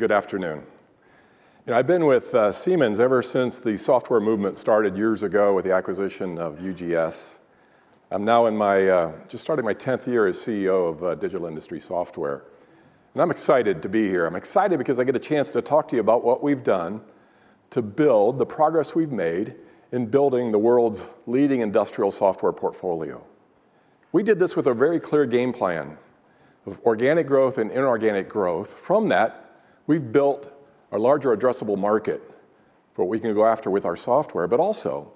Good afternoon. You know, I've been with Siemens ever since the software movement started years ago with the acquisition of UGS. I'm now just starting my 10th year as CEO of Digital Industries Software. I'm excited to be here. I'm excited because I get a chance to talk to you about what we've done to build the progress we've made in building the world's leading industrial software portfolio. We did this with a very clear game plan of organic growth and inorganic growth. From that, we've built a larger addressable market for what we can go after with our software, but also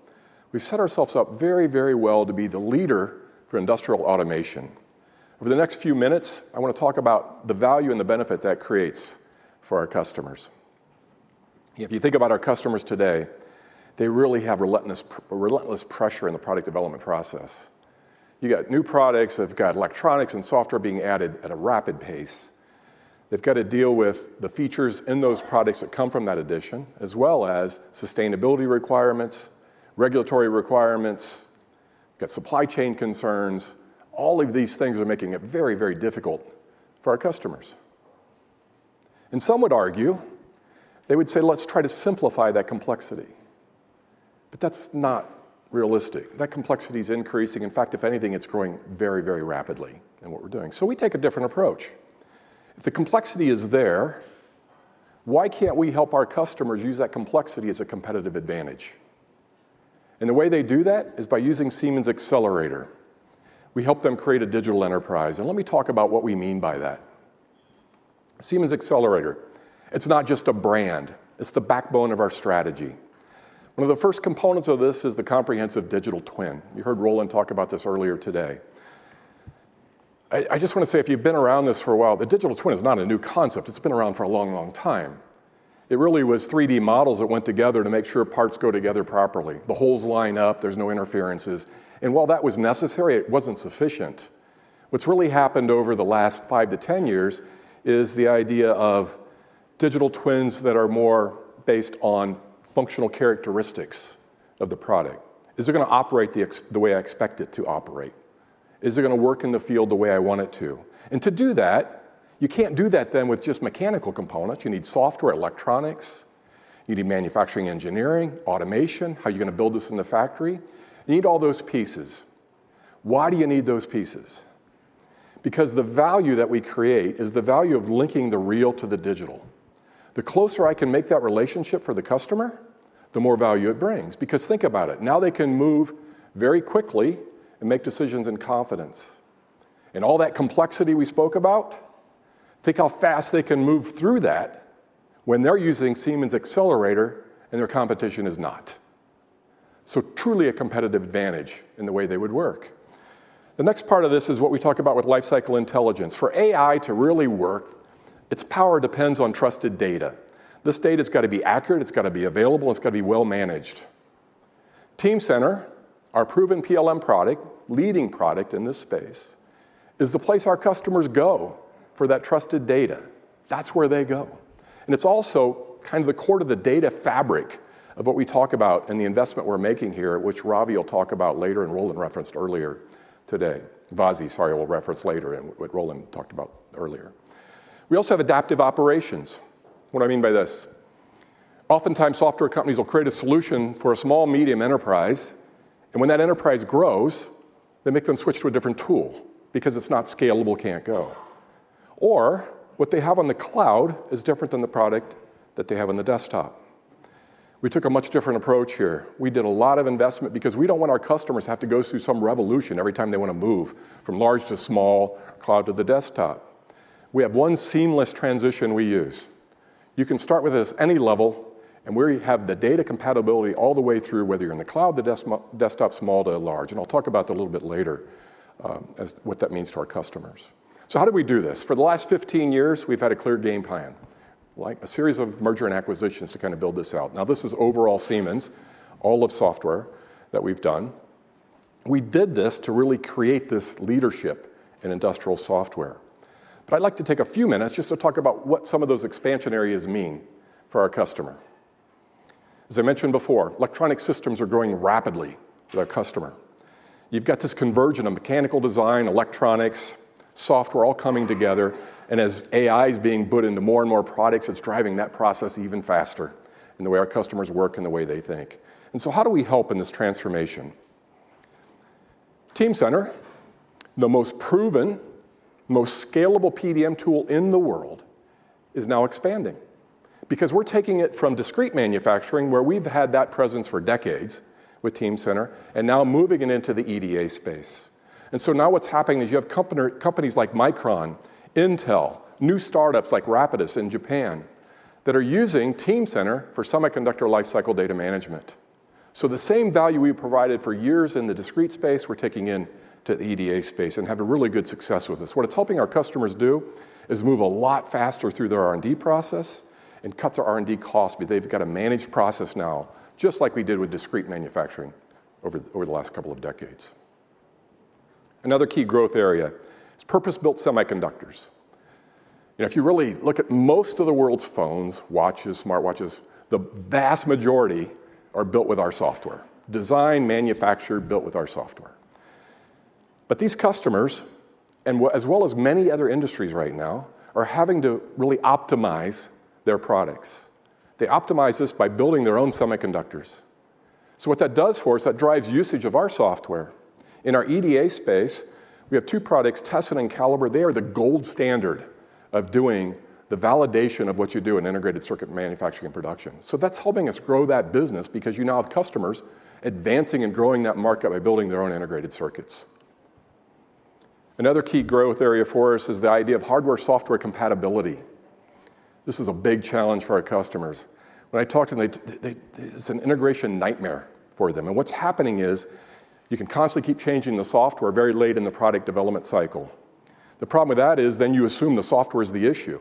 we've set ourselves up very, very well to be the leader for industrial automation. Over the next few minutes, I want to talk about the value and the benefit that creates for our customers. If you think about our customers today, they really have relentless pressure in the product development process. You've got new products, they've got electronics and software being added at a rapid pace. They've got to deal with the features in those products that come from that addition, as well as sustainability requirements, regulatory requirements, they've got supply chain concerns. All of these things are making it very, very difficult for our customers. And some would argue, they would say, let's try to simplify that complexity. But that's not realistic. That complexity is increasing. In fact, if anything, it's growing very, very rapidly in what we're doing. So we take a different approach. If the complexity is there, why can't we help our customers use that complexity as a competitive advantage? And the way they do that is by using Siemens Xcelerator. We help them create a digital enterprise. Let me talk about what we mean by that. Siemens Xcelerator, it's not just a brand, it's the backbone of our strategy. One of the first components of this is the comprehensive digital twin. You heard Roland talk about this earlier today. I just want to say, if you've been around this for a while, the digital twin is not a new concept. It's been around for a long, long time. It really was 3D models that went together to make sure parts go together properly. The holes line up, there's no interferences. And while that was necessary, it wasn't sufficient. What's really happened over the last five to 10 years is the idea of digital twins that are more based on functional characteristics of the product. Is it going to operate the way I expect it to operate? Is it going to work in the field the way I want it to? To do that, you can't do that then with just mechanical components. You need software, electronics. You need manufacturing engineering, automation, how you're going to build this in the factory. You need all those pieces. Why do you need those pieces? Because the value that we create is the value of linking the real to the digital. The closer I can make that relationship for the customer, the more value it brings. Because think about it, now they can move very quickly and make decisions in confidence. All that complexity we spoke about, think how fast they can move through that when they're using Siemens Xcelerator and their competition is not. So truly a competitive advantage in the way they would work. The next part of this is what we talk about with lifecycle intelligence. For AI to really work, its power depends on trusted data. This data has got to be accurate, it's got to be available, it's got to be well managed. Teamcenter, our proven PLM product, leading product in this space, is the place our customers go for that trusted data. That's where they go. And it's also kind of the core of the data fabric of what we talk about and the investment we're making here, which Vasi will talk about later and Roland referenced earlier today. Vasi, sorry, we'll reference later and what Roland talked about earlier. We also have adaptive operations. What do I mean by this? Oftentimes software companies will create a solution for a small, medium enterprise, and when that enterprise grows, they make them switch to a different tool because it's not scalable, can't grow. Or what they have on the cloud is different than the product that they have on the desktop. We took a much different approach here. We did a lot of investment because we don't want our customers to have to go through some revolution every time they want to move from small to large, cloud to the desktop. We have one seamless transition we use. You can start with us any level and we have the data compatibility all the way through whether you're in the cloud, the desktop, small to large. And I'll talk about that a little bit later as what that means to our customers. So how did we do this? For the last 15 years, we've had a clear game plan, like a series of mergers and acquisitions to kind of build this out. Now this is overall Siemens, all of software that we've done. We did this to really create this leadership in industrial software. But I'd like to take a few minutes just to talk about what some of those expansion areas mean for our customer. As I mentioned before, electronic systems are growing rapidly with our customer. You've got this convergence of mechanical design, electronics, software all coming together. And as AI is being put into more and more products, it's driving that process even faster in the way our customers work and the way they think. And so how do we help in this transformation? Teamcenter, the most proven, most scalable PDM tool in the world, is now expanding. Because we're taking it from discrete manufacturing where we've had that presence for decades with Teamcenter and now moving it into the EDA space. And so now what's happening is you have companies like Micron, Intel, new startups like Rapidus in Japan that are using Teamcenter for semiconductor lifecycle data management. So the same value we provided for years in the discrete space, we're taking into the EDA space and having really good success with this. What it's helping our customers do is move a lot faster through their R&D process and cut their R&D costs. They've got a managed process now, just like we did with discrete manufacturing over the last couple of decades. Another key growth area is purpose-built semiconductors. You know, if you really look at most of the world's phones, watches, smartwatches, the vast majority are built with our software. Design, manufacture, built with our software. But these customers, as well as many other industries right now, are having to really optimize their products. They optimize this by building their own semiconductors. So what that does for us, that drives usage of our software. In our EDA space, we have two products, Tessent and Calibre. They are the gold standard of doing the validation of what you do in integrated circuit manufacturing and production. So that's helping us grow that business because you now have customers advancing and growing that market by building their own integrated circuits. Another key growth area for us is the idea of hardware-software compatibility. This is a big challenge for our customers. When I talk to them, it's an integration nightmare for them. And what's happening is you can constantly keep changing the software very late in the product development cycle. The problem with that is then you assume the software is the issue.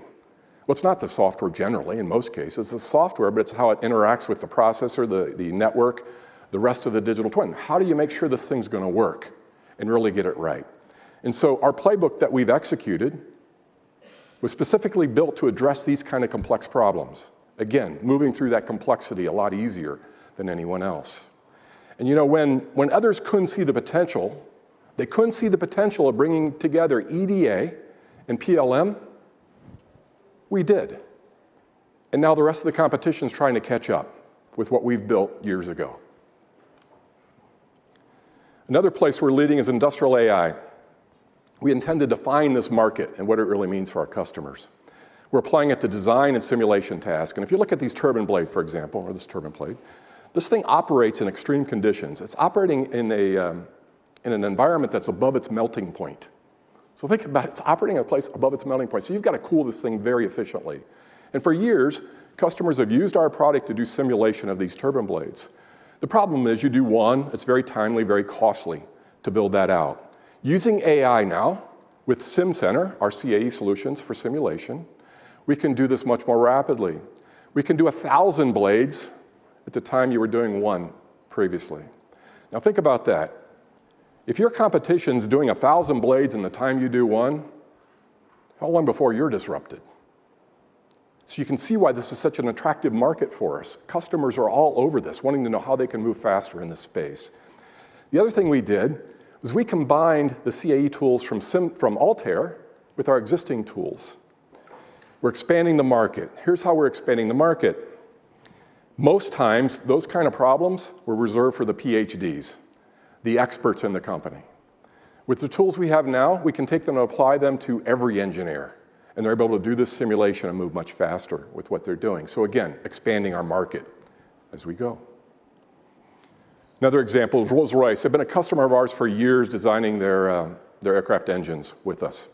Well, it's not the software generally, in most cases. It's the software, but it's how it interacts with the processor, the network, the rest of the digital twin. How do you make sure this thing's going to work and really get it right? And so our playbook that we've executed was specifically built to address these kinds of complex problems. Again, moving through that complexity a lot easier than anyone else. And you know, when others couldn't see the potential, they couldn't see the potential of bringing together EDA and PLM, we did. And now the rest of the competition is trying to catch up with what we've built years ago. Another place we're leading is industrial AI. We intend to define this market and what it really means for our customers. We're applying it to design and simulation tasks. And if you look at these turbine blades, for example, or this turbine blade, this thing operates in extreme conditions. It's operating in an environment that's above its melting point. So think about it, it's operating in a place above its melting point. So you've got to cool this thing very efficiently. And for years, customers have used our product to do simulation of these turbine blades. The problem is you do one, it's very timely, very costly to build that out. Using AI now with Simcenter, our CAE solutions for simulation, we can do this much more rapidly. We can do a thousand blades at the time you were doing one previously. Now think about that. If your competition is doing a thousand blades in the time you do one, how long before you're disrupted? So you can see why this is such an attractive market for us. Customers are all over this wanting to know how they can move faster in this space. The other thing we did was we combined the CAE tools from Altair with our existing tools. We're expanding the market. Here's how we're expanding the market. Most times, those kinds of problems were reserved for the PhDs, the experts in the company. With the tools we have now, we can take them and apply them to every engineer. And they're able to do this simulation and move much faster with what they're doing. So again, expanding our market as we go. Another example is Rolls-Royce. They've been a customer of ours for years designing their aircraft engines with us.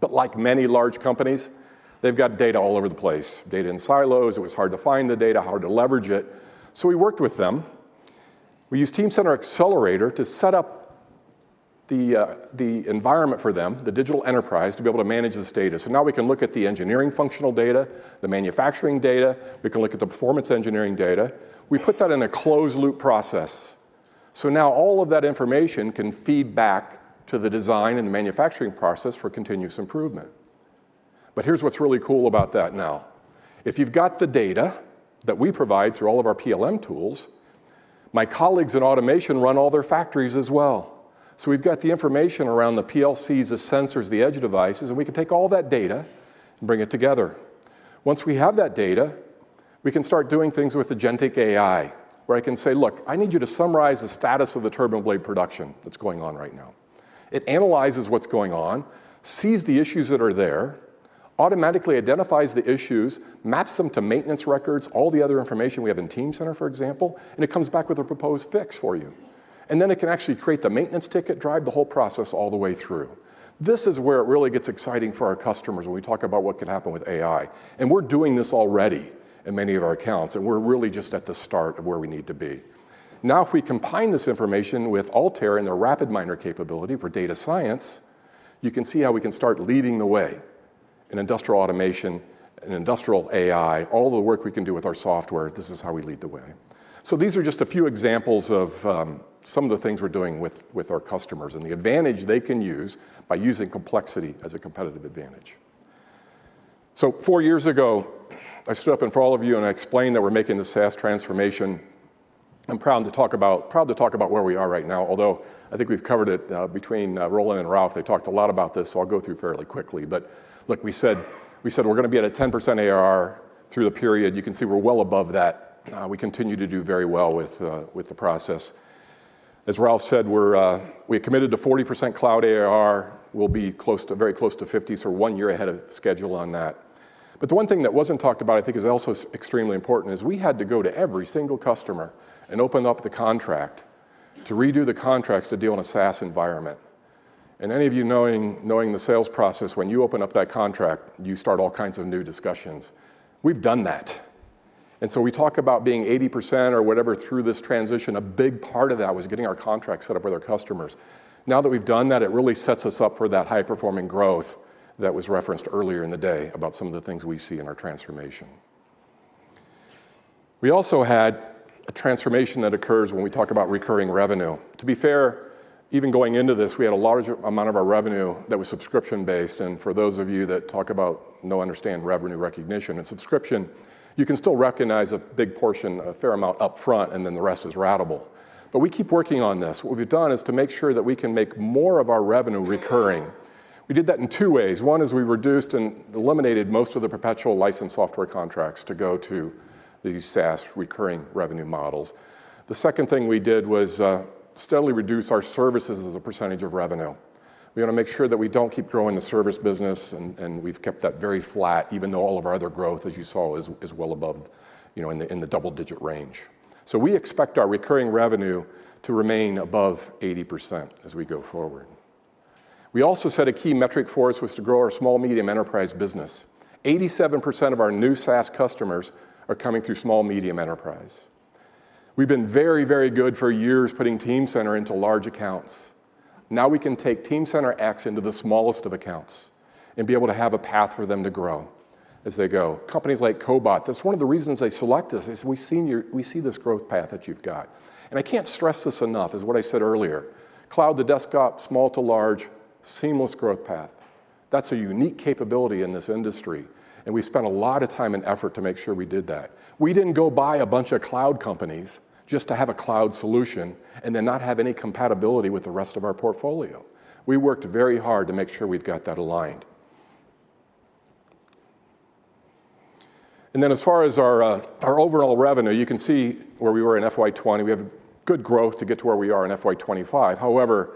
But like many large companies, they've got data all over the place. Data in silos, it was hard to find the data, hard to leverage it. So we worked with them. We used Teamcenter X Xcelerator to set up the environment for them, the digital enterprise, to be able to manage this data. So now we can look at the engineering functional data, the manufacturing data. We can look at the performance engineering data. We put that in a closed-loop process. So now all of that information can feed back to the design and the manufacturing process for continuous improvement. But here's what's really cool about that now. If you've got the data that we provide through all of our PLM tools, my colleagues in automation run all their factories as well. So we've got the information around the PLCs, the sensors, the edge devices, and we can take all that data and bring it together. Once we have that data, we can start doing things with agentic AI, where I can say, look, I need you to summarize the status of the turbine blade production that's going on right now. It analyzes what's going on, sees the issues that are there, automatically identifies the issues, maps them to maintenance records, all the other information we have in Teamcenter, for example, and it comes back with a proposed fix for you, and then it can actually create the maintenance ticket, drive the whole process all the way through. This is where it really gets exciting for our customers when we talk about what could happen with AI, and we're doing this already in many of our accounts, and we're really just at the start of where we need to be. Now if we combine this information with Altair and their RapidMiner capability for data science, you can see how we can start leading the way in industrial automation, in industrial AI, all the work we can do with our software, this is how we lead the way. So these are just a few examples of some of the things we're doing with our customers and the advantage they can use by using complexity as a competitive advantage. So four years ago, I stood up in front of you and I explained that we're making the SaaS transformation. I'm proud to talk about where we are right now, although I think we've covered it between Roland and Ralf. They talked a lot about this, so I'll go through fairly quickly. But look, we said we're going to be at a 10% ARR through the period. You can see we're well above that. We continue to do very well with the process. As Ralf said, we're committed to 40% cloud ARR. We'll be very close to 50%, so we're one year ahead of schedule on that. But the one thing that wasn't talked about, I think is also extremely important, is we had to go to every single customer and open up the contract to redo the contracts to deal in a SaaS environment. And any of you knowing the sales process, when you open up that contract, you start all kinds of new discussions. We've done that. And so we talk about being 80% or whatever through this transition. A big part of that was getting our contracts set up with our customers. Now that we've done that, it really sets us up for that high-performing growth that was referenced earlier in the day about some of the things we see in our transformation. We also had a transformation that occurs when we talk about recurring revenue. To be fair, even going into this, we had a large amount of our revenue that was subscription-based. And for those of you that understand revenue recognition and subscription, you can still recognize a big portion, a fair amount upfront, and then the rest is ratable. But we keep working on this. What we've done is to make sure that we can make more of our revenue recurring. We did that in two ways. One is we reduced and eliminated most of the perpetual license software contracts to go to these SaaS recurring revenue models. The second thing we did was steadily reduce our services as a percentage of revenue. We want to make sure that we don't keep growing the service business, and we've kept that very flat, even though all of our other growth, as you saw, is well above in the double-digit range. So we expect our recurring revenue to remain above 80% as we go forward. We also set a key metric for us was to grow our small, medium enterprise business. 87% of our new SaaS customers are coming through small, medium enterprise. We've been very, very good for years putting Teamcenter into large accounts. Now we can take Teamcenter X into the smallest of accounts and be able to have a path for them to grow as they go. Companies like Cobot, that's one of the reasons they select us is we see this growth path that you've got, and I can't stress this enough, as what I said earlier, cloud to desktop, small to large, seamless growth path. That's a unique capability in this industry, and we spent a lot of time and effort to make sure we did that. We didn't go buy a bunch of cloud companies just to have a cloud solution and then not have any compatibility with the rest of our portfolio. We worked very hard to make sure we've got that aligned, and then as far as our overall revenue, you can see where we were in FY20. We have good growth to get to where we are in FY25. However,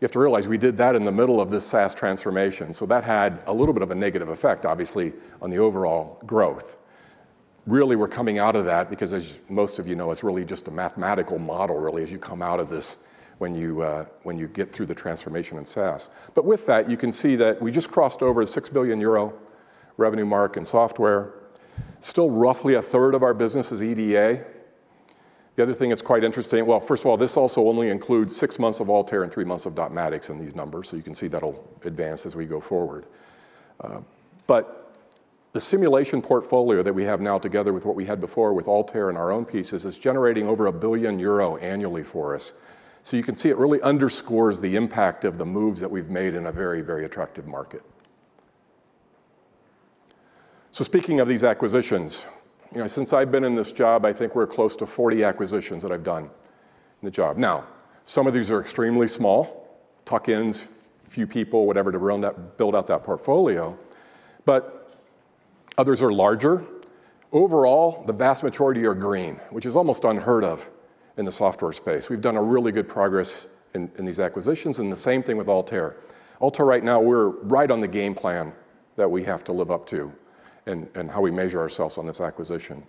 you have to realize we did that in the middle of this SaaS transformation. That had a little bit of a negative effect, obviously, on the overall growth. Really, we're coming out of that because, as most of you know, it's really just a mathematical model, really, as you come out of this when you get through the transformation in SaaS. But with that, you can see that we just crossed over the 6 billion euro revenue mark in software. Still roughly a third of our business is EDA. The other thing that's quite interesting, well, first of all, this also only includes six months of Altair and three months of Dotmatics in these numbers. So you can see that'll advance as we go forward. But the simulation portfolio that we have now together with what we had before with Altair and our own pieces is generating over 1 billion euro annually for us. You can see it really underscores the impact of the moves that we've made in a very, very attractive market. Speaking of these acquisitions, since I've been in this job, I think we're close to 40 acquisitions that I've done in the job. Now, some of these are extremely small, tuck-ins, few people, whatever, to build out that portfolio. But others are larger. Overall, the vast majority are green, which is almost unheard of in the software space. We've done a really good progress in these acquisitions, and the same thing with Altair. Altair right now, we're right on the game plan that we have to live up to and how we measure ourselves on this acquisition.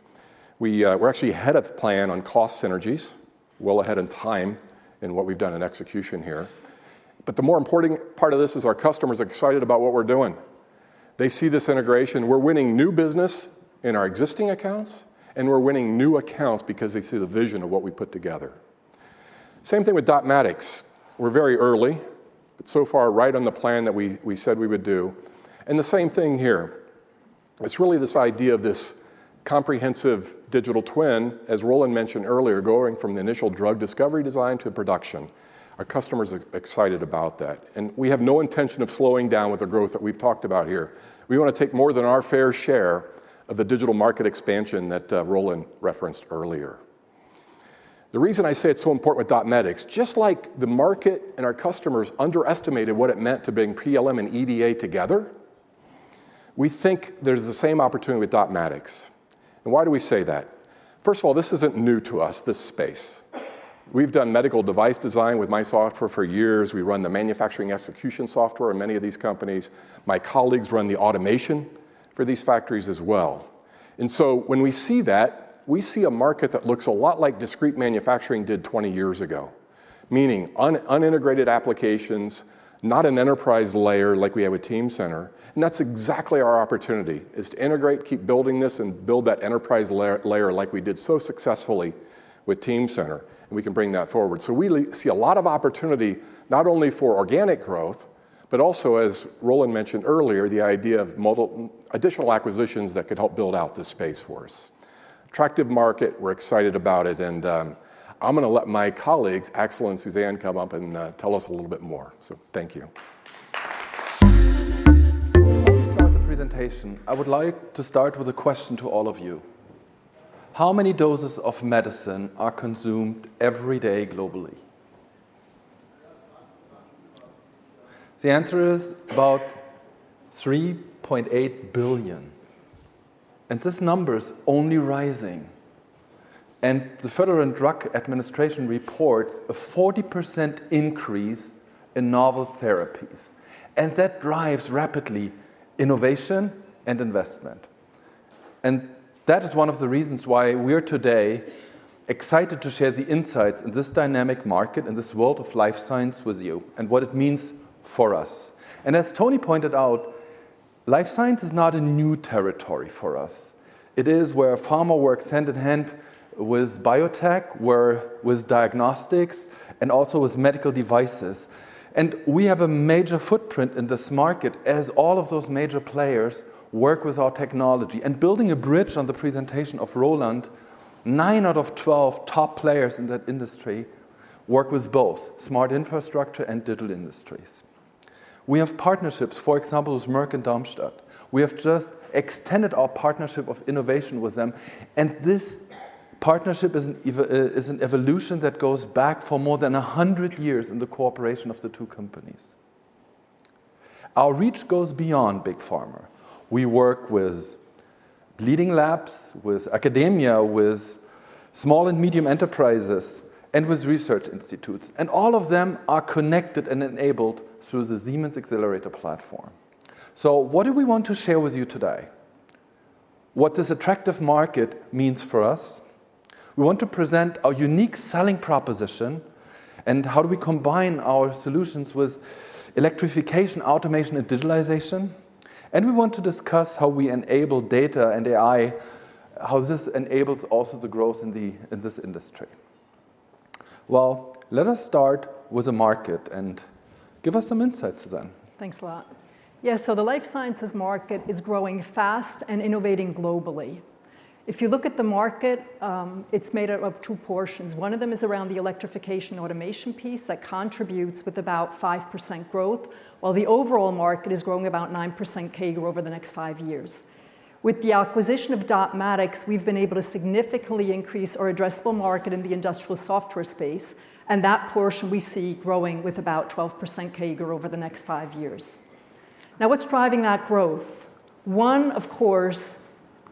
We're actually ahead of the plan on cost synergies, well ahead in time in what we've done in execution here. But the more important part of this is our customers are excited about what we're doing. They see this integration. We're winning new business in our existing accounts, and we're winning new accounts because they see the vision of what we put together. Same thing with Dotmatics. We're very early, but so far right on the plan that we said we would do. And the same thing here. It's really this idea of this comprehensive digital twin, as Roland mentioned earlier, going from the initial drug discovery design to production. Our customers are excited about that. And we have no intention of slowing down with the growth that we've talked about here. We want to take more than our fair share of the digital market expansion that Roland referenced earlier. The reason I say it's so important with Dotmatics, just like the market and our customers underestimated what it meant to bring PLM and EDA together, we think there's the same opportunity with Dotmatics. And why do we say that? First of all, this isn't new to us, this space. We've done medical device design with my software for years. We run the manufacturing execution software in many of these companies. My colleagues run the automation for these factories as well. And so when we see that, we see a market that looks a lot like discrete manufacturing did 20 years ago, meaning unintegrated applications, not an enterprise layer like we have with Teamcenter. And that's exactly our opportunity, is to integrate, keep building this, and build that enterprise layer like we did so successfully with Teamcenter. And we can bring that forward. So we see a lot of opportunity not only for organic growth, but also, as Roland mentioned earlier, the idea of additional acquisitions that could help build out this space for us. Attractive market, we're excited about it. And I'm going to let my colleagues, Axel and Susanne, come up and tell us a little bit more. So thank you. Before we start the presentation, I would like to start with a question to all of you. How many doses of medicine are consumed every day globally? The answer is about 3.8 billion. And this number is only rising. And the Food and Drug Administration reports a 40% increase in novel therapies. And that drives rapid innovation and investment. That is one of the reasons why we are today excited to share the insights in this dynamic market and this world of life science with you and what it means for us. As Tony pointed out, life science is not a new territory for us. It is where pharma works hand in hand with biotech, with diagnostics, and also with medical devices. We have a major footprint in this market as all of those major players work with our technology. Building a bridge on the presentation of Roland, nine out of 12 top players in that industry work with both Smart Infrastructure and Digital Industries. We have partnerships, for example, with Merck and Darmstadt. We have just extended our partnership of innovation with them. This partnership is an evolution that goes back for more than 100 years in the cooperation of the two companies. Our reach goes beyond big pharma. We work with leading labs, with academia, with small and medium enterprises, and with research institutes, and all of them are connected and enabled through the Siemens Xcelerator platform, so what do we want to share with you today? What this attractive market means for us? We want to present our unique selling proposition and how we combine our solutions with electrification, automation, and digitalization, and we want to discuss how we enable data and AI, how this enables also the growth in this industry. Let us start with the market and give us some insights, Susanne. Thanks a lot. Yeah, so the life sciences market is growing fast and innovating globally. If you look at the market, it's made up of two portions. One of them is around the electrification automation piece that contributes with about 5% growth, while the overall market is growing about 9% CAGR over the next five years. With the acquisition of Dotmatics, we've been able to significantly increase our addressable market in the industrial software space, and that portion we see growing with about 12% CAGR over the next five years. Now, what's driving that growth? One, of course,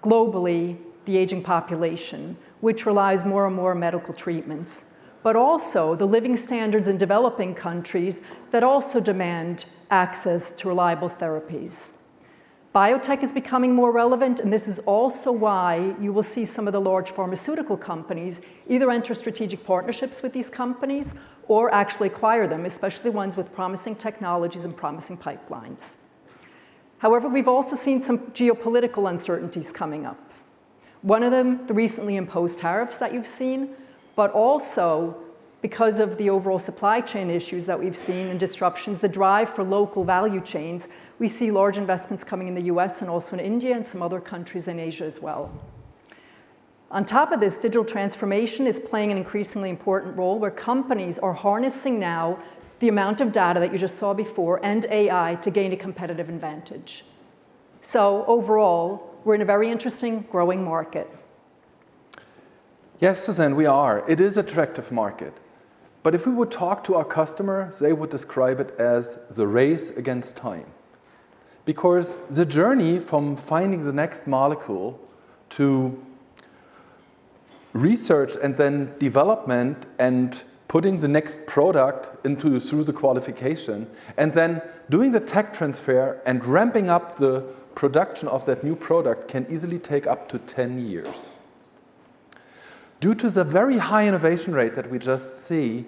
globally, the aging population, which relies more and more on medical treatments, but also the living standards in developing countries that also demand access to reliable therapies. Biotech is becoming more relevant, and this is also why you will see some of the large pharmaceutical companies either enter strategic partnerships with these companies or actually acquire them, especially ones with promising technologies and promising pipelines. However, we've also seen some geopolitical uncertainties coming up. One of them, the recently imposed tariffs that you've seen, but also because of the overall supply chain issues that we've seen and disruptions that drive for local value chains, we see large investments coming in the U.S. and also in India and some other countries in Asia as well. On top of this, digital transformation is playing an increasingly important role where companies are harnessing now the amount of data that you just saw before and AI to gain a competitive advantage. So overall, we're in a very interesting growing market. Yes, Susanne, we are. It is an attractive market. But if we would talk to our customers, they would describe it as the race against time because the journey from finding the next molecule to research and then development and putting the next product through the qualification and then doing the tech transfer and ramping up the production of that new product can easily take up to 10 years. Due to the very high innovation rate that we just see,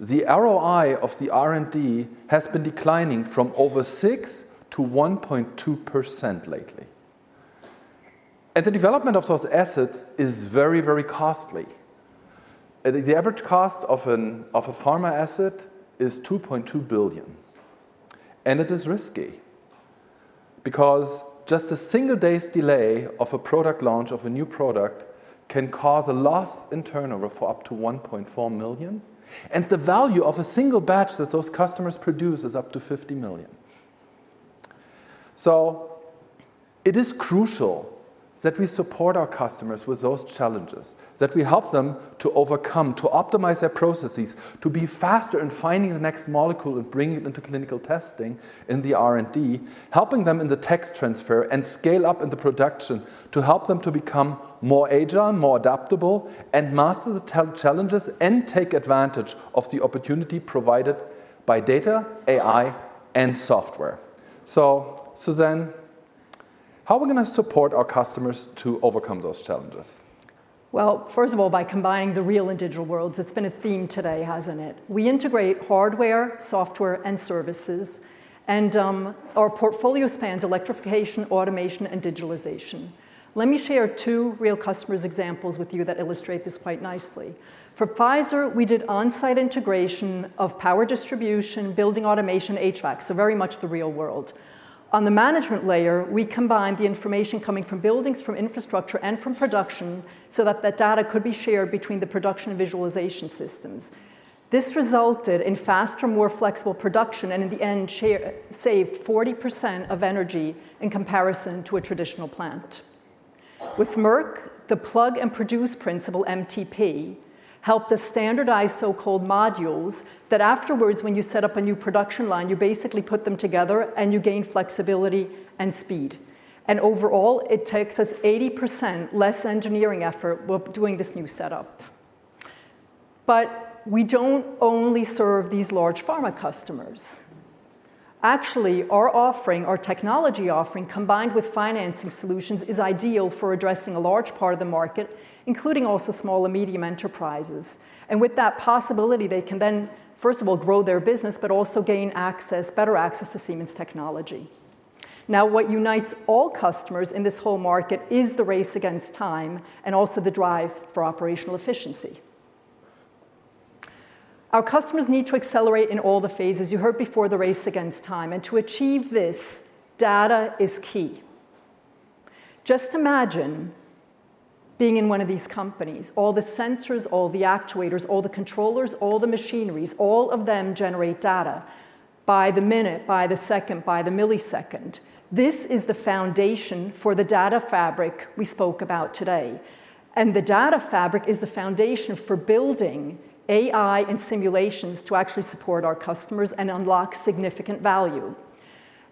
the ROI of the R&D has been declining from over six to 1.2% lately. And the development of those assets is very, very costly. The average cost of a pharma asset is $2.2 billion. And it is risky because just a single day's delay of a product launch of a new product can cause a loss in turnover for up to $1.4 million. And the value of a single batch that those customers produce is up to $50 million. It is crucial that we support our customers with those challenges, that we help them to overcome, to optimize their processes, to be faster in finding the next molecule and bringing it into clinical testing in the R&D, helping them in the tech transfer and scale up in the production to help them to become more agile, more adaptable, and master the challenges and take advantage of the opportunity provided by data, AI, and software. Susanne, how are we going to support our customers to overcome those challenges? Well, first of all, by combining the real and digital worlds. It's been a theme today, hasn't it? We integrate hardware, software, and services. Our portfolio spans electrification, automation, and digitalization. Let me share two real customers' examples with you that illustrate this quite nicely. For Pfizer, we did on-site integration of power distribution, building automation, HVAC, so very much the real world. On the management layer, we combined the information coming from buildings, from infrastructure, and from production so that the data could be shared between the production and visualization systems. This resulted in faster, more flexible production, and in the end, saved 40% of energy in comparison to a traditional plant. With Merck, the plug-and-produce principle, MTP, helped us standardize so-called modules that afterwards, when you set up a new production line, you basically put them together and you gain flexibility and speed, and overall, it takes us 80% less engineering effort doing this new setup, but we don't only serve these large pharma customers. Actually, our offering, our technology offering combined with financing solutions is ideal for addressing a large part of the market, including also small and medium enterprises. With that possibility, they can then, first of all, grow their business, but also gain better access to Siemens technology. Now, what unites all customers in this whole market is the race against time and also the drive for operational efficiency. Our customers need to accelerate in all the phases. You heard before the race against time. And to achieve this, data is key. Just imagine being in one of these companies. All the sensors, all the actuators, all the controllers, all the machineries, all of them generate data by the minute, by the second, by the millisecond. This is the foundation for the data fabric we spoke about today. The data fabric is the foundation for building AI and simulations to actually support our customers and unlock significant value.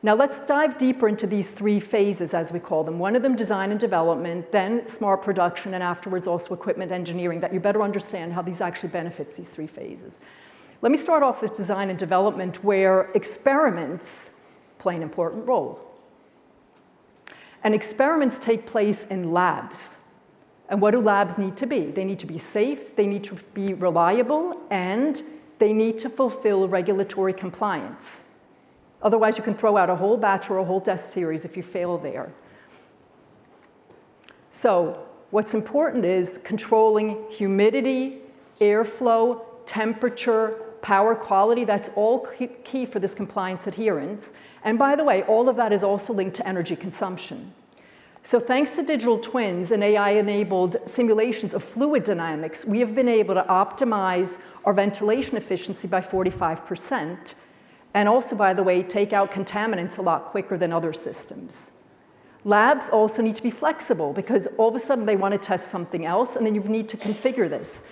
Now, let's dive deeper into these three phases, as we call them. One of them, design and development, then smart production, and afterwards also equipment engineering that you better understand how these actually benefit these three phases. Let me start off with design and development, where experiments play an important role. And experiments take place in labs. And what do labs need to be? They need to be safe. They need to be reliable, and they need to fulfill regulatory compliance. Otherwise, you can throw out a whole batch or a whole test series if you fail there. So what's important is controlling humidity, airflow, temperature, power quality. That's all key for this compliance adherence. And by the way, all of that is also linked to energy consumption. Thanks to digital twins and AI-enabled simulations of fluid dynamics, we have been able to optimize our ventilation efficiency by 45% and also, by the way, take out contaminants a lot quicker than other systems. Labs also need to be flexible because all of a sudden they want to test something else, and then you need to configure this.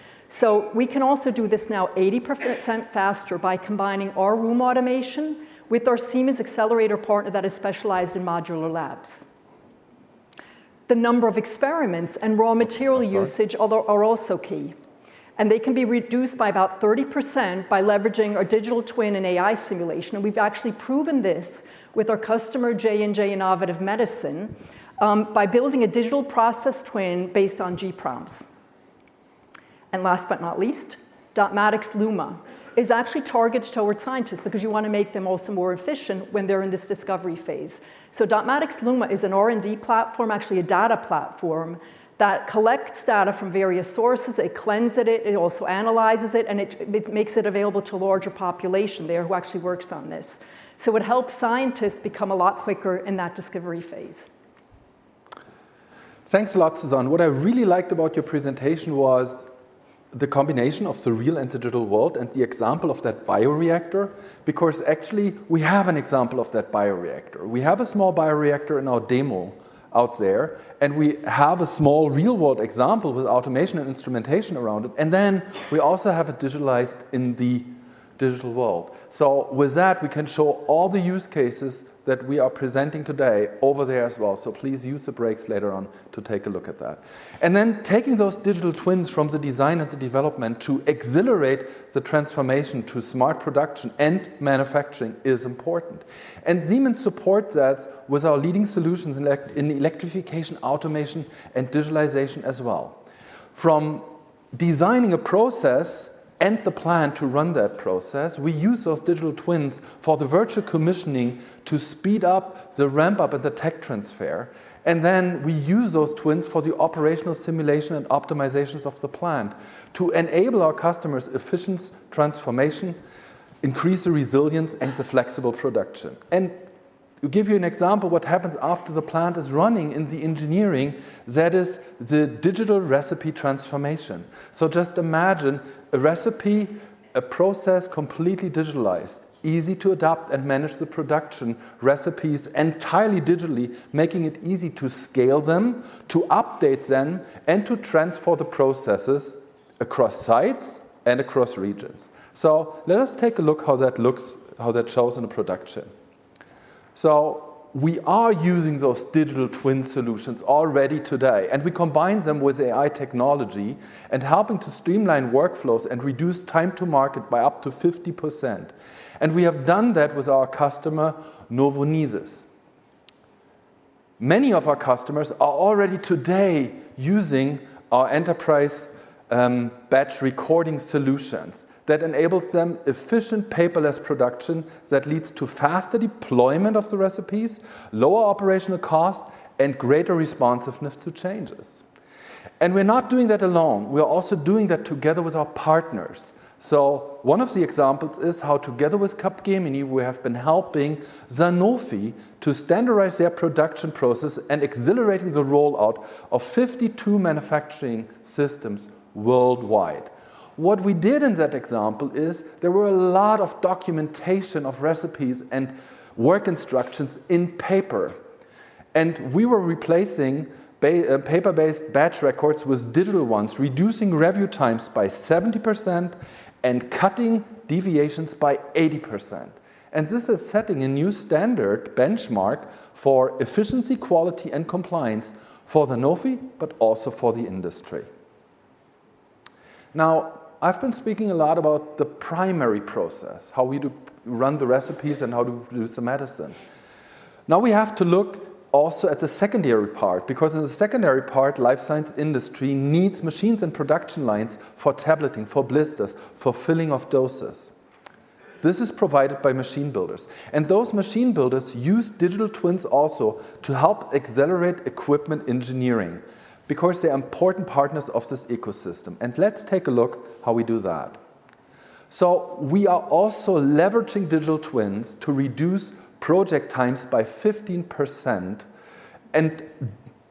We can also do this now 80% faster by combining our room automation with our Siemens Xcelerator partner that is specialized in modular labs. The number of experiments and raw material usage are also key. They can be reduced by about 30% by leveraging our digital twin and AI simulation. We've actually proven this with our customer, J&J Innovative Medicine, by building a digital process twin based on gPROMS. And last but not least, Dotmatics Luma is actually targeted toward scientists because you want to make them also more efficient when they're in this discovery phase, so Dotmatics Luma is an R&D platform, actually a data platform that collects data from various sources. It cleanses it. It also analyzes it, and it makes it available to a larger population there who actually works on this, so it helps scientists become a lot quicker in that discovery phase. Thanks a lot, Susanne. What I really liked about your presentation was the combination of the real and digital world and the example of that bioreactor because actually we have an example of that bioreactor. We have a small bioreactor in our demo out there, and we have a small real-world example with automation and instrumentation around it, and then we also have it digitalized in the digital world. With that, we can show all the use cases that we are presenting today over there as well. Please use the breaks later on to take a look at that. Taking those digital twins from the design and the development to accelerate the transformation to smart production and manufacturing is important. Siemens supports that with our leading solutions in electrification, automation, and digitalization as well. From designing a process and the plant to run that process, we use those digital twins for the virtual commissioning to speed up the ramp-up and the tech transfer. We use those twins for the operational simulation and optimizations of the plant to enable our customers' efficiency, transformation, increase the resilience, and the flexible production. To give you an example of what happens after the plant is running in the engineering, that is the digital recipe transformation. Just imagine a recipe, a process completely digitalized, easy to adopt and manage the production recipes entirely digitally, making it easy to scale them, to update them, and to transfer the processes across sites and across regions. Let us take a look at how that shows in production. We are using those digital twin solutions already today, and we combine them with AI technology and helping to streamline workflows and reduce time to market by up to 50%. We have done that with our customer, Novo Nordisk. Many of our customers are already today using our enterprise batch recording solutions that enables them efficient paperless production that leads to faster deployment of the recipes, lower operational cost, and greater responsiveness to changes. We're not doing that alone. We're also doing that together with our partners. One of the examples is how together with Capgemini, we have been helping Sanofi to standardize their production process and accelerating the rollout of 52 manufacturing systems worldwide. What we did in that example is there were a lot of documentation of recipes and work instructions in paper. We were replacing paper-based batch records with digital ones, reducing review times by 70% and cutting deviations by 80%. This is setting a new standard benchmark for efficiency, quality, and compliance for Sanofi, but also for the industry. Now, I've been speaking a lot about the primary process, how we run the recipes and how to produce the medicine. We have to look also at the secondary part because in the secondary part, the life science industry needs machines and production lines for tableting, for blisters, for filling of doses. This is provided by machine builders. Those machine builders use digital twins also to help accelerate equipment engineering because they are important partners of this ecosystem. Let's take a look at how we do that. We are also leveraging digital twins to reduce project times by 15%.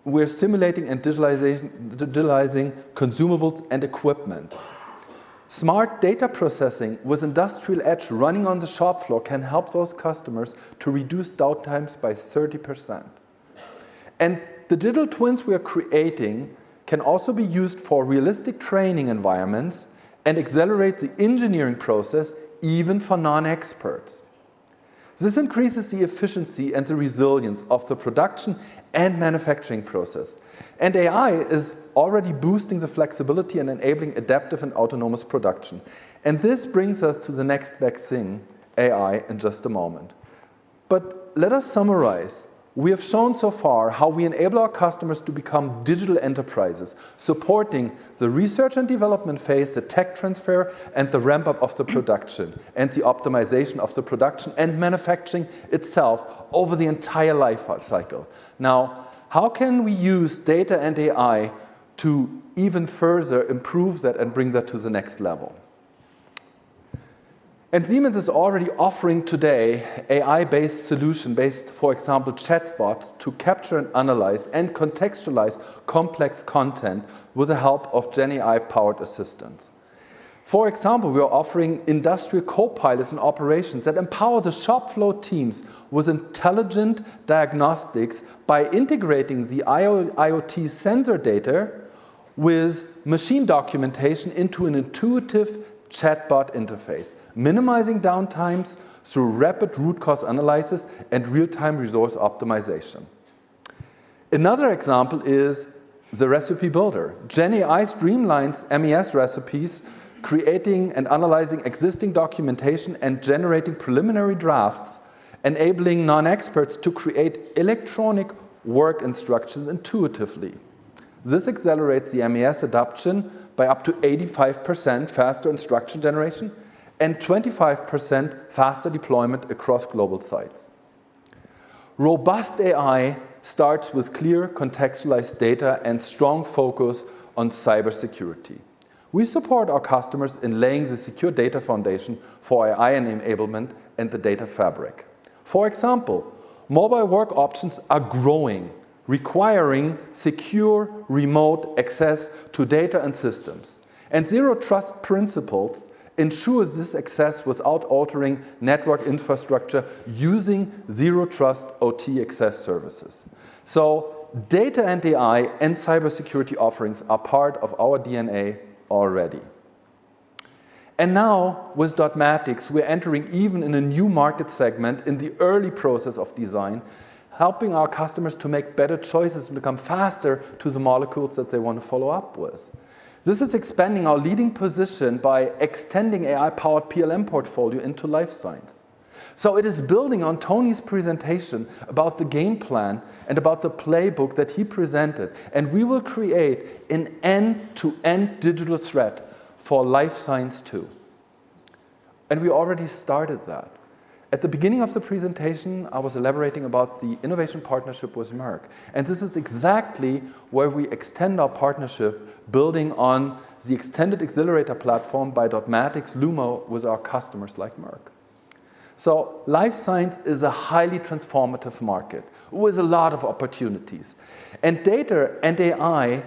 We're simulating and digitalizing consumables and equipment. Smart data processing with Industrial Edge running on the shop floor can help those customers to reduce downtimes by 30%. The digital twins we are creating can also be used for realistic training environments and accelerate the engineering process even for non-experts. This increases the efficiency and the resilience of the production and manufacturing process. AI is already boosting the flexibility and enabling adaptive and autonomous production. This brings us to the next big thing, AI, in just a moment. Let us summarize. We have shown so far how we enable our customers to become digital enterprises, supporting the research and development phase, the tech transfer, and the ramp-up of the production, and the optimization of the production and manufacturing itself over the entire life cycle. Now, how can we use data and AI to even further improve that and bring that to the next level? And Siemens is already offering today AI-based solutions based, for example, chatbots to capture and analyze and contextualize complex content with the help of GenAI-powered assistants. For example, we are offering Industrial Copilots and operations that empower the shop floor teams with intelligent diagnostics by integrating the IoT sensor data with machine documentation into an intuitive chatbot interface, minimizing downtimes through rapid root cause analysis and real-time resource optimization. Another example is the recipe builder. GenAI streamlines MES recipes, creating and analyzing existing documentation and generating preliminary drafts, enabling non-experts to create electronic work instructions intuitively. This accelerates the MES adoption by up to 85% faster instruction generation and 25% faster deployment across global sites. Robust AI starts with clear contextualized data and strong focus on cybersecurity. We support our customers in laying the secure data foundation for AI and enablement and the data fabric. For example, mobile work options are growing, requiring secure remote access to data and systems, and zero trust principles ensure this access without altering network infrastructure using Zero Trust OT Access services, so data and AI and cybersecurity offerings are part of our DNA already. Now, with Dotmatics, we're entering even in a new market segment in the early process of design, helping our customers to make better choices and become faster to the molecules that they want to follow up with. This is expanding our leading position by extending AI-powered PLM portfolio into life sciences. It is building on Tony's presentation about the game plan and about the playbook that he presented. We will create an end-to-end digital thread for life sciences too. We already started that. At the beginning of the presentation, I was elaborating about the innovation partnership with Merck. This is exactly where we extend our partnership, building on the Xcelerator platform with Dotmatics Luma for our customers like Merck. Life sciences is a highly transformative market with a lot of opportunities. Data and AI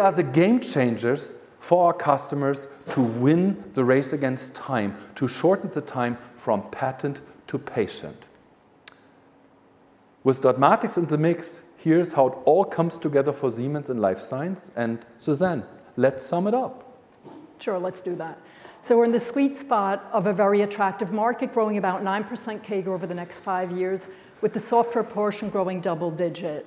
are the game changers for our customers to win the race against time, to shorten the time from patent to patient. With Dotmatics in the mix, here is how it all comes together for Siemens in life science. Susanne, let's sum it up. Sure, let's do that. We are in the sweet spot of a very attractive market, growing about 9% CAGR over the next five years, with the software portion growing double digit.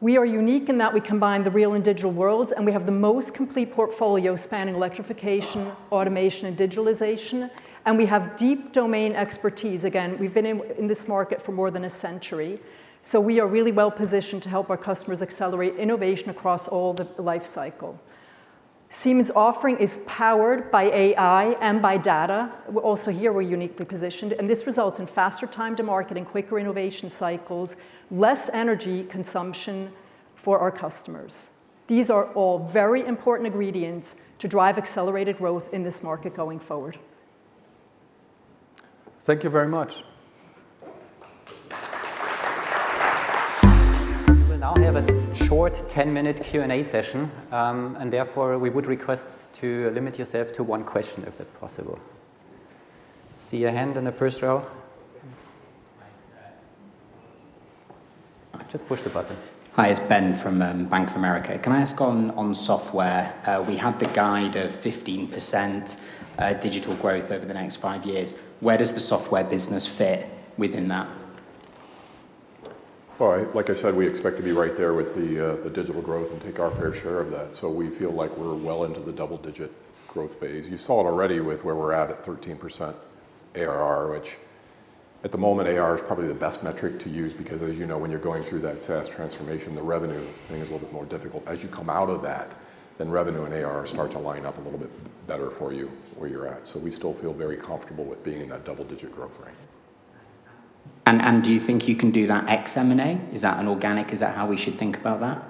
We are unique in that we combine the real and digital worlds, and we have the most complete portfolio spanning electrification, automation, and digitalization. We have deep domain expertise. Again, we have been in this market for more than a century. We are really well positioned to help our customers accelerate innovation across all the life cycle. Siemens' offering is powered by AI and by data. Also here, we're uniquely positioned. And this results in faster time to market and quicker innovation cycles, less energy consumption for our customers. These are all very important ingredients to drive accelerated growth in this market going forward. Thank you very much. We'll now have a short 10-minute Q&A session, and therefore we would request to limit yourself to one question if that's possible. I see your hand in the first row. Just push the button. Hi, it's Ben from Bank of America. Can I ask on software? We had the guidance of 15% digital growth over the next five years. Where does the software business fit within that? All right. Like I said, we expect to be right there with the digital growth and take our fair share of that. So we feel like we're well into the double-digit growth phase. You saw it already with where we're at 13% ARR, which at the moment, ARR is probably the best metric to use because, as you know, when you're going through that SaaS transformation, the revenue thing is a little bit more difficult. As you come out of that, then revenue and ARR start to line up a little bit better for you where you're at. So we still feel very comfortable with being in that double-digit growth range. And do you think you can do that ex-M&A? Is that an organic? Is that how we should think about that?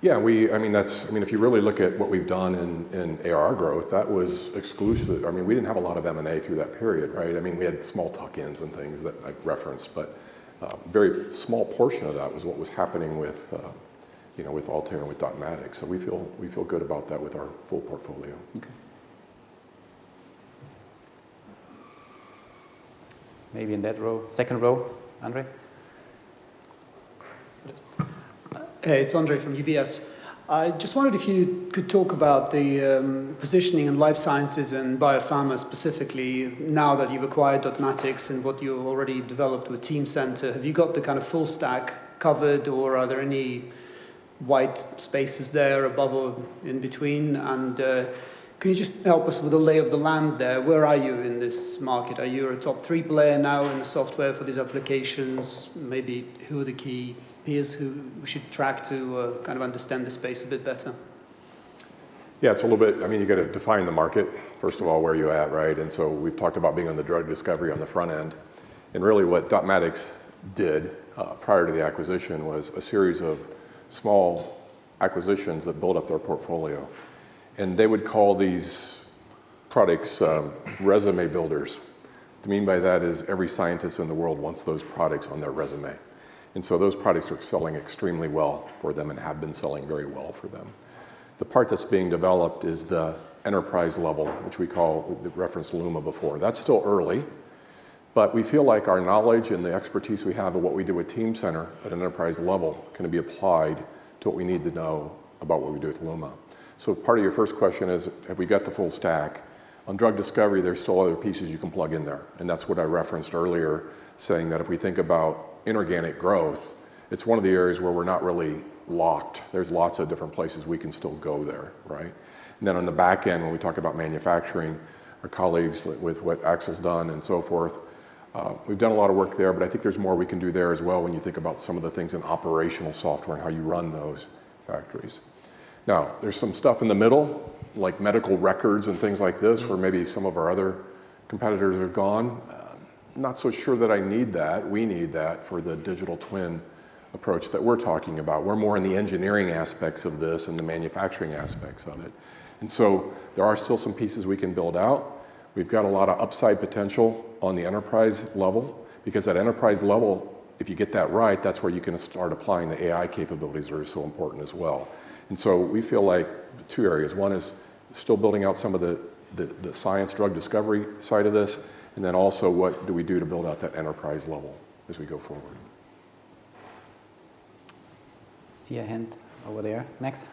Yeah. I mean, if you really look at what we've done in ARR growth, that was exclusively. I mean, we didn't have a lot of M&A through that period, right? I mean, we had small tuck-ins and things that I referenced, but a very small portion of that was what was happening with Altair and with Dotmatics. So we feel good about that with our full portfolio. Maybe in that row, second row, Andre? Hey, it's Andre from UBS. I just wondered if you could talk about the positioning in life sciences and biopharma specifically now that you've acquired Dotmatics and what you've already developed with Teamcenter. Have you got the kind of full stack covered, or are there any white spaces there above or in between? And can you just help us with the lay of the land there? Where are you in this market? Are you a top three player now in the software for these applications? Maybe who are the key peers who we should track to kind of understand the space a bit better? Yeah, it's a little bit. I mean, you got to define the market, first of all, where you're at, right? And so we've talked about being on the drug discovery on the front end. And really what Dotmatics did prior to the acquisition was a series of small acquisitions that built up their portfolio. And they would call these products resume builders. What they mean by that is every scientist in the world wants those products on their resume. And so those products are selling extremely well for them and have been selling very well for them. The part that's being developed is the enterprise level, which we call the reference Luma before. That's still early, but we feel like our knowledge and the expertise we have of what we do with Teamcenter at an enterprise level can be applied to what we need to know about what we do with Luma. So if part of your first question is, have we got the full stack? On drug discovery, there's still other pieces you can plug in there. And that's what I referenced earlier, saying that if we think about inorganic growth, it's one of the areas where we're not really locked. There's lots of different places we can still go there, right? And then, on the back end, when we talk about manufacturing, our colleagues with what Axel's done and so forth, we've done a lot of work there, but I think there's more we can do there as well when you think about some of the things in operational software and how you run those factories. Now, there's some stuff in the middle, like medical records and things like this where maybe some of our other competitors are gone. Not so sure that I need that. We need that for the digital twin approach that we're talking about. We're more in the engineering aspects of this and the manufacturing aspects of it. And so there are still some pieces we can build out. We've got a lot of upside potential on the enterprise level because at enterprise level, if you get that right, that's where you can start applying the AI capabilities that are so important as well. And so we feel like two areas. One is still building out some of the science drug discovery side of this, and then also what do we do to build out that enterprise level as we go forward. See your hand over there. Max?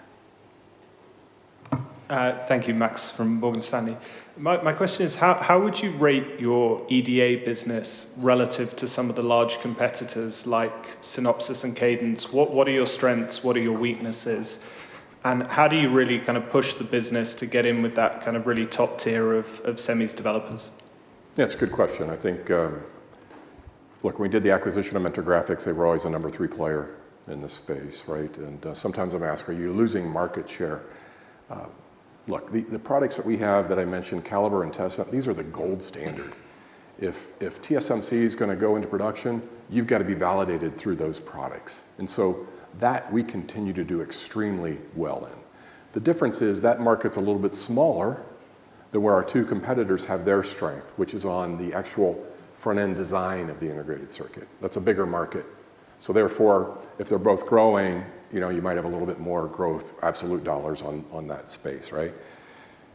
Thank you, Max from Morgan Stanley. My question is, how would you rate your EDA business relative to some of the large competitors like Synopsys and Cadence? What are your strengths? What are your weaknesses? And how do you really kind of push the business to get in with that kind of really top tier of semis developers? Yeah, it's a good question. I think, look, when we did the acquisition of Mentor Graphics, they were always a number three player in this space, right? And sometimes I'm asked, are you losing market share? Look, the products that we have that I mentioned, Calibre and Tessent, these are the gold standard. If TSMC is going to go into production, you've got to be validated through those products. And so that we continue to do extremely well in. The difference is that market's a little bit smaller than where our two competitors have their strength, which is on the actual front-end design of the integrated circuit. That's a bigger market. So therefore, if they're both growing, you might have a little bit more growth absolute dollars on that space, right?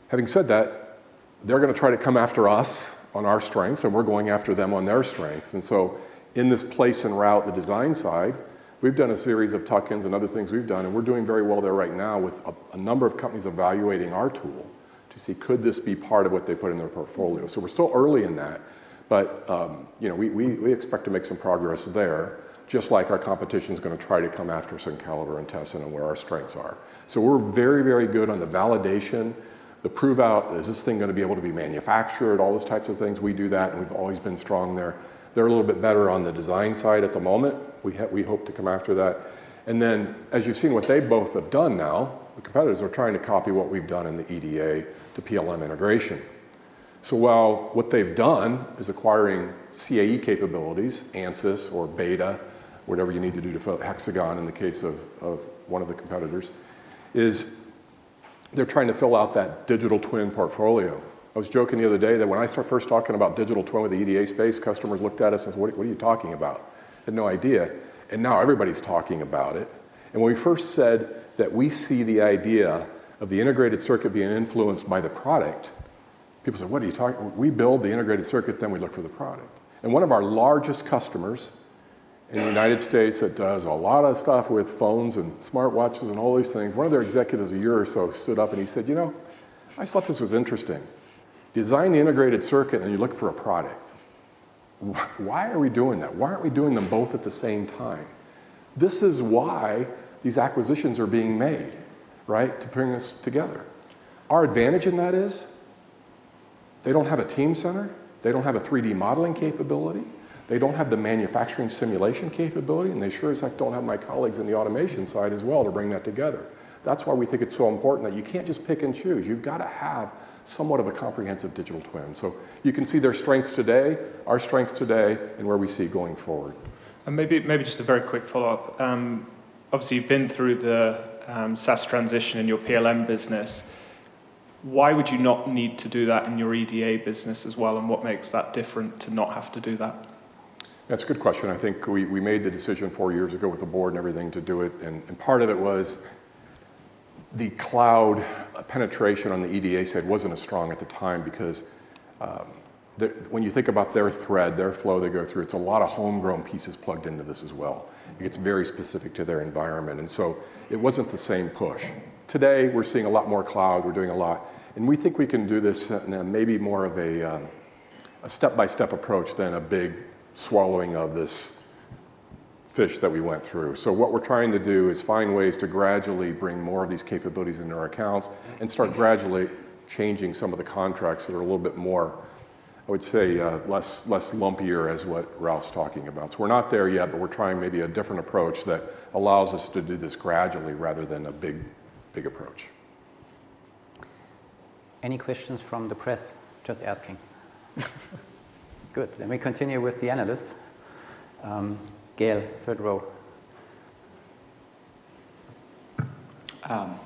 Having said that, they're going to try to come after us on our strengths, and we're going after them on their strengths. In this place and route, the design side, we've done a series of tuck-ins and other things we've done, and we're doing very well there right now with a number of companies evaluating our tool to see could this be part of what they put in their portfolio. We're still early in that, but we expect to make some progress there, just like our competition is going to try to come after us in Calibre and Tessent and where our strengths are. We're very, very good on the validation, the prove-out, is this thing going to be able to be manufactured, all those types of things. We do that, and we've always been strong there. They're a little bit better on the design side at the moment. We hope to come after that. And then, as you've seen what they both have done now, the competitors are trying to copy what we've done in the EDA to PLM integration. So while what they've done is acquiring CAE capabilities, Ansys or BETA, whatever you need to do to fit Hexagon in the case of one of the competitors, is they're trying to fill out that digital twin portfolio. I was joking the other day that when I started first talking about digital twin with the EDA space, customers looked at us and said, "What are you talking about?" Had no idea. And now everybody's talking about it. And when we first said that we see the idea of the integrated circuit being influenced by the product, people said, "What are you talking about?" We build the integrated circuit, then we look for the product. One of our largest customers in the United States that does a lot of stuff with phones and smartwatches and all these things, one of their executives a year or so stood up and he said, "You know, I thought this was interesting. Design the integrated circuit and you look for a product. Why are we doing that? Why aren't we doing them both at the same time? This is why these acquisitions are being made, right, to bring us together." Our advantage in that is they don't have a Teamcenter. They don't have a 3D modeling capability. They don't have the manufacturing simulation capability, and they sure as heck don't have my colleagues in the automation side as well to bring that together. That's why we think it's so important that you can't just pick and choose. You've got to have somewhat of a comprehensive digital twin. You can see their strengths today, our strengths today, and where we see going forward, and maybe just a very quick follow-up. Obviously, you've been through the SaaS transition in your PLM business. Why would you not need to do that in your EDA business as well, and what makes that different to not have to do that? That's a good question. I think we made the decision four years ago with the board and everything to do it. And part of it was the cloud penetration on the EDA side wasn't as strong at the time because when you think about the thread, the flow they go through, it's a lot of homegrown pieces plugged into this as well. It gets very specific to their environment. And so it wasn't the same push. Today, we're seeing a lot more cloud. We're doing a lot. And we think we can do this in maybe more of a step-by-step approach than a big swallowing of this fish that we went through. So what we're trying to do is find ways to gradually bring more of these capabilities into our accounts and start gradually changing some of the contracts that are a little bit more, I would say, less lumpier as what Ralf talking about. So we're not there yet, but we're trying maybe a different approach that allows us to do this gradually rather than a big approach. Any questions from the press? Just asking. Good. Then we continue with the analysts. Gael, third row.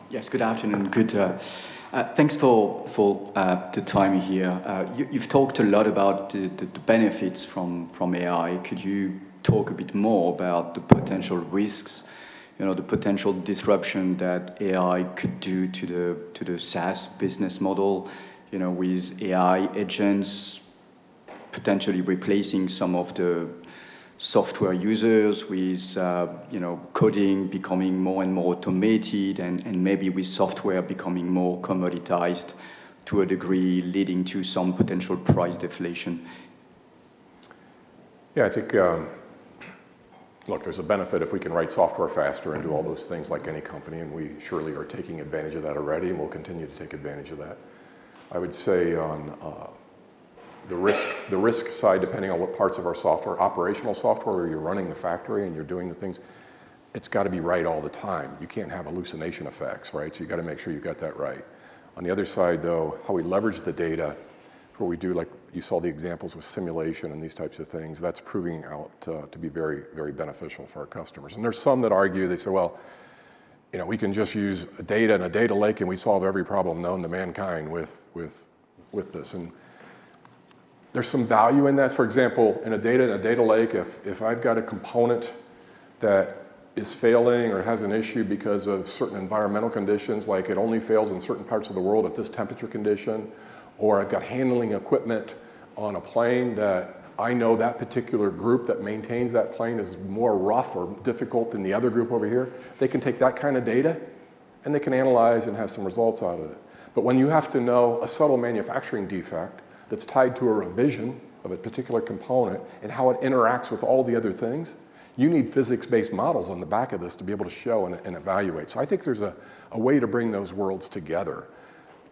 Yes, good afternoon. Thanks for the time here. You've talked a lot about the benefits from AI. Could you talk a bit more about the potential risks, the potential disruption that AI could do to the SaaS business model with AI agents potentially replacing some of the software users, with coding becoming more and more automated, and maybe with software becoming more commoditized to a degree, leading to some potential price deflation? Yeah, I think, look, there's a benefit if we can write software faster and do all those things like any company, and we surely are taking advantage of that already, and we'll continue to take advantage of that. I would say on the risk side, depending on what parts of our software, operational software, where you're running the factory and you're doing the things, it's got to be right all the time. You can't have hallucination effects, right? So you got to make sure you've got that right. On the other side, though, how we leverage the data for what we do, like you saw the examples with simulation and these types of things, that's proving out to be very, very beneficial for our customers. And there's some that argue, they say, "Well, we can just use data in a data lake, and we solve every problem known to mankind with this." And there's some value in that. For example, in a data lake, if I've got a component that is failing or has an issue because of certain environmental conditions, like it only fails in certain parts of the world at this temperature condition, or I've got handling equipment on a plane that I know that particular group that maintains that plane is more rough or difficult than the other group over here, they can take that kind of data and they can analyze and have some results out of it. But when you have to know a subtle manufacturing defect that's tied to a revision of a particular component and how it interacts with all the other things, you need physics-based models on the back of this to be able to show and evaluate. So I think there's a way to bring those worlds together.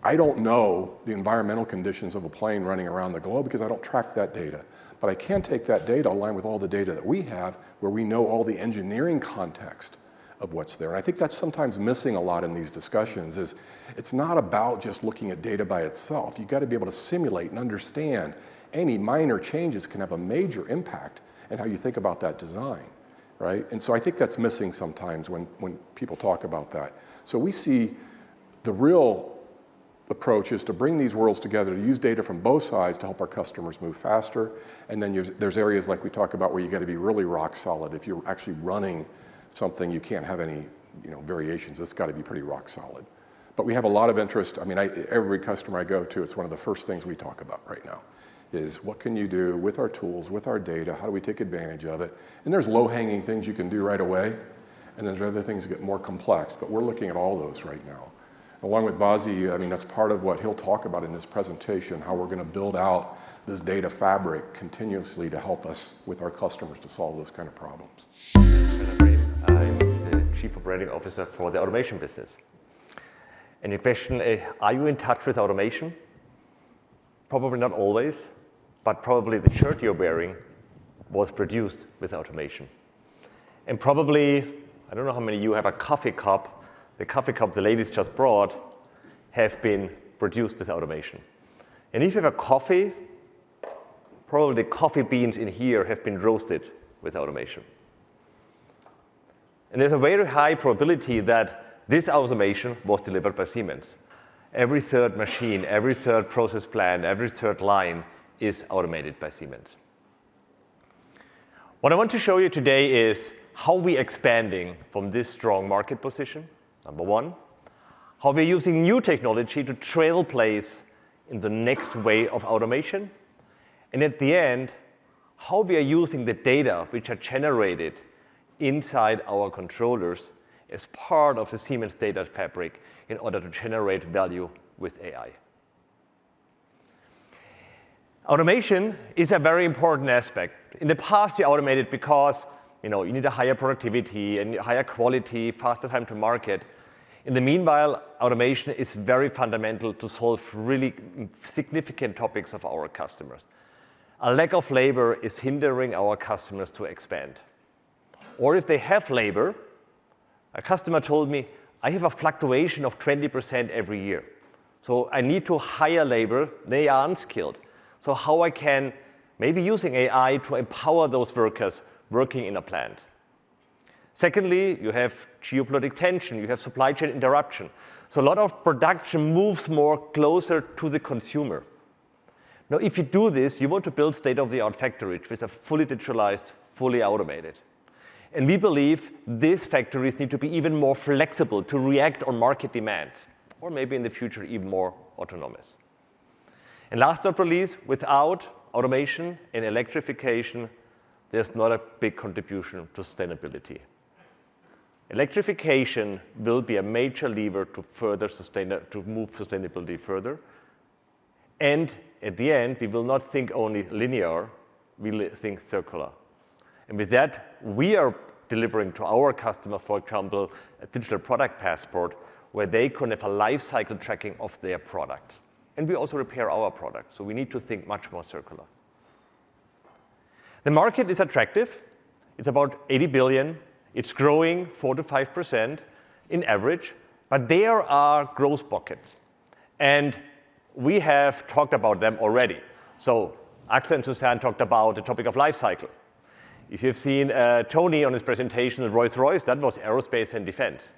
I don't know the environmental conditions of a plane running around the globe because I don't track that data, but I can take that data aligned with all the data that we have where we know all the engineering context of what's there. And I think that's sometimes missing a lot in these discussions is it's not about just looking at data by itself. You got to be able to simulate and understand any minor changes can have a major impact in how you think about that design, right? And so I think that's missing sometimes when people talk about that. So we see the real approach is to bring these worlds together, to use data from both sides to help our customers move faster. And then there's areas like we talk about where you got to be really rock solid. If you're actually running something, you can't have any variations. It's got to be pretty rock solid. But we have a lot of interest. I mean, every customer I go to, it's one of the first things we talk about right now is what can you do with our tools, with our data, how do we take advantage of it? And there's low-hanging things you can do right away, and then there's other things that get more complex, but we're looking at all those right now. Along with Vasi, I mean, that's part of what he'll talk about in this presentation, how we're going to build out this Data Fabric continuously to help us with our customers to solve those kind of problems. Hello, everyone. I'm the Chief Operating Officer for the automation business. Any question? Are you in touch with automation? Probably not always, but probably the shirt you're wearing was produced with automation. And probably, I don't know how many of you have a coffee cup. The coffee cup the ladies just brought have been produced with automation. And if you have a coffee, probably the coffee beans in here have been roasted with automation. And there's a very high probability that this automation was delivered by Siemens. Every third machine, every third process plant, every third line is automated by Siemens. What I want to show you today is how we are expanding from this strong market position, number one, how we are using new technology to take first place in the next wave of automation. And at the end, how we are using the data which are generated inside our controllers as part of the Siemens Data Fabric in order to generate value with AI. Automation is a very important aspect. In the past, you automated because you need a higher productivity and higher quality, faster time to market. In the meanwhile, automation is very fundamental to solve really significant topics of our customers. A lack of labor is hindering our customers to expand, or if they have labor, a customer told me, "I have a fluctuation of 20% every year. So I need to hire labor. They are unskilled. So how I can maybe use AI to empower those workers working in a plant?" Secondly, you have geopolitical tension. You have supply chain interruption, so a lot of production moves more closer to the consumer. Now, if you do this, you want to build state-of-the-art factories which are fully digitalized, fully automated. We believe these factories need to be even more flexible to react on market demand, or maybe in the future, even more autonomous. Last but not least, without automation and electrification, there's not a big contribution to sustainability. Electrification will be a major lever to move sustainability further. At the end, we will not think only linear. We think circular. With that, we are delivering to our customers, for example, a digital product passport where they can have a life cycle tracking of their product. We also repair our product. So we need to think much more circular. The market is attractive. It's about 80 billion. It's growing 4%-5% on average, but there are growth buckets. We have talked about them already. So Axel and Susanne talked about the topic of life cycle. If you've seen Tony on his presentation at Rolls-Royce, that was aerospace and defense.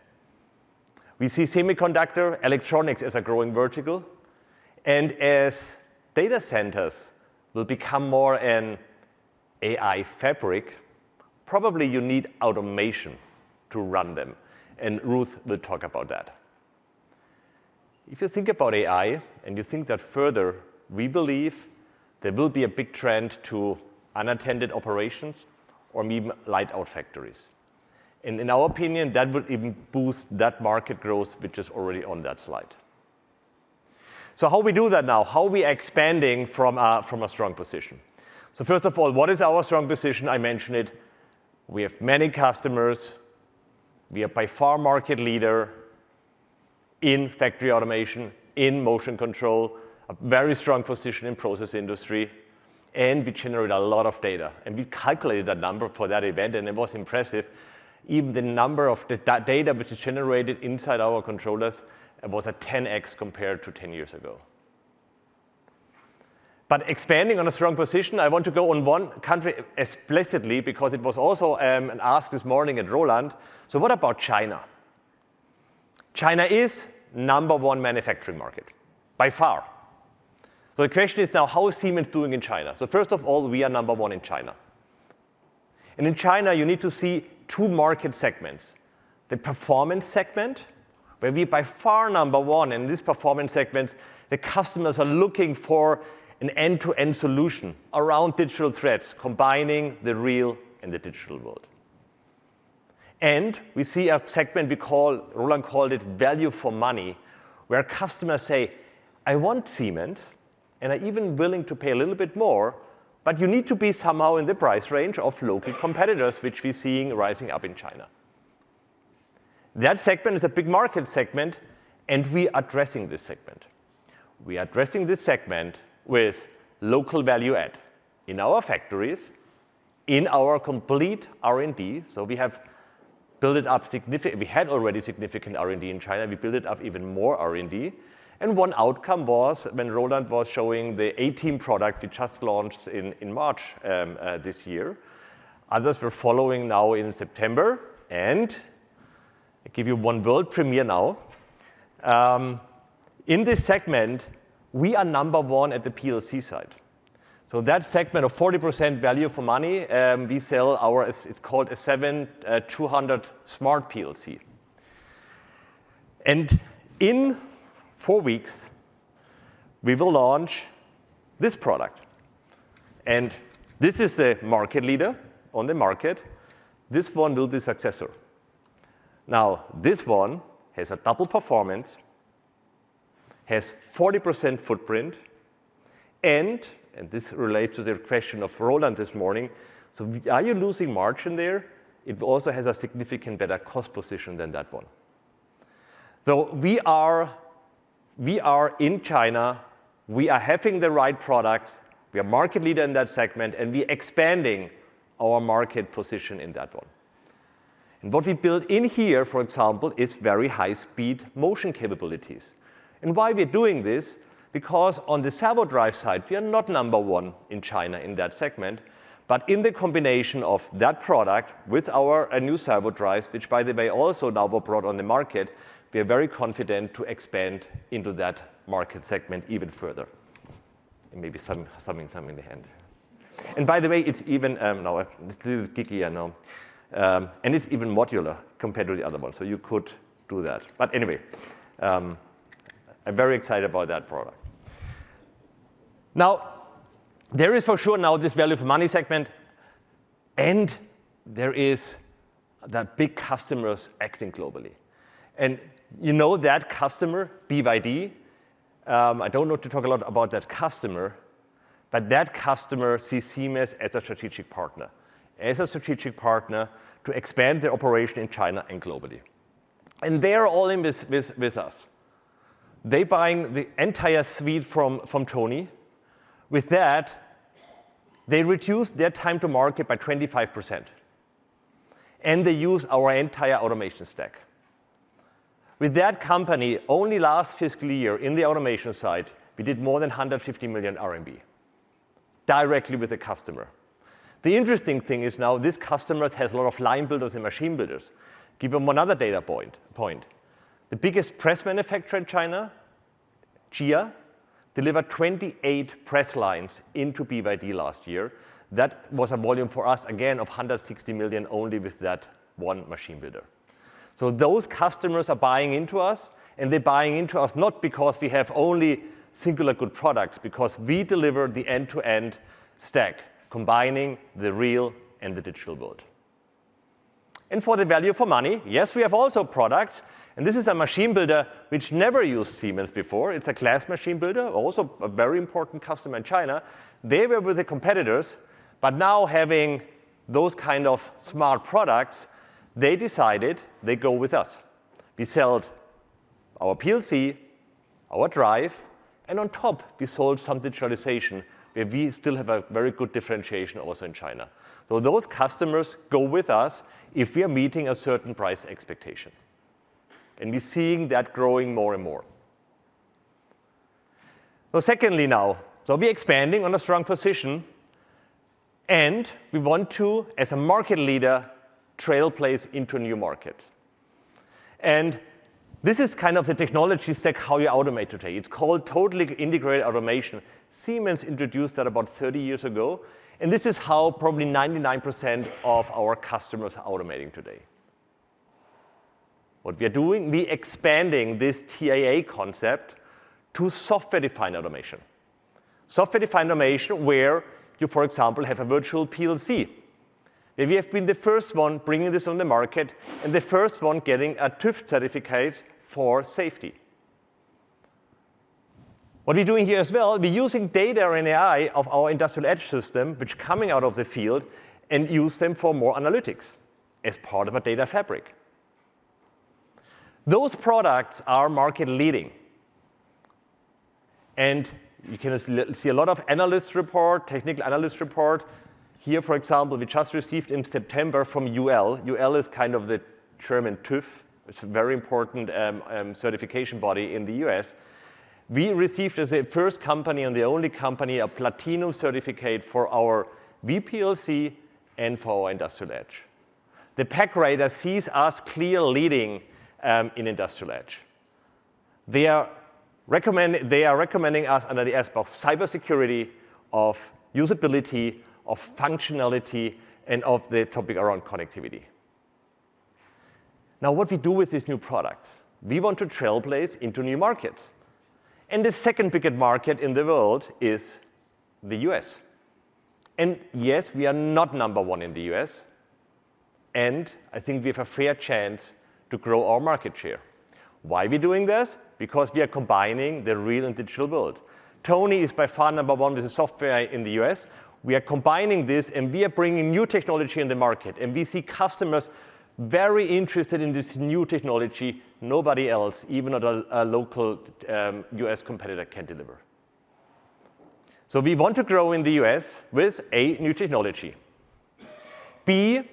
We see semiconductor electronics as a growing vertical, and as data centers will become more an AI fabric, probably you need automation to run them, and Ruth will talk about that. If you think about AI and you think that further, we believe there will be a big trend to unattended operations or maybe light-out factories, and in our opinion, that would even boost that market growth, which is already on that slide, so how we do that now, how are we expanding from a strong position, so first of all, what is our strong position? I mentioned it. We have many customers. We are by far market leader in factory automation, in motion control, a very strong position in the process industry, and we generate a lot of data. We calculated that number for that event, and it was impressive. Even the number of data which is generated inside our controllers was a 10x compared to 10 years ago. Expanding on a strong position, I want to go on one country explicitly because it was also an ask this morning at Roland. What about China? China is number one manufacturing market by far. The question is now, how is Siemens doing in China? First of all, we are number one in China. And in China, you need to see two market segments. The performance segment, where we are by far number one in this performance segment, the customers are looking for an end-to-end solution around digital threads, combining the real and the digital world. And we see a segment we call. Roland called it value for money, where customers say, "I want Siemens, and I'm even willing to pay a little bit more, but you need to be somehow in the price range of local competitors," which we're seeing rising up in China. That segment is a big market segment, and we are addressing this segment. We are addressing this segment with local value-add in our factories, in our complete R&D. So we have built it up significantly. We had already significant R&D in China. We built it up even more R&D. And one outcome was when Roland was showing the A-Team product we just launched in March this year. Others were following now in September. And I'll give you one world premiere now. In this segment, we are number one at the PLC side. That segment of 40% value for money, we sell our; it's called an S7-200 Smart PLC. And in four weeks, we will launch this product. And this is the market leader on the market. This one will be the successor. Now, this one has a double performance, has 40% footprint, and this relates to the question of Roland this morning. So are you losing margin there? It also has a significantly better cost position than that one. So we are in China. We are having the right products. We are market leaders in that segment, and we are expanding our market position in that one. And what we built in here, for example, is very high-speed motion capabilities. And why we're doing this? Because on the servo drive side, we are not number one in China in that segment, but in the combination of that product with our new servo drives, which, by the way, also now were brought on the market, we are very confident to expand into that market segment even further, and maybe something in the hand. By the way, it's even a little edgy, I know. And it's even modular compared to the other one, so you could do that. But anyway, I'm very excited about that product. Now, there is for sure now this value-for-money segment, and there are the big customers acting globally. And you know that customer, BYD. I don't want to talk a lot about that customer, but that customer sees Siemens as a strategic partner, as a strategic partner to expand their operation in China and globally. They are all in with us. They're buying the entire suite from Tony. With that, they reduced their time to market by 25%. And they use our entire automation stack. With that company, only last fiscal year in the automation side, we did more than EUR 150 million R&D directly with the customer. The interesting thing is now this customer has a lot of line builders and machine builders. Give them another data point. The biggest press manufacturer in China, Jier, delivered 28 press lines into BYD last year. That was a volume for us, again, of 160 million only with that one machine builder. So those customers are buying into us, and they're buying into us not because we have only singular good products, but because we deliver the end-to-end stack, combining the real and the digital world. And for the value for money, yes, we have also products. And this is a machine builder which never used Siemens before. It's a glass machine builder, also a very important customer in China. They were with the competitors, but now having those kind of smart products, they decided they go with us. We sell our PLC, our drive, and on top, we sold some digitalization where we still have a very good differentiation also in China. So those customers go with us if we are meeting a certain price expectation. And we're seeing that growing more and more. So secondly now, so we're expanding on a strong position, and we want to, as a market leader, trailblaze into a new market. And this is kind of the technology stack, how you automate today. It's called Totally Integrated Automation. Siemens introduced that about 30 years ago, and this is how probably 99% of our customers are automating today. What we are doing, we are expanding this TIA concept to software-defined automation. Software-defined automation where you, for example, have a virtual PLC. We have been the first one bringing this on the market and the first one getting a TÜV certificate for safety. What we're doing here as well, we're using data and AI of our Industrial Edge system, which is coming out of the field, and use them for more analytics as part of a data fabric. Those products are market-leading, and you can see a lot of analysts' report, technical analysts' report. Here, for example, we just received in September from UL. UL is kind of the German TÜV. It's a very important certification body in the US. We received as the first company and the only company a Platinum certificate for our VPLC and for our Industrial Edge. The PAC report sees us clearly leading in Industrial Edge. They are recommending us under the aspect of cybersecurity, of usability, of functionality, and of the topic around connectivity. Now, what we do with these new products, we want to trailblaze into new markets, and the second biggest market in the world is the U.S. Yes, we are not number one in the U.S., and I think we have a fair chance to grow our market share. Why are we doing this? Because we are combining the real and digital world. Tony is by far number one with the software in the U.S. We are combining this, and we are bringing new technology in the market, and we see customers very interested in this new technology nobody else, even at a local U.S. competitor, can deliver, so we want to grow in the U.S. with a new technology. Ben,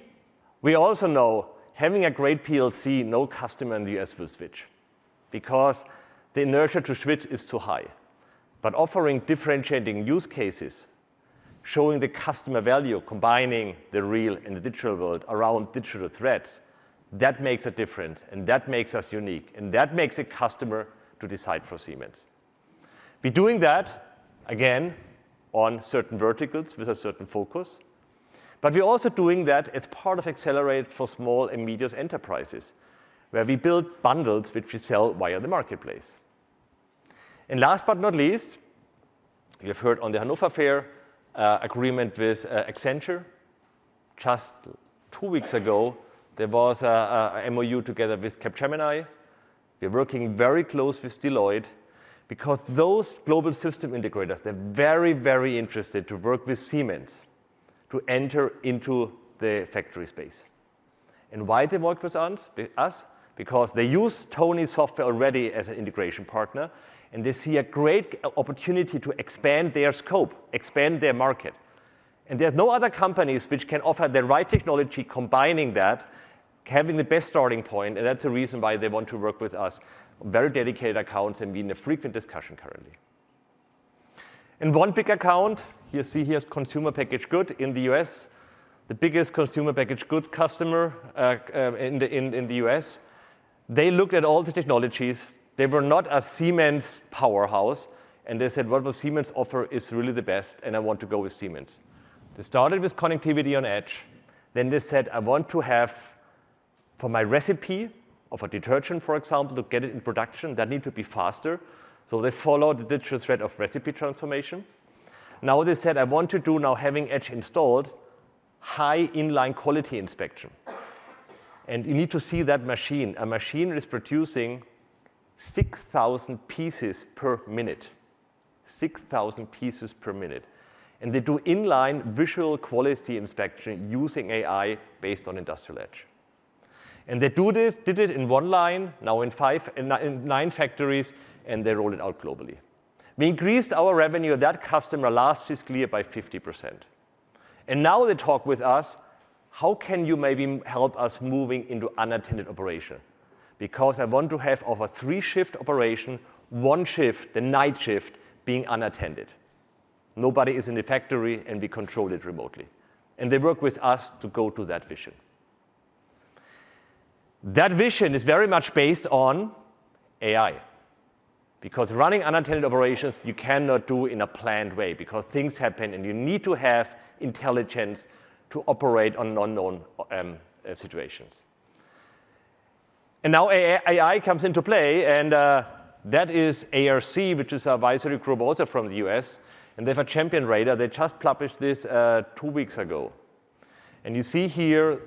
we also know having a great PLC, no customer in the U.S. will switch because the inertia to switch is too high. But offering differentiating use cases, showing the customer value, combining the real and the digital world around digital threads, that makes a difference, and that makes us unique, and that makes a customer to decide for Siemens. We're doing that, again, on certain verticals with a certain focus. But we're also doing that as part of Xcelerator for small and medium enterprises, where we build bundles which we sell via the marketplace. And last but not least, you've heard on the Hannover Fair agreement with Accenture. Just two weeks ago, there was an MOU together with Capgemini. We're working very closely with Deloitte because those global system integrators, they're very, very interested to work with Siemens to enter into the factory space. Why they work with us? Because they use Tony's software already as an integration partner, and they see a great opportunity to expand their scope, expand their market. There are no other companies which can offer the right technology, combining that, having the best starting point. That's the reason why they want to work with us. Very dedicated accounts and being a frequent discussion currently. One big account, you see here is consumer packaged goods in the US, the biggest consumer packaged goods customer in the US. They looked at all the technologies. They were not a Siemens powerhouse, and they said, "What will Siemens offer is really the best, and I want to go with Siemens." They started with connectivity on edge. They said, "I want to have for my recipe of a detergent, for example, to get it in production, that need to be faster." So they followed the digital thread of recipe transformation. Now they said, "I want to do now having edge installed high inline quality inspection. And you need to see that machine. A machine is producing 6,000 pieces per minute, 6,000 pieces per minute." And they do inline visual quality inspection using AI based on Industrial Edge. And they did it in one line, now in nine factories, and they roll it out globally. We increased our revenue at that customer last fiscal year by 50%. And now they talk with us, "How can you maybe help us moving into unattended operation? Because I want to have over three shift operation, one shift, the night shift being unattended. Nobody is in the factory, and we control it remotely." And they work with us to go to that vision. That vision is very much based on AI because running unattended operations, you cannot do in a planned way because things happen, and you need to have intelligence to operate on unknown situations. And now AI comes into play, and that is ARC, which is our advisory group also from the U.S. And they have a champions quadrant. They just published this two weeks ago. And you see here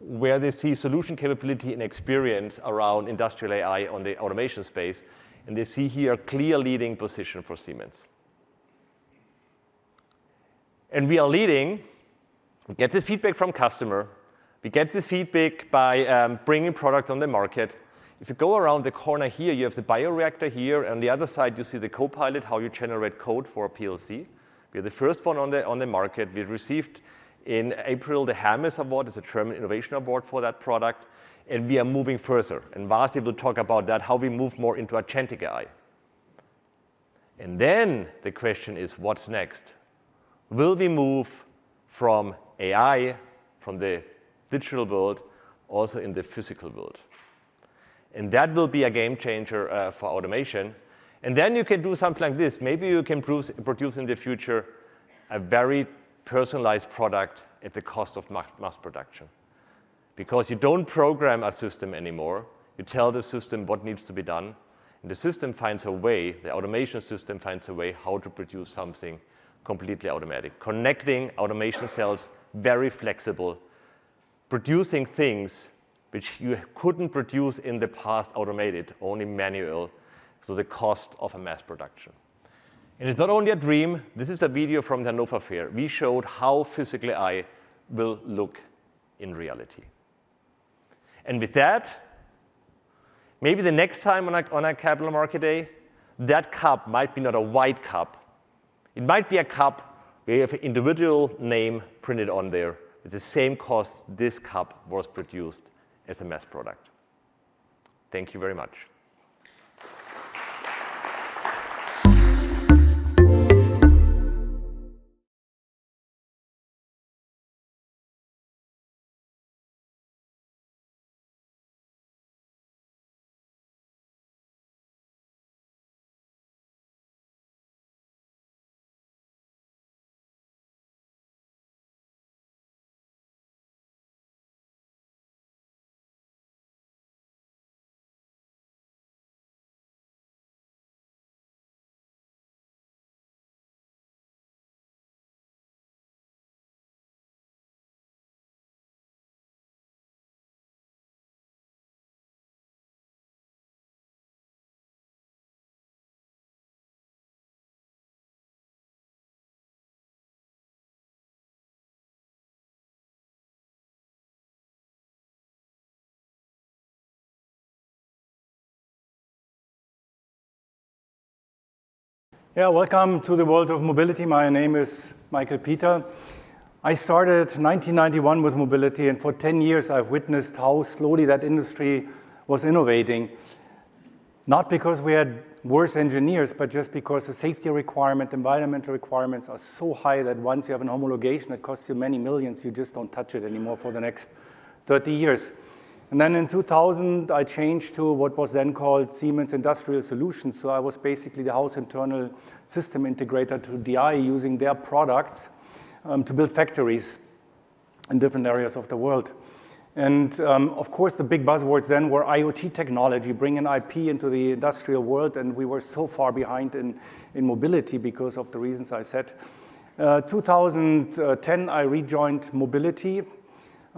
where they see solution capability and experience around industrial AI on the automation space. And they see here a clear leading position for Siemens. And we are leading. We get this feedback from customer. We get this feedback by bringing product on the market. If you go around the corner here, you have the bioreactor here. On the other side, you see the Copilot, how you generate code for a PLC. We are the first one on the market. We received in April the Hermes Award. It's a German innovation award for that product. And we are moving further. And Vasi will talk about that, how we move more into Agentic AI. And then the question is, what's next? Will we move from AI, from the digital world, also in the physical world? And that will be a game changer for automation. And then you can do something like this. Maybe you can produce in the future a very personalized product at the cost of mass production because you don't program a system anymore. You tell the system what needs to be done, and the system finds a way. The automation system finds a way how to produce something completely automatic, connecting automation cells, very flexible, producing things which you couldn't produce in the past, automated, only manual. So the cost of mass production. And it's not only a dream. This is a video from the Hanover Fair. We showed how physical AI will look in reality. And with that, maybe the next time on a capital market day, that cup might be not a white cup. It might be a cup where you have an individual name printed on there with the same cost this cup was produced as a mass product. Thank you very much. Yeah, welcome to the world of mobility. My name is Michael Peter. I started in 1991 with mobility, and for 10 years, I've witnessed how slowly that industry was innovating. Not because we had worse engineers, but just because the safety requirement, environmental requirements are so high that once you have an homologation that costs you many millions, you just don't touch it anymore for the next 30 years. And then in 2000, I changed to what was then called Siemens Industrial Solutions. So I was basically the in-house internal system integrator to DI using their products to build factories in different areas of the world. And of course, the big buzzwords then were IoT technology, bringing IP into the industrial world. And we were so far behind in mobility because of the reasons I said. In 2010, I rejoined mobility.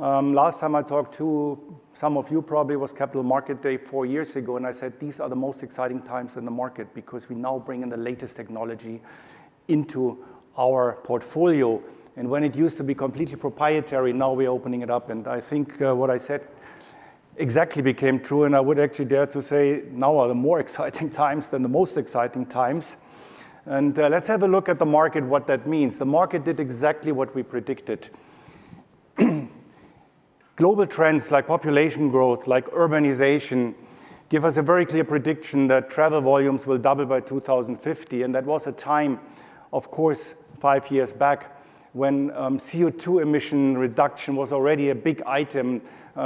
Last time I talked to some of you probably was Capital Market Day four years ago, and I said, "These are the most exciting times in the market because we now bring in the latest technology into our portfolio," and when it used to be completely proprietary, now we're opening it up. And I think what I said exactly became true, and I would actually dare to say now are the more exciting times than the most exciting times, and let's have a look at the market, what that means. The market did exactly what we predicted. Global trends like population growth, like urbanization, give us a very clear prediction that travel volumes will double by 2050, and that was a time, of course, five years back when CO2 emission reduction was already a big item.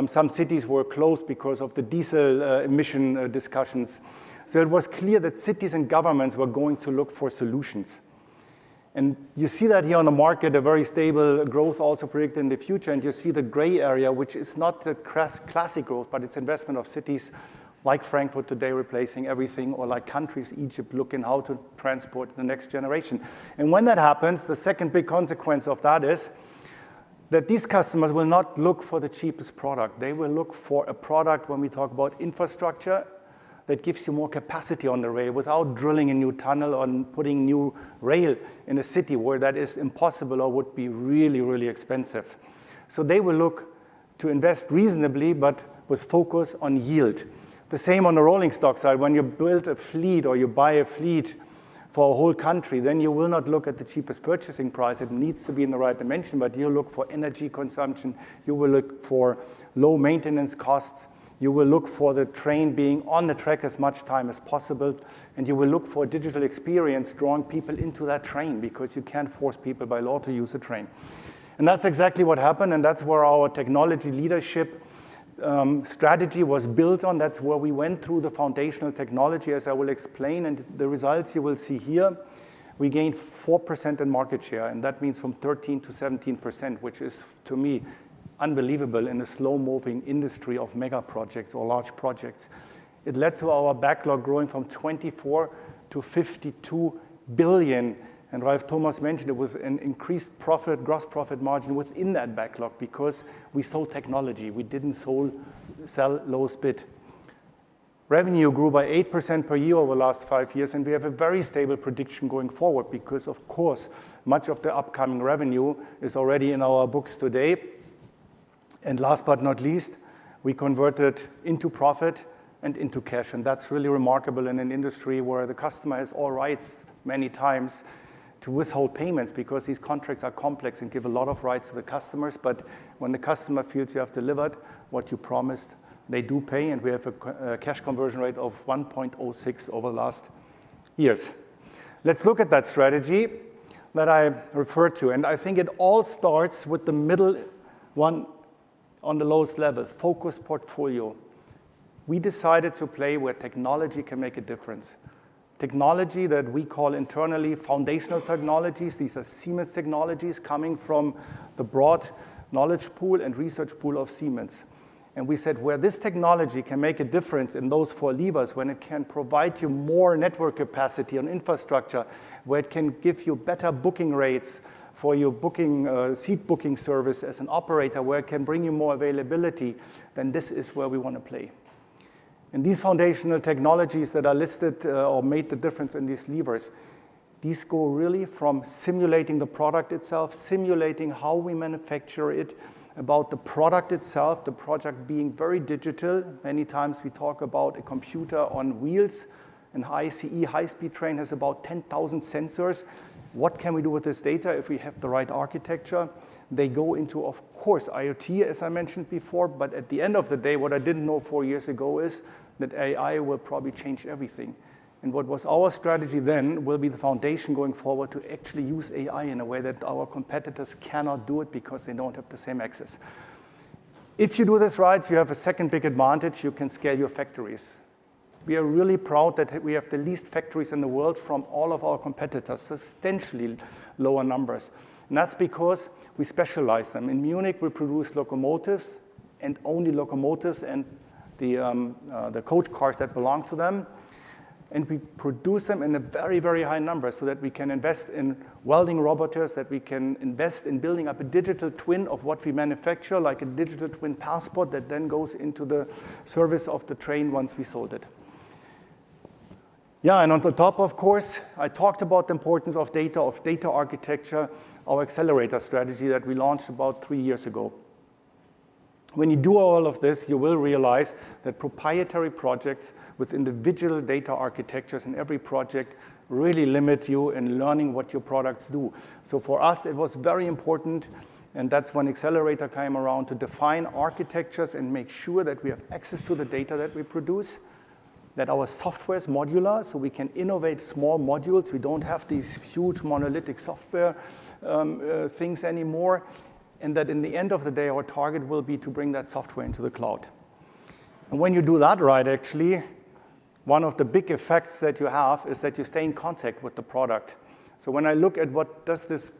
Some cities were closed because of the diesel emission discussions. So it was clear that cities and governments were going to look for solutions. And you see that here on the market, a very stable growth also predicted in the future. And you see the gray area, which is not the classic growth, but it's investment of cities like Frankfurt today replacing everything, or like countries, Egypt, looking how to transport the next generation. And when that happens, the second big consequence of that is that these customers will not look for the cheapest product. They will look for a product when we talk about infrastructure that gives you more capacity on the rail without drilling a new tunnel or putting new rail in a city where that is impossible or would be really, really expensive. So they will look to invest reasonably, but with focus on yield. The same on the rolling stock side. When you build a fleet or you buy a fleet for a whole country, then you will not look at the cheapest purchasing price. It needs to be in the right dimension, but you look for energy consumption. You will look for low maintenance costs. You will look for the train being on the track as much time as possible. You will look for a digital experience, drawing people into that train because you can't force people by law to use a train. That's exactly what happened, and that's where our technology leadership strategy was built on. That's where we went through the foundational technology, as I will explain. The results you will see here, we gained 4% in market share, and that means from 13% to 17%, which is, to me, unbelievable in a slow-moving industry of mega projects or large projects. It led to our backlog growing from 24 billion to 52 billion, and Ralf Thomas mentioned it was an increased profit, gross profit margin within that backlog because we sold technology. We didn't sell low spec. Revenue grew by 8% per year over the last five years, and we have a very stable prediction going forward because, of course, much of the upcoming revenue is already in our books today, and last but not least, we converted into profit and into cash. And that's really remarkable in an industry where the customer has all rights many times to withhold payments because these contracts are complex and give a lot of rights to the customers. But when the customer feels you have delivered what you promised, they do pay, and we have a cash conversion rate of 1.06 over the last years. Let's look at that strategy that I referred to. And I think it all starts with the middle one on the lowest level, focus portfolio. We decided to play where technology can make a difference. Technology that we call internally foundational technologies. These are Siemens technologies coming from the broad knowledge pool and research pool of Siemens. And we said where this technology can make a difference in those four levers, when it can provide you more network capacity on infrastructure, where it can give you better booking rates for your seat booking service as an operator, where it can bring you more availability, then this is where we want to play. And these foundational technologies that are listed or made the difference in these levers, these go really from simulating the product itself, simulating how we manufacture it, about the product itself, the project being very digital. Many times we talk about a computer on wheels. An ICE high-speed train has about 10,000 sensors. What can we do with this data if we have the right architecture? They go into, of course, IoT, as I mentioned before. But at the end of the day, what I didn't know four years ago is that AI will probably change everything. And what was our strategy then will be the foundation going forward to actually use AI in a way that our competitors cannot do it because they don't have the same access. If you do this right, you have a second big advantage. You can scale your factories. We are really proud that we have the least factories in the world from all of our competitors, substantially lower numbers. And that's because we specialize them. In Munich, we produce locomotives and only locomotives and the coach cars that belong to them. And we produce them in a very, very high number so that we can invest in welding robots, that we can invest in building up a digital twin of what we manufacture, like a digital twin passport that then goes into the service of the train once we sold it. Yeah, and on the top, of course, I talked about the importance of data, of data architecture, our accelerator strategy that we launched about three years ago. When you do all of this, you will realize that proprietary projects with individual data architectures in every project really limit you in learning what your products do. So for us, it was very important, and that's when Accelerator came around to define architectures and make sure that we have access to the data that we produce, that our software is modular so we can innovate small modules. We don't have these huge monolithic software things anymore. And that, in the end of the day, our target will be to bring that software into the cloud. And when you do that right, actually, one of the big effects that you have is that you stay in contact with the product. So when I look at what does this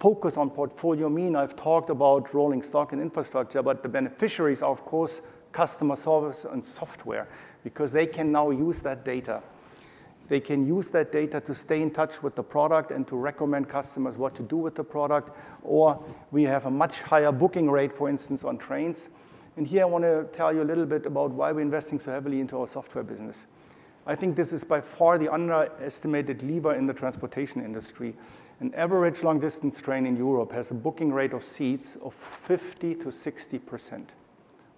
focus on portfolio mean, I've talked about rolling stock and infrastructure, but the beneficiaries, of course, customer service and software because they can now use that data. They can use that data to stay in touch with the product and to recommend customers what to do with the product. Or we have a much higher booking rate, for instance, on trains. And here, I want to tell you a little bit about why we're investing so heavily into our software business. I think this is by far the underestimated lever in the transportation industry. An average long-distance train in Europe has a booking rate of seats of 50%-60%.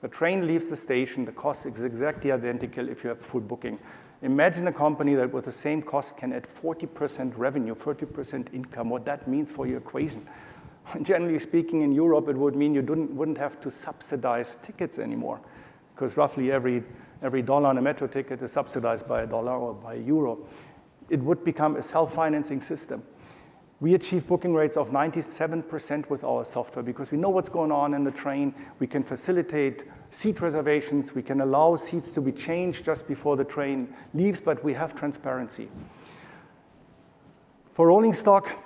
The train leaves the station. The cost is exactly identical if you have full booking. Imagine a company that with the same cost can add 40% revenue, 30% income. What that means for your equation. Generally speaking, in Europe, it would mean you wouldn't have to subsidize tickets anymore because roughly every dollar on a metro ticket is subsidized by a dollar or by a euro. It would become a self-financing system. We achieve booking rates of 97% with our software because we know what's going on in the train. We can facilitate seat reservations. We can allow seats to be changed just before the train leaves, but we have transparency. For rolling stock,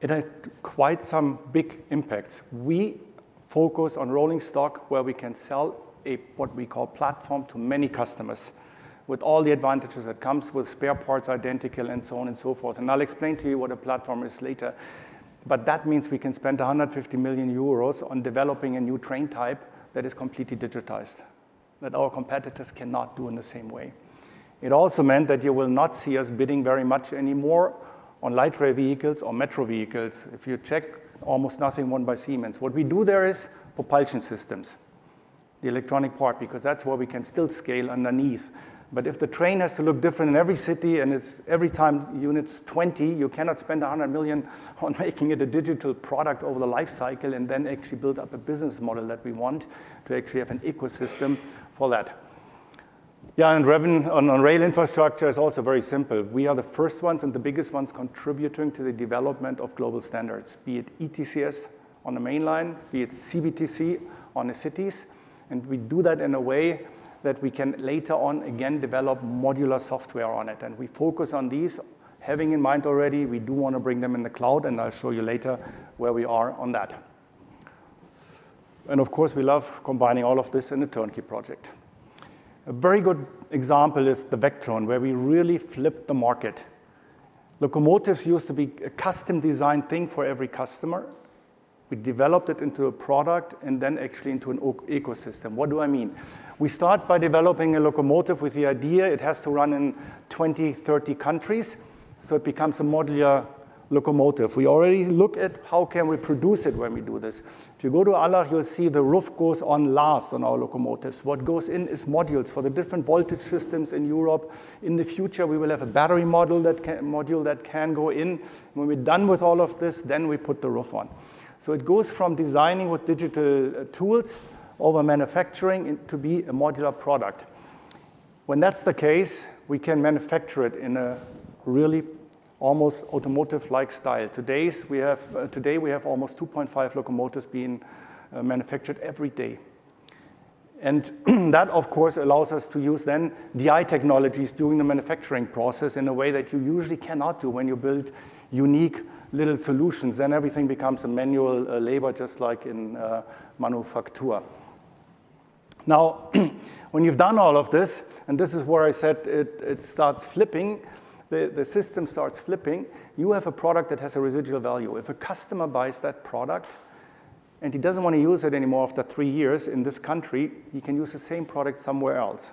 it had quite some big impacts. We focus on rolling stock where we can sell what we call a platform to many customers with all the advantages that come with spare parts, identical, and so on and so forth, and I'll explain to you what a platform is later, but that means we can spend 150 million euros on developing a new train type that is completely digitized that our competitors cannot do in the same way. It also meant that you will not see us bidding very much anymore on light rail vehicles or metro vehicles. If you check, almost nothing won by Siemens. What we do there is propulsion systems, the electronic part, because that's where we can still scale underneath. But if the train has to look different in every city and it's every time units 20, you cannot spend €100 million on making it a digital product over the lifecycle and then actually build up a business model that we want to actually have an ecosystem for that. Yeah, and revenue on rail infrastructure is also very simple. We are the first ones and the biggest ones contributing to the development of global standards, be it ETCS on the mainline, be it CBTC on the cities. And we do that in a way that we can later on again develop modular software on it. And we focus on these having in mind already. We do want to bring them in the cloud, and I'll show you later where we are on that. And of course, we love combining all of this in a turnkey project. A very good example is the Vectron, where we really flipped the market. Locomotives used to be a custom-designed thing for every customer. We developed it into a product and then actually into an ecosystem. What do I mean? We start by developing a locomotive with the idea it has to run in 20, 30 countries, so it becomes a modular locomotive. We already look at how can we produce it when we do this. If you go to Allach, you'll see the roof goes on last on our locomotives. What goes in is modules for the different voltage systems in Europe. In the future, we will have a battery module that can go in. When we're done with all of this, then we put the roof on. So it goes from designing with digital tools over manufacturing to be a modular product. When that's the case, we can manufacture it in a really almost automotive-like style. Today, we have almost 2.5 locomotives being manufactured every day. And that, of course, allows us to use then DI technologies during the manufacturing process in a way that you usually cannot do when you build unique little solutions. Then everything becomes manual labor, just like in manufacture. Now, when you've done all of this, and this is where I said it starts flipping, the system starts flipping, you have a product that has a residual value. If a customer buys that product and he doesn't want to use it anymore after three years in this country, he can use the same product somewhere else.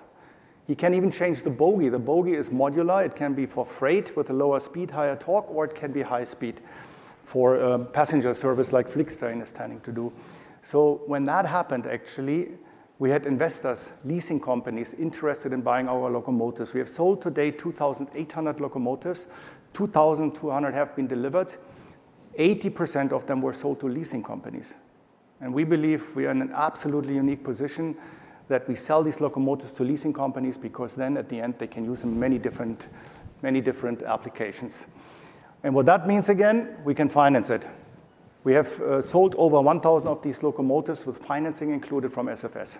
He can even change the bogey. The bogey is modular. It can be for freight with a lower speed, higher torque, or it can be high speed for passenger service like FlixTrain is tending to do. So when that happened, actually, we had investors, leasing companies interested in buying our locomotives. We have sold today 2,800 locomotives. 2,200 have been delivered. 80% of them were sold to leasing companies. And we believe we are in an absolutely unique position that we sell these locomotives to leasing companies because then at the end, they can use them in many different applications. And what that means, again, we can finance it. We have sold over 1,000 of these locomotives with financing included from SFS.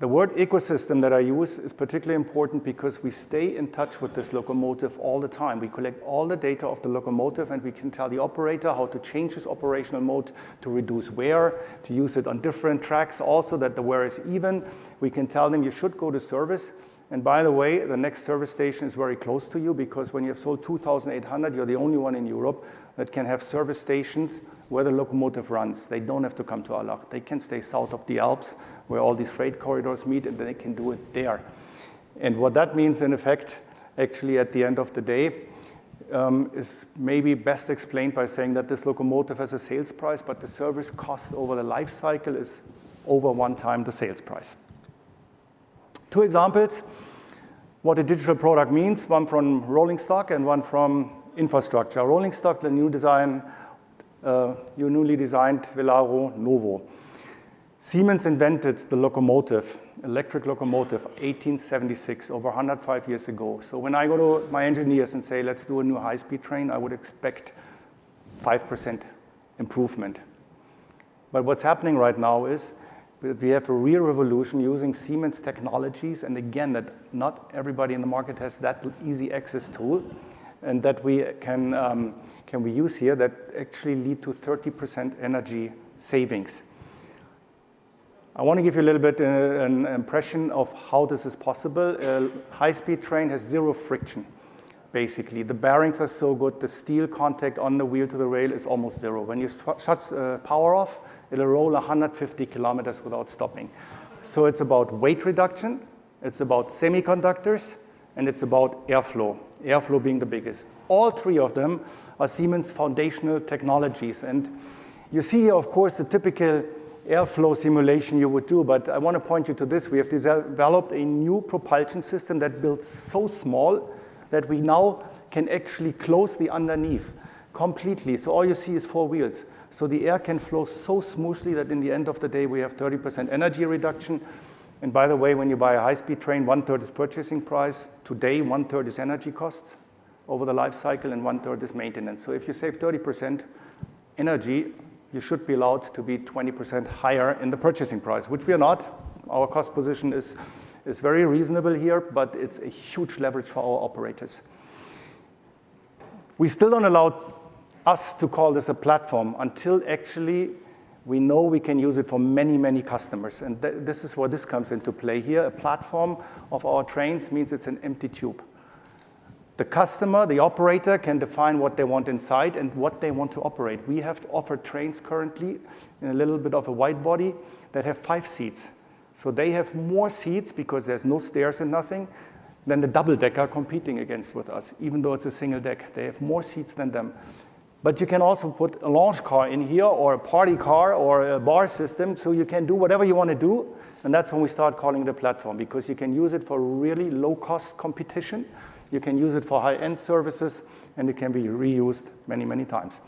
The word ecosystem that I use is particularly important because we stay in touch with this locomotive all the time. We collect all the data of the locomotive, and we can tell the operator how to change its operational mode to reduce wear, to use it on different tracks also that the wear is even. We can tell them, "You should go to service." And by the way, the next service station is very close to you because when you have sold 2,800, you're the only one in Europe that can have service stations where the locomotive runs. They don't have to come to Allach. They can stay south of the Alps where all these freight corridors meet, and they can do it there. And what that means, in effect, actually at the end of the day, is maybe best explained by saying that this locomotive has a sales price, but the service cost over the lifecycle is over one time the sales price. Two examples of what a digital product means, one from rolling stock and one from infrastructure. Rolling stock, the new design, your newly designed Velaro Novo. Siemens invented the locomotive, electric locomotive, 1876, over 105 years ago. So when I go to my engineers and say, "Let's do a new high-speed train," I would expect 5% improvement. But what's happening right now is that we have a real revolution using Siemens technologies. And again, that's not everybody in the market has that easy access tool and that we can use here that actually lead to 30% energy savings. I want to give you a little bit of an impression of how this is possible. A high-speed train has zero friction, basically. The bearings are so good. The steel contact on the wheel to the rail is almost zero. When you shut power off, it'll roll 150 km without stopping. It's about weight reduction. It's about semiconductors, and it's about airflow, airflow being the biggest. All three of them are Siemens foundational technologies. And you see here, of course, the typical airflow simulation you would do. But I want to point you to this. We have developed a new propulsion system that builds so small that we now can actually close the underneath completely. So all you see is four wheels. So the air can flow so smoothly that in the end of the day, we have 30% energy reduction. And by the way, when you buy a high-speed train, one-third is purchasing price. Today, one-third is energy costs over the lifecycle, and one-third is maintenance. So if you save 30% energy, you should be allowed to be 20% higher in the purchasing price, which we are not. Our cost position is very reasonable here, but it's a huge leverage for our operators. We still don't allow us to call this a platform until actually we know we can use it for many, many customers. And this is where this comes into play here. A platform of our trains means it's an empty tube. The customer, the operator can define what they want inside and what they want to operate. We have offered trains currently in a little bit of a wide body that have five seats. So they have more seats because there's no stairs and nothing than the double deck are competing against with us, even though it's a single deck. They have more seats than them. But you can also put a lounge car in here or a party car or a bar system so you can do whatever you want to do. And that's when we start calling it a platform because you can use it for really low-cost competition. You can use it for high-end services, and it can be reused many, many times.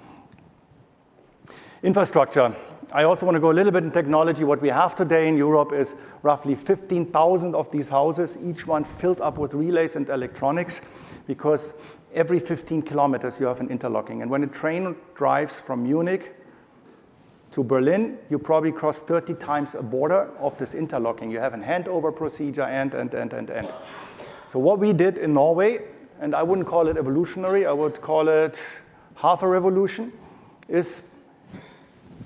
Infrastructure. I also want to go a little bit in technology. What we have today in Europe is roughly 15,000 of these houses, each one filled up with relays and electronics because every 15 km you have an interlocking. And when a train drives from Munich to Berlin, you probably cross 30 times a border of this interlocking. You have a handover procedure and. So what we did in Norway, and I wouldn't call it evolutionary. I would call it half a revolution, is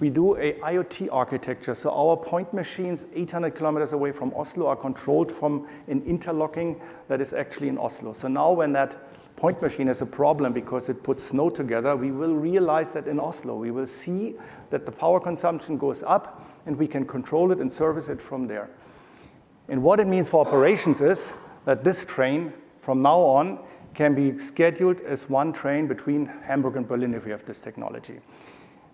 we do an IoT architecture. So our point machines 800 km away from Oslo are controlled from an interlocking that is actually in Oslo. So now when that point machine has a problem because it puts snow together, we will realize that in Oslo. We will see that the power consumption goes up, and we can control it and service it from there. What it means for operations is that this train from now on can be scheduled as one train between Hamburg and Berlin if we have this technology.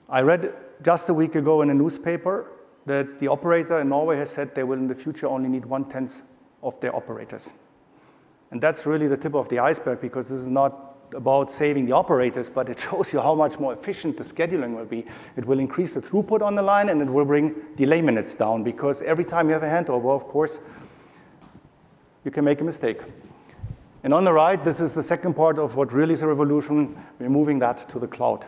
I read just a week ago in a newspaper that the operator in Norway has said they will in the future only need one-tenth of their operators. That's really the tip of the iceberg because this is not about saving the operators, but it shows you how much more efficient the scheduling will be. It will increase the throughput on the line, and it will bring delay minutes down because every time you have a handover, of course, you can make a mistake. And on the right, this is the second part of what really is a revolution, removing that to the cloud,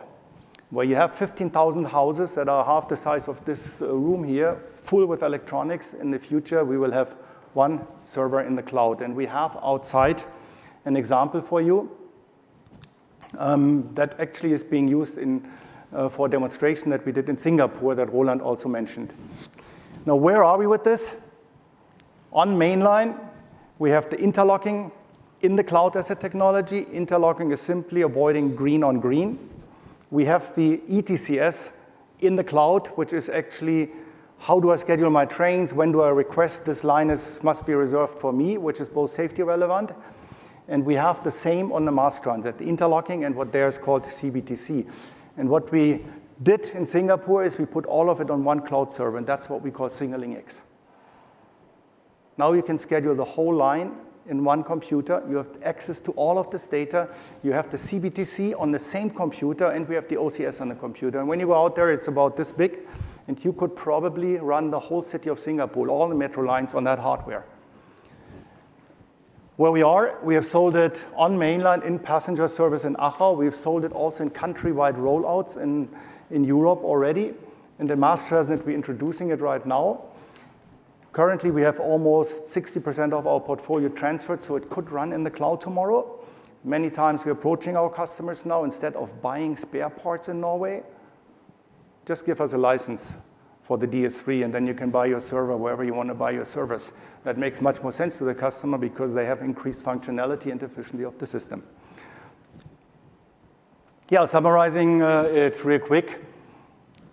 where you have 15,000 houses that are half the size of this room here, full with electronics. In the future, we will have one server in the cloud. And we have outside an example for you that actually is being used for a demonstration that we did in Singapore that Roland also mentioned. Now, where are we with this? On mainline, we have the interlocking in the cloud as a technology. Interlocking is simply avoiding green on green. We have the ETCS in the cloud, which is actually how do I schedule my trains? When do I request this line must be reserved for me, which is both safety relevant? And we have the same on the mass transit, the interlocking and what there is called CBTC. And what we did in Singapore is we put all of it on one cloud server, and that's what we call Signaling X. Now you can schedule the whole line in one computer. You have access to all of this data. You have the CBTC on the same computer, and we have the OCS on the computer. And when you go out there, it's about this big, and you could probably run the whole city of Singapore, all the metro lines on that hardware. Where we are, we have sold it on mainline in passenger service in Aachen. We've sold it also in countrywide rollouts in Europe already. In the mass transit, we're introducing it right now. Currently, we have almost 60% of our portfolio transferred, so it could run in the cloud tomorrow. Many times we're approaching our customers now instead of buying spare parts in Norway. Just give us a license for the DS3, and then you can buy your server wherever you want to buy your servers. That makes much more sense to the customer because they have increased functionality and efficiency of the system. Yeah, summarizing it real quick,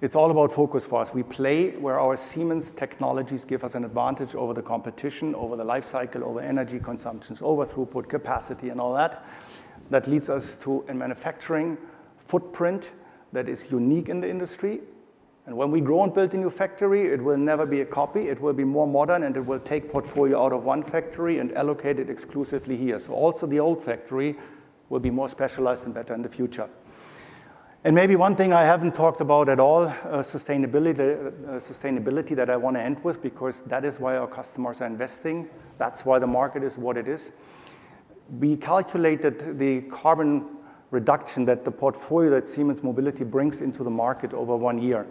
it's all about focus for us. We play where our Siemens technologies give us an advantage over the competition, over the lifecycle, over energy consumptions, over throughput, capacity, and all that. That leads us to a manufacturing footprint that is unique in the industry. And when we grow and build a new factory, it will never be a copy. It will be more modern, and it will take portfolio out of one factory and allocate it exclusively here. So also the old factory will be more specialized and better in the future. Maybe one thing I haven't talked about at all, sustainability that I want to end with because that is why our customers are investing. That's why the market is what it is. We calculated the carbon reduction that the portfolio that Siemens Mobility brings into the market over one year.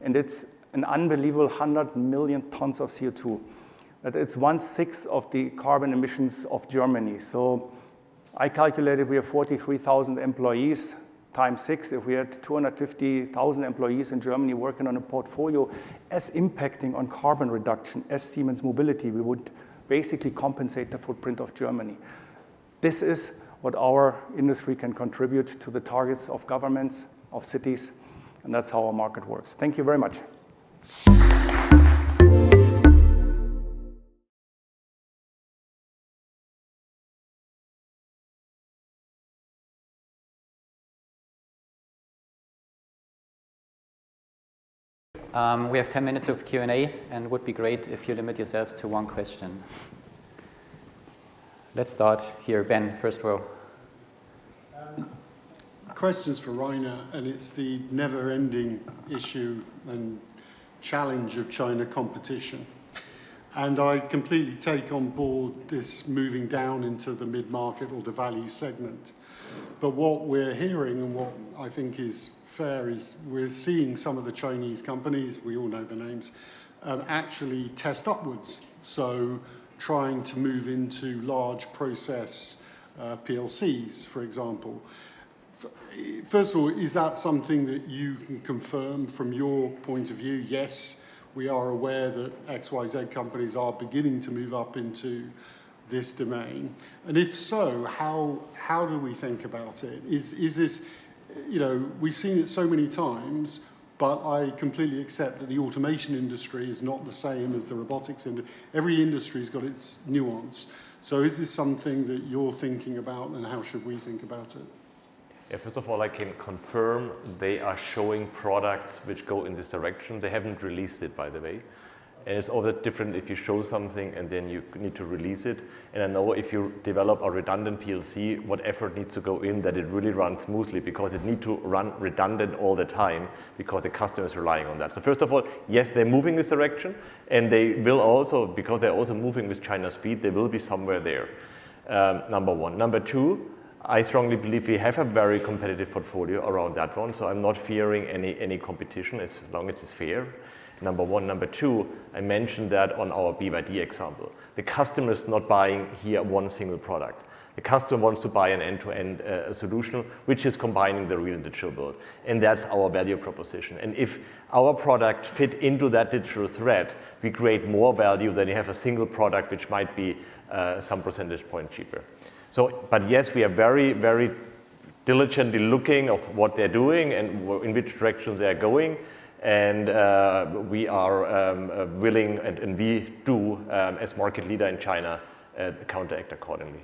And it's an unbelievable 100 million tons of CO2. It's one-sixth of the carbon emissions of Germany. So I calculated we have 43,000 employees times six. If we had 250,000 employees in Germany working on a portfolio as impacting on carbon reduction as Siemens Mobility, we would basically compensate the footprint of Germany. This is what our industry can contribute to the targets of governments, of cities, and that's how our market works. Thank you very much. We have 10 minutes of Q&A, and it would be great if you limit yourselves to one question. Let's start here. Ben, first row. Questions for Rainer, and it's the never-ending issue and challenge of China competition. I completely take on board this moving down into the mid-market or the value segment. But what we're hearing and what I think is fair is we're seeing some of the Chinese companies, we all know the names, actually test upwards. So trying to move into large process PLCs, for example. First of all, is that something that you can confirm from your point of view? Yes, we are aware that XYZ companies are beginning to move up into this domain. And if so, how do we think about it? We've seen it so many times, but I completely accept that the automation industry is not the same as the robotics industry. Every industry has got its nuance. So is this something that you're thinking about, and how should we think about it? Yeah, first of all, I can confirm they are showing products which go in this direction. They haven't released it, by the way. And it's all that different if you show something and then you need to release it. And I know if you develop a redundant PLC, what effort needs to go in that it really runs smoothly because it needs to run redundant all the time because the customer is relying on that. So first of all, yes, they're moving this direction, and they will also, because they're also moving with China's speed, they will be somewhere there, number one. Number two, I strongly believe we have a very competitive portfolio around that one. So I'm not fearing any competition as long as it's fair, number one. Number two, I mentioned that on our BYD example. The customer is not buying here one single product. The customer wants to buy an end-to-end solution, which is combining the real and the virtual build. And that's our value proposition. And if our product fits into that digital thread, we create more value than you have a single product which might be some percentage point cheaper. But yes, we are very, very diligently looking at what they're doing and in which direction they're going. And we are willing, and we do, as market leader in China, to counteract accordingly.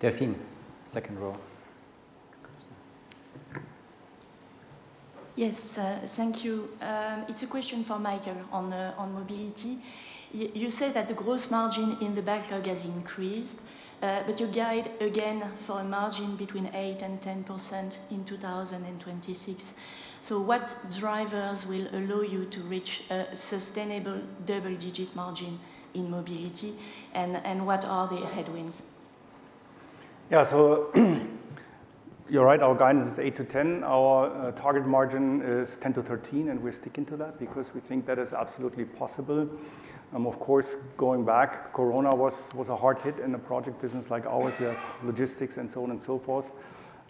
Delphine, second row. Yes, thank you. It's a question for Michael on mobility. You said that the gross margin in the backlog has increased, but you guide again for a margin between 8%-10% in 2026. So what drivers will allow you to reach a sustainable double-digit margin in mobility, and what are the headwinds? Yeah, so you're right. Our guidance is 8%-10%. Our target margin is 10%-13%, and we're sticking to that because we think that is absolutely possible. Of course, going back, Corona was a hard hit in a project business like ours. We have logistics and so on and so forth.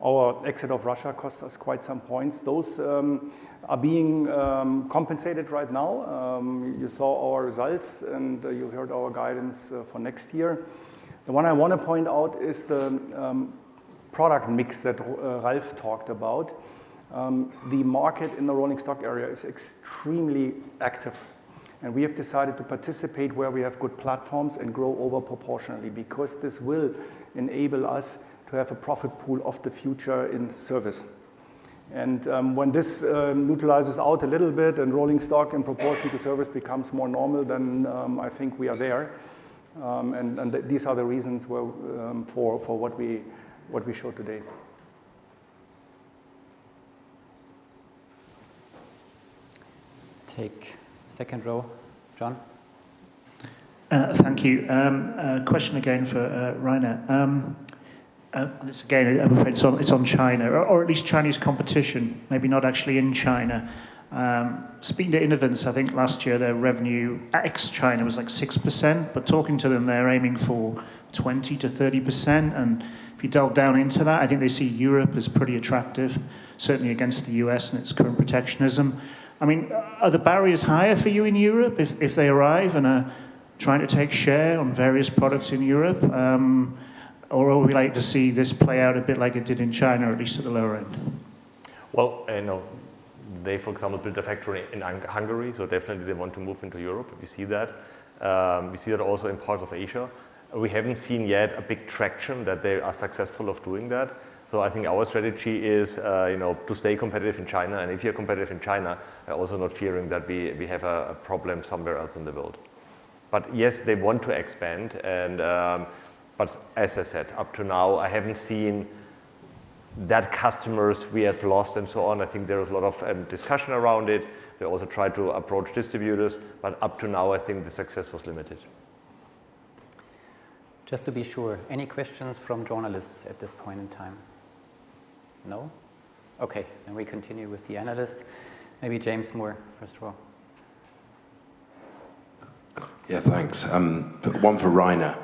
Our exit of Russia cost us quite some points. Those are being compensated right now. You saw our results, and you heard our guidance for next year. The one I want to point out is the product mix that Ralf talked about. The market in the rolling stock area is extremely active, and we have decided to participate where we have good platforms and grow over proportionally because this will enable us to have a profit pool of the future in service. When this neutralizes out a little bit and rolling stock in proportion to service becomes more normal, then I think we are there. These are the reasons for what we showed today. Take second row, John. Thank you. Question again for Rainer. Again, I'm afraid it's on China, or at least Chinese competition, maybe not actually in China. Speaking to Innovance, I think last year their revenue ex-China was like 6%, but talking to them, they're aiming for 20%-30%. If you delve down into that, I think they see Europe as pretty attractive, certainly against the U.S. and its current protectionism. I mean, are the barriers higher for you in Europe if they arrive and are trying to take share on various products in Europe, or would we like to see this play out a bit like it did in China, at least at the lower end? I know they, for example, built a factory in Hungary, so definitely they want to move into Europe. We see that. We see that also in parts of Asia. We haven't seen yet a big traction that they are successful of doing that. I think our strategy is to stay competitive in China. If you're competitive in China, I'm also not fearing that we have a problem somewhere else in the world. Yes, they want to expand. But as I said, up to now, I haven't seen that customers we have lost and so on. I think there was a lot of discussion around it. They also tried to approach distributors, but up to now, I think the success was limited. Just to be sure, any questions from journalists at this point in time? No? Okay. Then we continue with the analysts. Maybe James Moore, first row. Yeah, thanks. One for Rainer.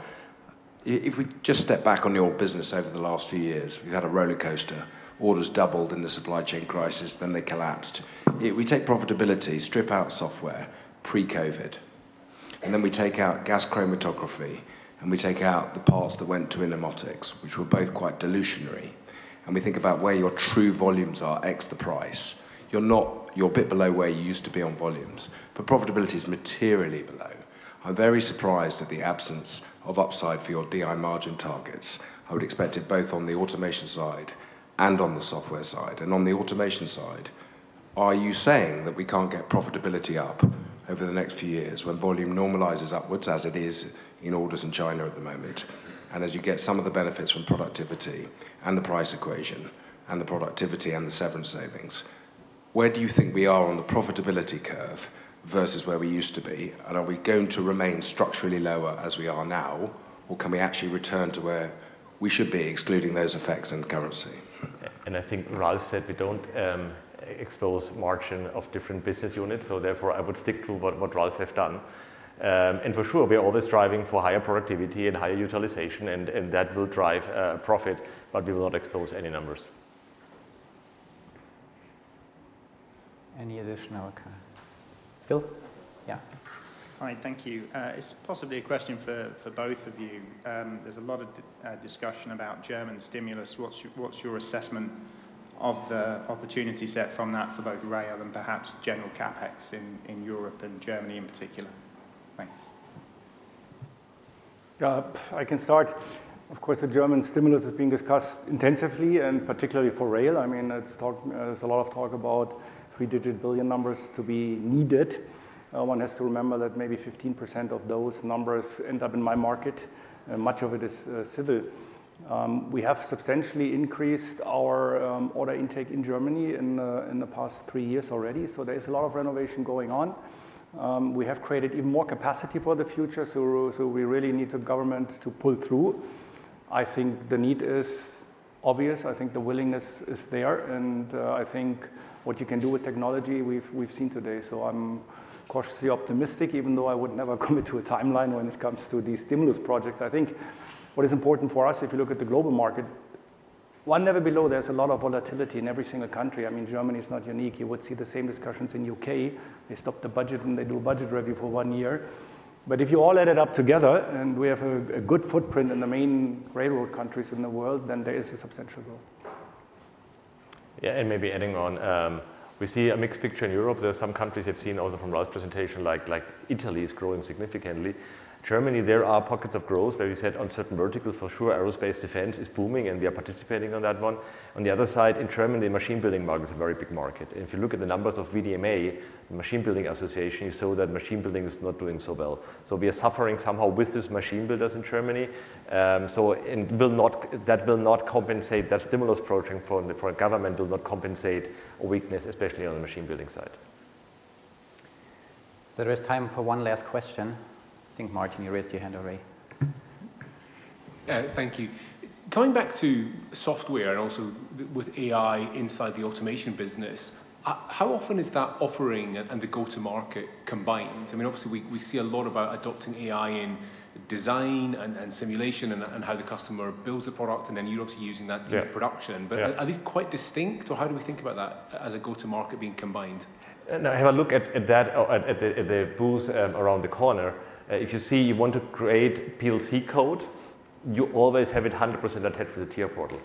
If we just step back on your business over the last few years, we've had a roller coaster. Orders doubled in the supply chain crisis, then they collapsed. We take profitability, strip out software pre-COVID, and then we take out gas chromatography, and we take out the parts that went to Innomotics, which were both quite dilutionary. And we think about where your true volumes are times the price. You're a bit below where you used to be on volumes, but profitability is materially below. I'm very surprised at the absence of upside for your DI margin targets. I would expect it both on the automation side and on the software side. And on the automation side, are you saying that we can't get profitability up over the next few years when volume normalizes upwards as it is in orders in China at the moment and as you get some of the benefits from productivity and the price equation and the productivity and the severance savings? Where do you think we are on the profitability curve versus where we used to be? And are we going to remain structurally lower as we are now, or can we actually return to where we should be excluding those effects and currency? I think Ralf said we don't expose margin of different business units, so therefore I would stick to what Ralf has done. For sure, we're always striving for higher productivity and higher utilization, and that will drive profit, but we will not expose any numbers. Any additional? Phil? Yeah. All right. Thank you. It's possibly a question for both of you. There's a lot of discussion about German stimulus. What's your assessment of the opportunity set from that for both rail and perhaps general CapEx in Europe and Germany in particular? Thanks. I can start. Of course, the German stimulus is being discussed intensively, and particularly for rail. I mean, there's a lot of talk about three-digit billion numbers to be needed. One has to remember that maybe 15% of those numbers end up in my market. Much of it is civil. We have substantially increased our order intake in Germany in the past three years already, so there is a lot of renovation going on. We have created even more capacity for the future, so we really need the government to pull through. I think the need is obvious. I think the willingness is there, and I think what you can do with technology, we've seen today. So I'm cautiously optimistic, even though I would never commit to a timeline when it comes to these stimulus projects. I think what is important for us, if you look at the global market, one never below, there's a lot of volatility in every single country. I mean, Germany is not unique. You would see the same discussions in the U.K. They stop the budget and they do a budget review for one year. But if you all add it up together and we have a good footprint in the main railroad countries in the world, then there is a substantial growth. Yeah, and maybe adding on, we see a mixed picture in Europe. There are some countries we've seen also from Ralf's presentation, like Italy is growing significantly. Germany, there are pockets of growth where we said on certain verticals, for sure, aerospace defense is booming, and we are participating on that one. On the other side, in Germany, the machine building market is a very big market. And if you look at the numbers of VDMA, the Machine Building Association, you saw that machine building is not doing so well. So we are suffering somehow with these machine builders in Germany. That will not compensate. That stimulus project for a government will not compensate a weakness, especially on the machine building side. There is time for one last question. I think Martin, you raised your hand already. Thank you. Going back to software and also with AI inside the automation business, how often is that offering and the go-to-market combined? I mean, obviously, we see a lot about adopting AI in design and simulation and how the customer builds a product, and then you're obviously using that in production. But are these quite distinct, or how do we think about that as a go-to-market being combined? Now, have a look at that at the booth around the corner. If you see you want to create PLC code, you always have it 100% attached with the TIA Portal.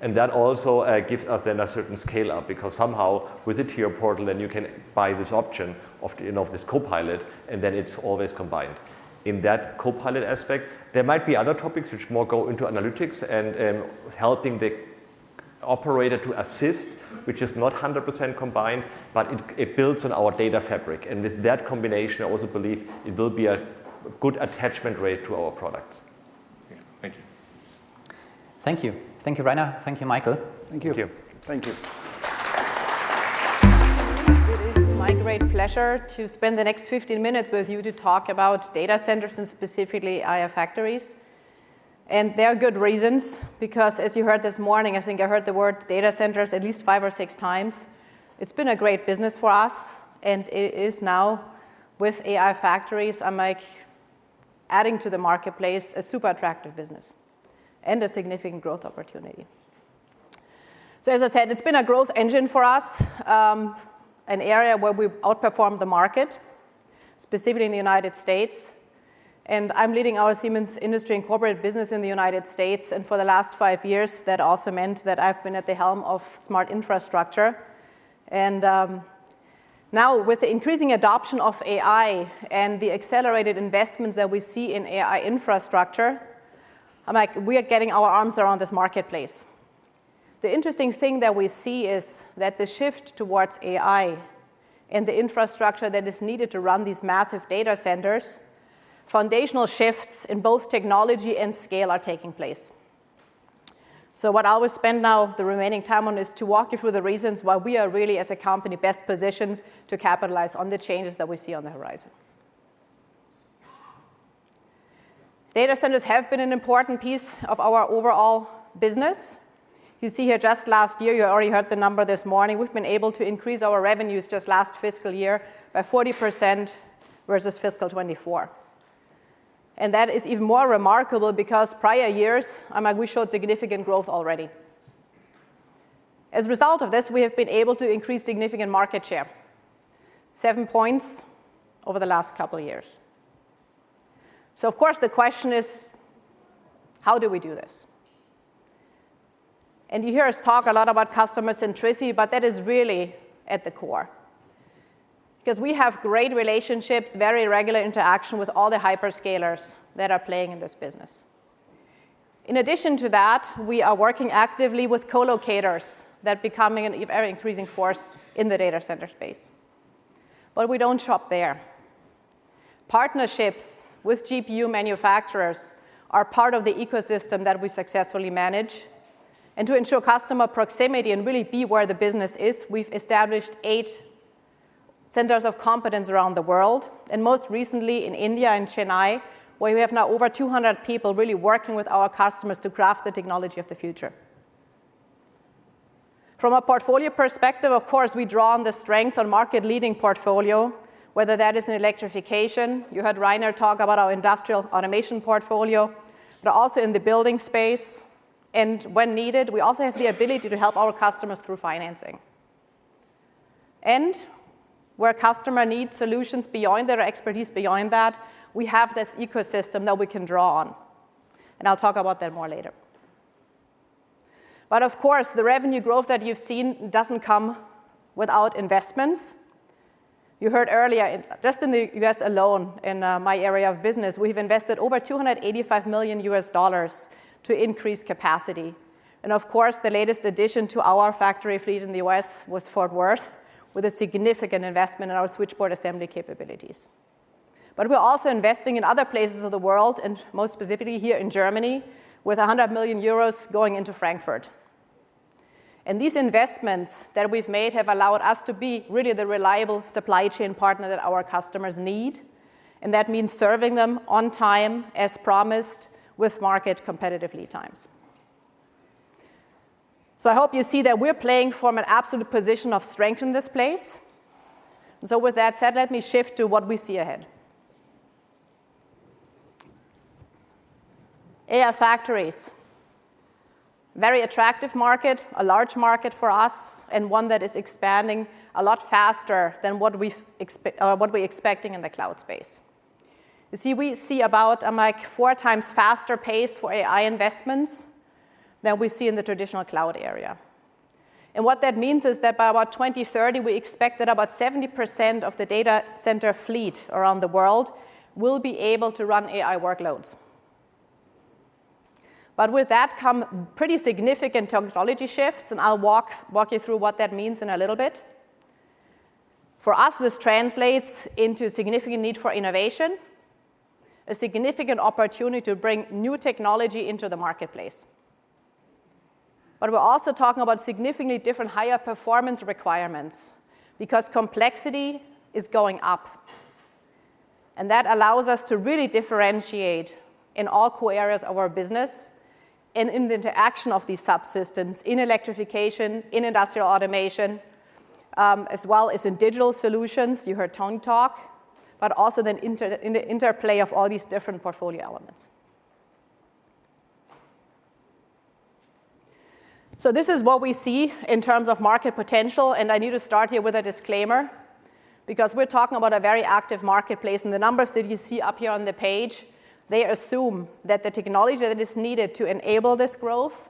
And that also gives us then a certain scale-up because somehow with the TIA Portal, then you can buy this option of this copilot, and then it's always combined. In that copilot aspect, there might be other topics which more go into analytics and helping the operator to assist, which is not 100% combined, but it builds on our Data Fabric. And with that combination, I also believe it will be a good attachment rate to our products. Thank you. Thank you. Thank you, Rainer. Thank you, Michael. Thank you.. Thank you. Thank you. It is my great pleasure to spend the next 15 minutes with you to talk about data centers and specifically AI factories. And there are good reasons because, as you heard this morning, I think I heard the word data centers at least five or six times. It's been a great business for us, and it is now, with AI factories. I'm adding to the marketplace a super attractive business and a significant growth opportunity, so as I said, it's been a growth engine for us, an area where we outperform the market, specifically in the United States, and I'm leading our Siemens industry and corporate business in the United States, and for the last five years, that also meant that I've been at the helm of Smart Infrastructure, and now, with the increasing adoption of AI and the accelerated investments that we see in AI infrastructure, we are getting our arms around this marketplace. The interesting thing that we see is that the shift towards AI and the infrastructure that is needed to run these massive data centers. Foundational shifts in both technology and scale are taking place. So what I will spend now the remaining time on is to walk you through the reasons why we are really, as a company, best positioned to capitalize on the changes that we see on the horizon. Data centers have been an important piece of our overall business. You see here, just last year, you already heard the number this morning. We've been able to increase our revenues just last fiscal year by 40% versus fiscal 2024. And that is even more remarkable because prior years, I mean, we showed significant growth already. As a result of this, we have been able to increase significant market share, seven points over the last couple of years. So, of course, the question is, how do we do this? And you hear us talk a lot about customer centricity, but that is really at the core because we have great relationships, very regular interaction with all the hyperscalers that are playing in this business. In addition to that, we are working actively with co-locators that are becoming an increasing force in the data center space. But we don't stop there. Partnerships with GPU manufacturers are part of the ecosystem that we successfully manage. And to ensure customer proximity and really be where the business is, we've established eight centers of competence around the world, and most recently in India and Chennai, where we have now over 200 people really working with our customers to craft the technology of the future. From a portfolio perspective, of course, we draw on the strength of market-leading portfolio, whether that is in electrification. You heard Rainer talk about our industrial automation portfolio, but also in the building space, and when needed, we also have the ability to help our customers through financing, and where customers need solutions beyond their expertise, beyond that, we have this ecosystem that we can draw on, and I'll talk about that more later, but of course, the revenue growth that you've seen doesn't come without investments. You heard earlier, just in the U.S. alone, in my area of business, we've invested over $285 million to increase capacity, and of course, the latest addition to our factory fleet in the U.S. was Fort Worth, with a significant investment in our switchboard assembly capabilities, but we're also investing in other places of the world, and most specifically here in Germany, with 100 million euros going into Frankfurt. And these investments that we've made have allowed us to be really the reliable supply chain partner that our customers need. And that means serving them on time as promised with market competitive lead times. So I hope you see that we're playing from an absolute position of strength in this place. And so with that said, let me shift to what we see ahead. AI factories. Very attractive market, a large market for us, and one that is expanding a lot faster than what we're expecting in the cloud space. You see, we see about a four times faster pace for AI investments than we see in the traditional cloud area. And what that means is that by about 2030, we expect that about 70% of the data center fleet around the world will be able to run AI workloads. But with that come pretty significant technology shifts, and I'll walk you through what that means in a little bit. For us, this translates into a significant need for innovation, a significant opportunity to bring new technology into the marketplace. But we're also talking about significantly different higher performance requirements because complexity is going up. And that allows us to really differentiate in all core areas of our business and in the interaction of these subsystems in electrification, in industrial automation, as well as in digital solutions. You heard Tony talk, but also the interplay of all these different portfolio elements. So this is what we see in terms of market potential. And I need to start here with a disclaimer because we're talking about a very active marketplace. And the numbers that you see up here on the page, they assume that the technology that is needed to enable this growth,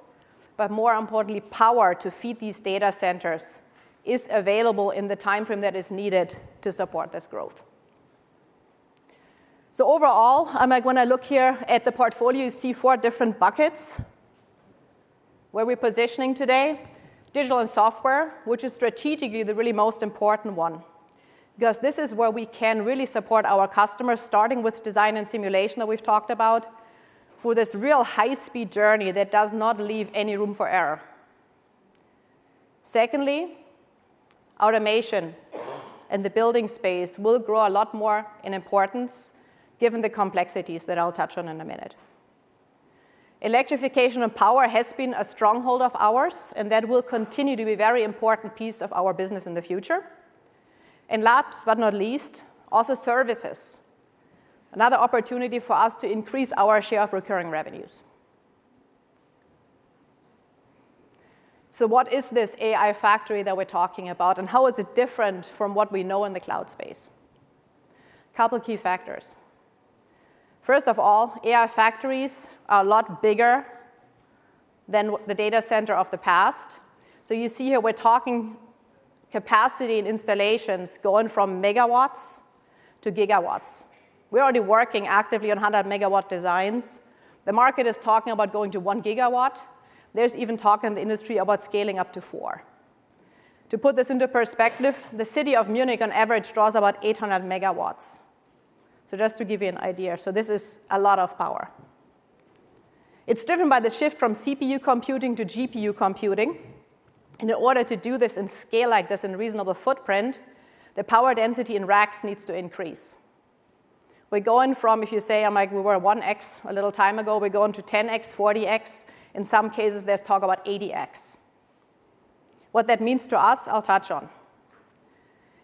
but more importantly, power to feed these data centers is available in the timeframe that is needed to support this growth. So overall, when I look here at the portfolio, you see four different buckets where we're positioning today: digital and software, which is strategically the really most important one because this is where we can really support our customers, starting with design and simulation that we've talked about, for this real high-speed journey that does not leave any room for error. Secondly, automation and the building space will grow a lot more in importance given the complexities that I'll touch on in a minute. Electrification and power has been a stronghold of ours, and that will continue to be a very important piece of our business in the future, and last but not least, also services. Another opportunity for us to increase our share of recurring revenues, so what is this AI factory that we're talking about, and how is it different from what we know in the cloud space? A couple of key factors. First of all, AI factories are a lot bigger than the data center of the past, so you see here, we're talking capacity and installations going from megawatts to gigawatts. We're already working actively on 100-megawatt designs. The market is talking about going to one gigawatt. There's even talk in the industry about scaling up to four. To put this into perspective, the city of Munich, on average, draws about 800 megawatts. So just to give you an idea, so this is a lot of power. It's driven by the shift from CPU computing to GPU computing. And in order to do this and scale like this in reasonable footprint, the power density in racks needs to increase. We're going from, if you say, I'm like, we were 1x a little time ago, we're going to 10x, 40x. In some cases, there's talk about 80x. What that means to us, I'll touch on.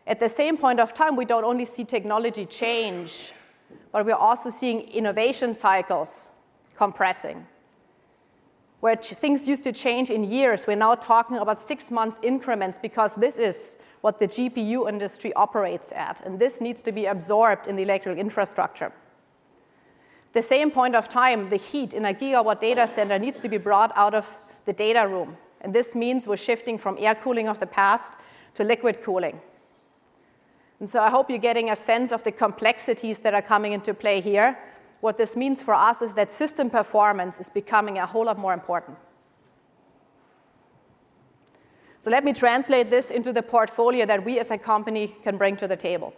At the same point of time, we don't only see technology change, but we're also seeing innovation cycles compressing. Where things used to change in years, we're now talking about six-month increments because this is what the GPU industry operates at, and this needs to be absorbed in the electrical infrastructure. At the same point of time, the heat in a gigawatt data center needs to be brought out of the data room. And this means we're shifting from air cooling of the past to liquid cooling. And so I hope you're getting a sense of the complexities that are coming into play here. What this means for us is that system performance is becoming a whole lot more important. So let me translate this into the portfolio that we, as a company, can bring to the table.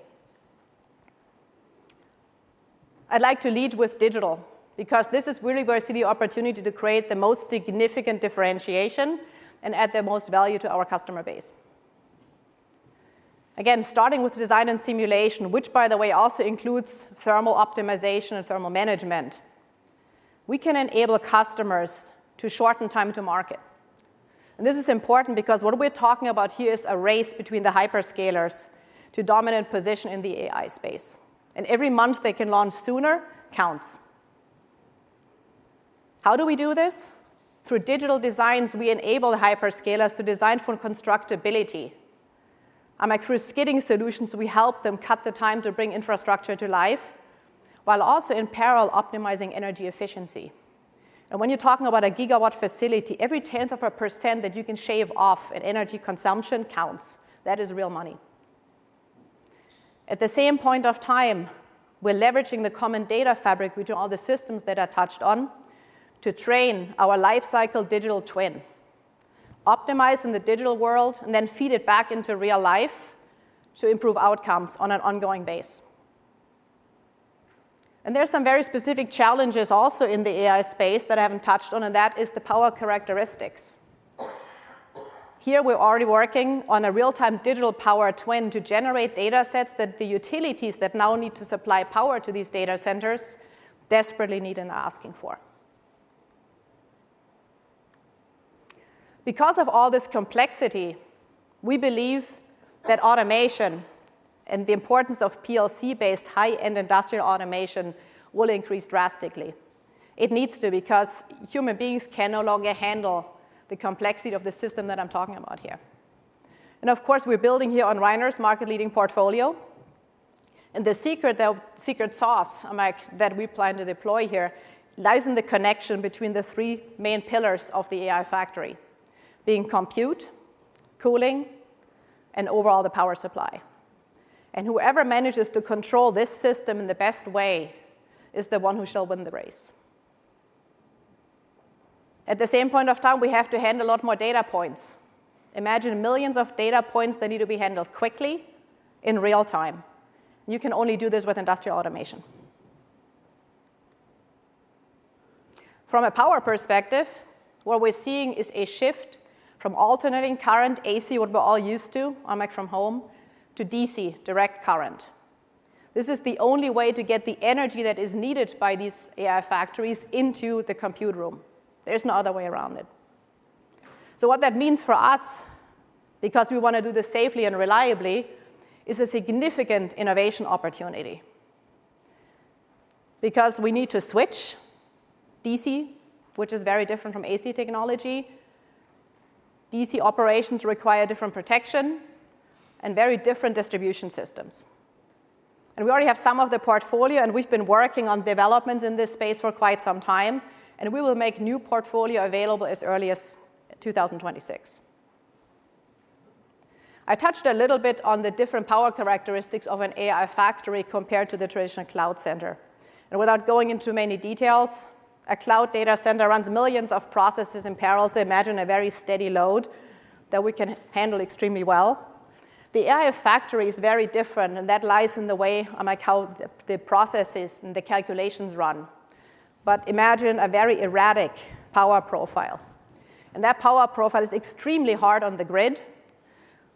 I'd like to lead with digital because this is really where I see the opportunity to create the most significant differentiation and add the most value to our customer base. Again, starting with design and simulation, which, by the way, also includes thermal optimization and thermal management, we can enable customers to shorten time to market. This is important because what we're talking about here is a race between the hyperscalers to dominant position in the AI space. Every month they can launch sooner counts. How do we do this? Through digital designs, we enable the hyperscalers to design for constructability. I'm like, through skidding solutions, we help them cut the time to bring infrastructure to life while also in parallel optimizing energy efficiency. When you're talking about a gigawatt facility, every 0.1% that you can shave off in energy consumption counts. That is real money. At the same point in time, we're leveraging the common data fabric between all the systems that are touched on to train our lifecycle digital twin, optimize in the digital world, and then feed it back into real life to improve outcomes on an ongoing basis. There are some very specific challenges also in the AI space that I haven't touched on, and that is the power characteristics. Here, we're already working on a real-time digital power twin to generate data sets that the utilities that now need to supply power to these data centers desperately need and are asking for. Because of all this complexity, we believe that automation and the importance of PLC-based high-end industrial automation will increase drastically. It needs to because human beings can no longer handle the complexity of the system that I'm talking about here. Of course, we're building here on Rainer's market-leading portfolio. And the secret sauce that we plan to deploy here lies in the connection between the three main pillars of the AI factory being compute, cooling, and overall the power supply. Whoever manages to control this system in the best way is the one who shall win the race. At the same point of time, we have to handle a lot more data points. Imagine millions of data points that need to be handled quickly in real time. You can only do this with industrial automation. From a power perspective, what we're seeing is a shift from alternating current AC, what we're all used to, I'm like, from home, to DC, direct current. This is the only way to get the energy that is needed by these AI factories into the compute room. There's no other way around it. So what that means for us, because we want to do this safely and reliably, is a significant innovation opportunity because we need to switch DC, which is very different from AC technology. DC operations require different protection and very different distribution systems. And we already have some of the portfolio, and we've been working on developments in this space for quite some time. And we will make new portfolio available as early as 2026. I touched a little bit on the different power characteristics of an AI factory compared to the traditional cloud center. And without going into many details, a cloud data center runs millions of processes in parallel. So imagine a very steady load that we can handle extremely well. The AI factory is very different, and that lies in the way I'm like, how the processes and the calculations run. But imagine a very erratic power profile. And that power profile is extremely hard on the grid,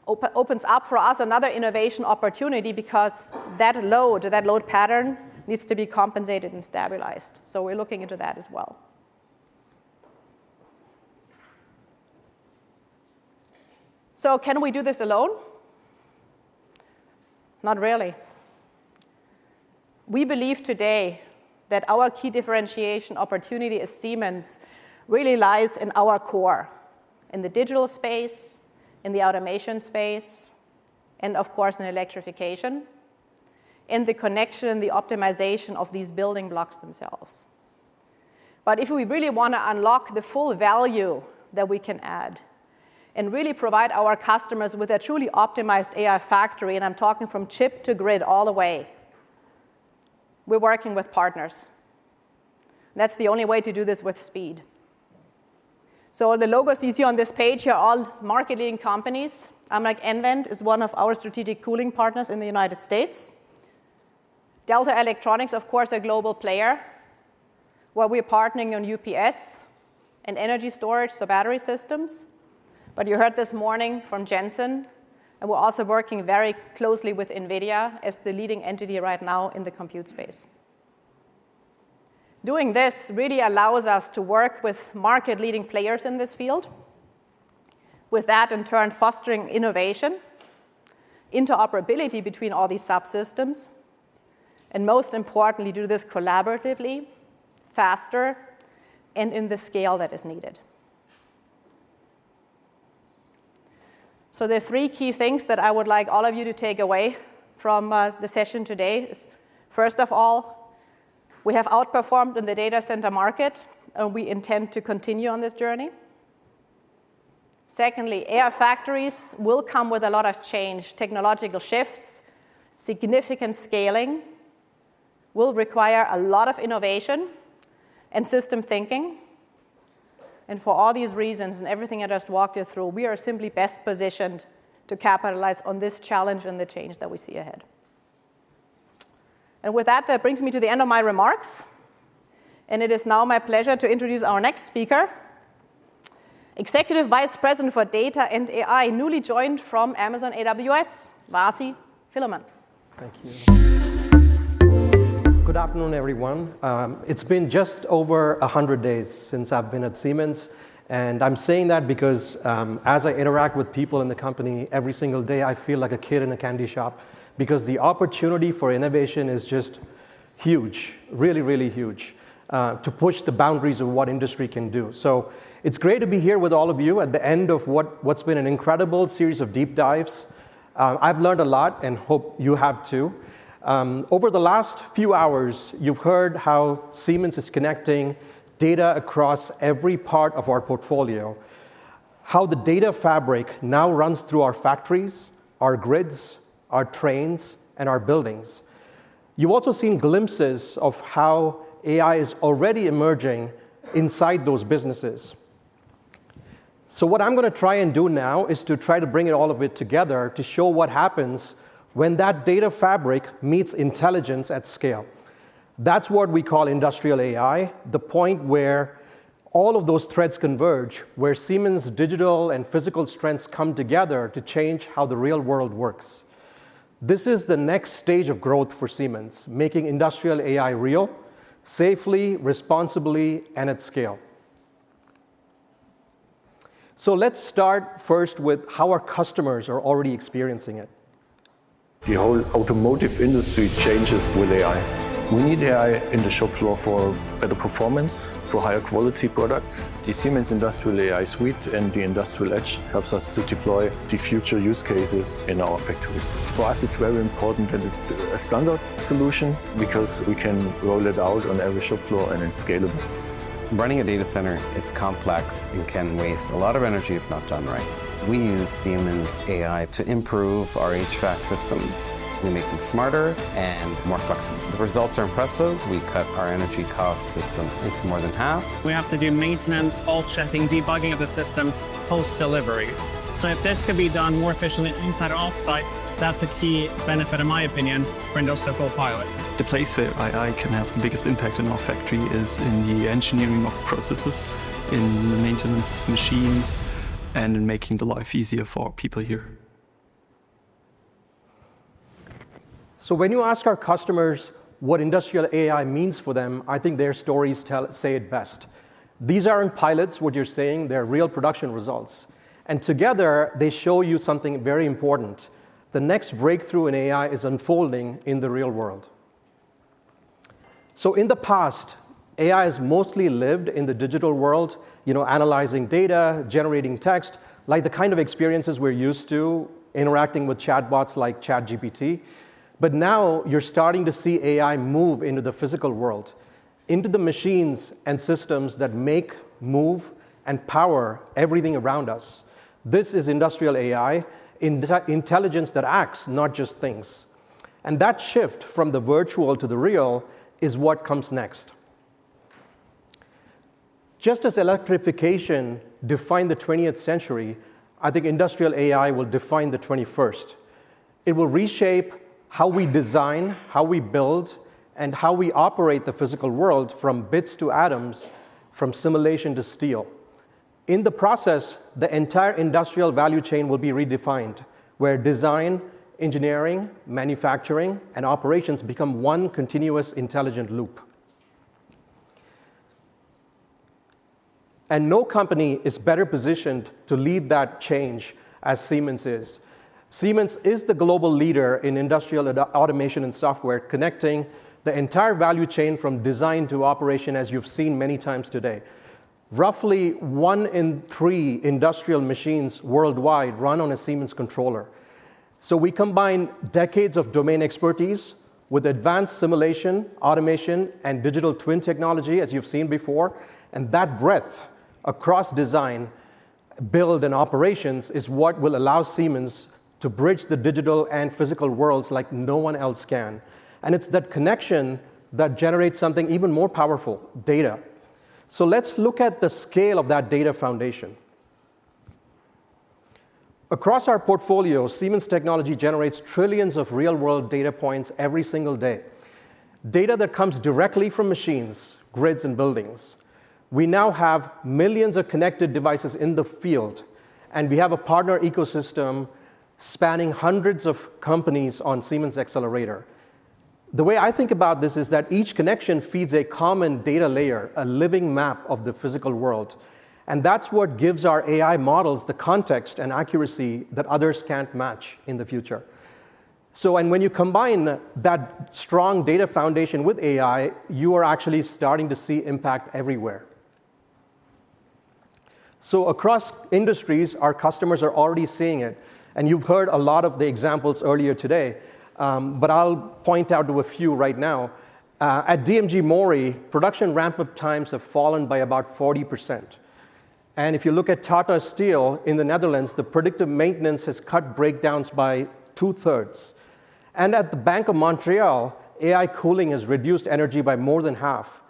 opens up for us another innovation opportunity because that load, that load pattern needs to be compensated and stabilized. So we're looking into that as well. So can we do this alone? Not really. We believe today that our key differentiation opportunity as Siemens really lies in our core in the digital space, in the automation space, and of course, in electrification, in the connection and the optimization of these building blocks themselves. But if we really want to unlock the full value that we can add and really provide our customers with a truly optimized AI factory, and I'm talking from chip to grid all the way, we're working with partners. That's the only way to do this with speed. So the logos you see on this page here are all market-leading companies. I'm like, nVent is one of our strategic cooling partners in the United States. Delta Electronics, of course, a global player where we're partnering on UPS and energy storage, so battery systems. But you heard this morning from Jensen, and we're also working very closely with NVIDIA as the leading entity right now in the compute space. Doing this really allows us to work with market-leading players in this field, with that in turn fostering innovation, interoperability between all these subsystems, and most importantly, do this collaboratively, faster, and in the scale that is needed. So the three key things that I would like all of you to take away from the session today is, first of all, we have outperformed in the data center market, and we intend to continue on this journey. Secondly, AI factories will come with a lot of change, technological shifts, significant scaling, will require a lot of innovation and system thinking. For all these reasons and everything I just walked you through, we are simply best positioned to capitalize on this challenge and the change that we see ahead. With that, that brings me to the end of my remarks. It is now my pleasure to introduce our next speaker, Executive Vice President for Data and AI, newly joined from Amazon AWS, Vasi Philomin. Thank you. Good afternoon, everyone. It's been just over 100 days since I've been at Siemens, and I'm saying that because as I interact with people in the company every single day, I feel like a kid in a candy shop because the opportunity for innovation is just huge, really, really huge to push the boundaries of what industry can do, so it's great to be here with all of you at the end of what's been an incredible series of deep dives. I've learned a lot and hope you have too. Over the last few hours, you've heard how Siemens is connecting data across every part of our portfolio, how the Data Fabric now runs through our factories, our grids, our trains, and our buildings. You've also seen glimpses of how AI is already emerging inside those businesses. So what I'm going to try and do now is to try to bring it all of it together to show what happens when that data fabric meets intelligence at scale. That's what we call industrial AI, the point where all of those threads converge, where Siemens' digital and physical strengths come together to change how the real world works. This is the next stage of growth for Siemens, making industrial AI real, safely, responsibly, and at scale. So let's start first with how our customers are already experiencing it. The whole automotive industry changes with AI. We need AI in the shop floor for better performance, for higher quality products. The Siemens Industrial AI Suite and the Industrial Edge helps us to deploy the future use cases in our factories. For us, it's very important, and it's a standard solution because we can roll it out on every shop floor, and it's scalable. Running a data center is complex and can waste a lot of energy if not done right. We use Siemens AI to improve our HVAC systems. We make them smarter and more flexible. The results are impressive. We cut our energy costs into more than half. We have to do maintenance, all checking, debugging of the system post-delivery. So if this could be done more efficiently inside or offsite, that's a key benefit, in my opinion, for Industrial Copilot. The place where AI can have the biggest impact in our factory is in the engineering of processes, in the maintenance of machines, and in making the life easier for our people here. When you ask our customers what industrial AI means for them, I think their stories say it best. These aren't pilots, what you're saying. They're real production results. And together, they show you something very important. The next breakthrough in AI is unfolding in the real world. So in the past, AI has mostly lived in the digital world, analyzing data, generating text, like the kind of experiences we're used to interacting with chatbots like ChatGPT. But now you're starting to see AI move into the physical world, into the machines and systems that make, move, and power everything around us. This is industrial AI, intelligence that acts, not just thinks. And that shift from the virtual to the real is what comes next. Just as electrification defined the 20th century, I think industrial AI will define the 21st. It will reshape how we design, how we build, and how we operate the physical world from bits to atoms, from simulation to steel. In the process, the entire industrial value chain will be redefined, where design, engineering, manufacturing, and operations become one continuous intelligent loop, and no company is better positioned to lead that change as Siemens is. Siemens is the global leader in industrial automation and software, connecting the entire value chain from design to operation, as you've seen many times today. Roughly one in three industrial machines worldwide run on a Siemens controller, so we combine decades of domain expertise with advanced simulation, automation, and digital twin technology, as you've seen before, and that breadth across design, build, and operations is what will allow Siemens to bridge the digital and physical worlds like no one else can. It's that connection that generates something even more powerful, data. Let's look at the scale of that data foundation. Across our portfolio, Siemens technology generates trillions of real-world data points every single day. Data that comes directly from machines, grids, and buildings. We now have millions of connected devices in the field, and we have a partner ecosystem spanning hundreds of companies on Siemens Xcelerator. The way I think about this is that each connection feeds a common data layer, a living map of the physical world. That's what gives our AI models the context and accuracy that others can't match in the future. When you combine that strong data foundation with AI, you are actually starting to see impact everywhere. Across industries, our customers are already seeing it. And you've heard a lot of the examples earlier today, but I'll point out to a few right now. At DMG MORI, production ramp-up times have fallen by about 40%. And if you look at Tata Steel in the Netherlands, the predictive maintenance has cut breakdowns by two-thirds. And at the Bank of Montreal, AI cooling has reduced energy by more than half.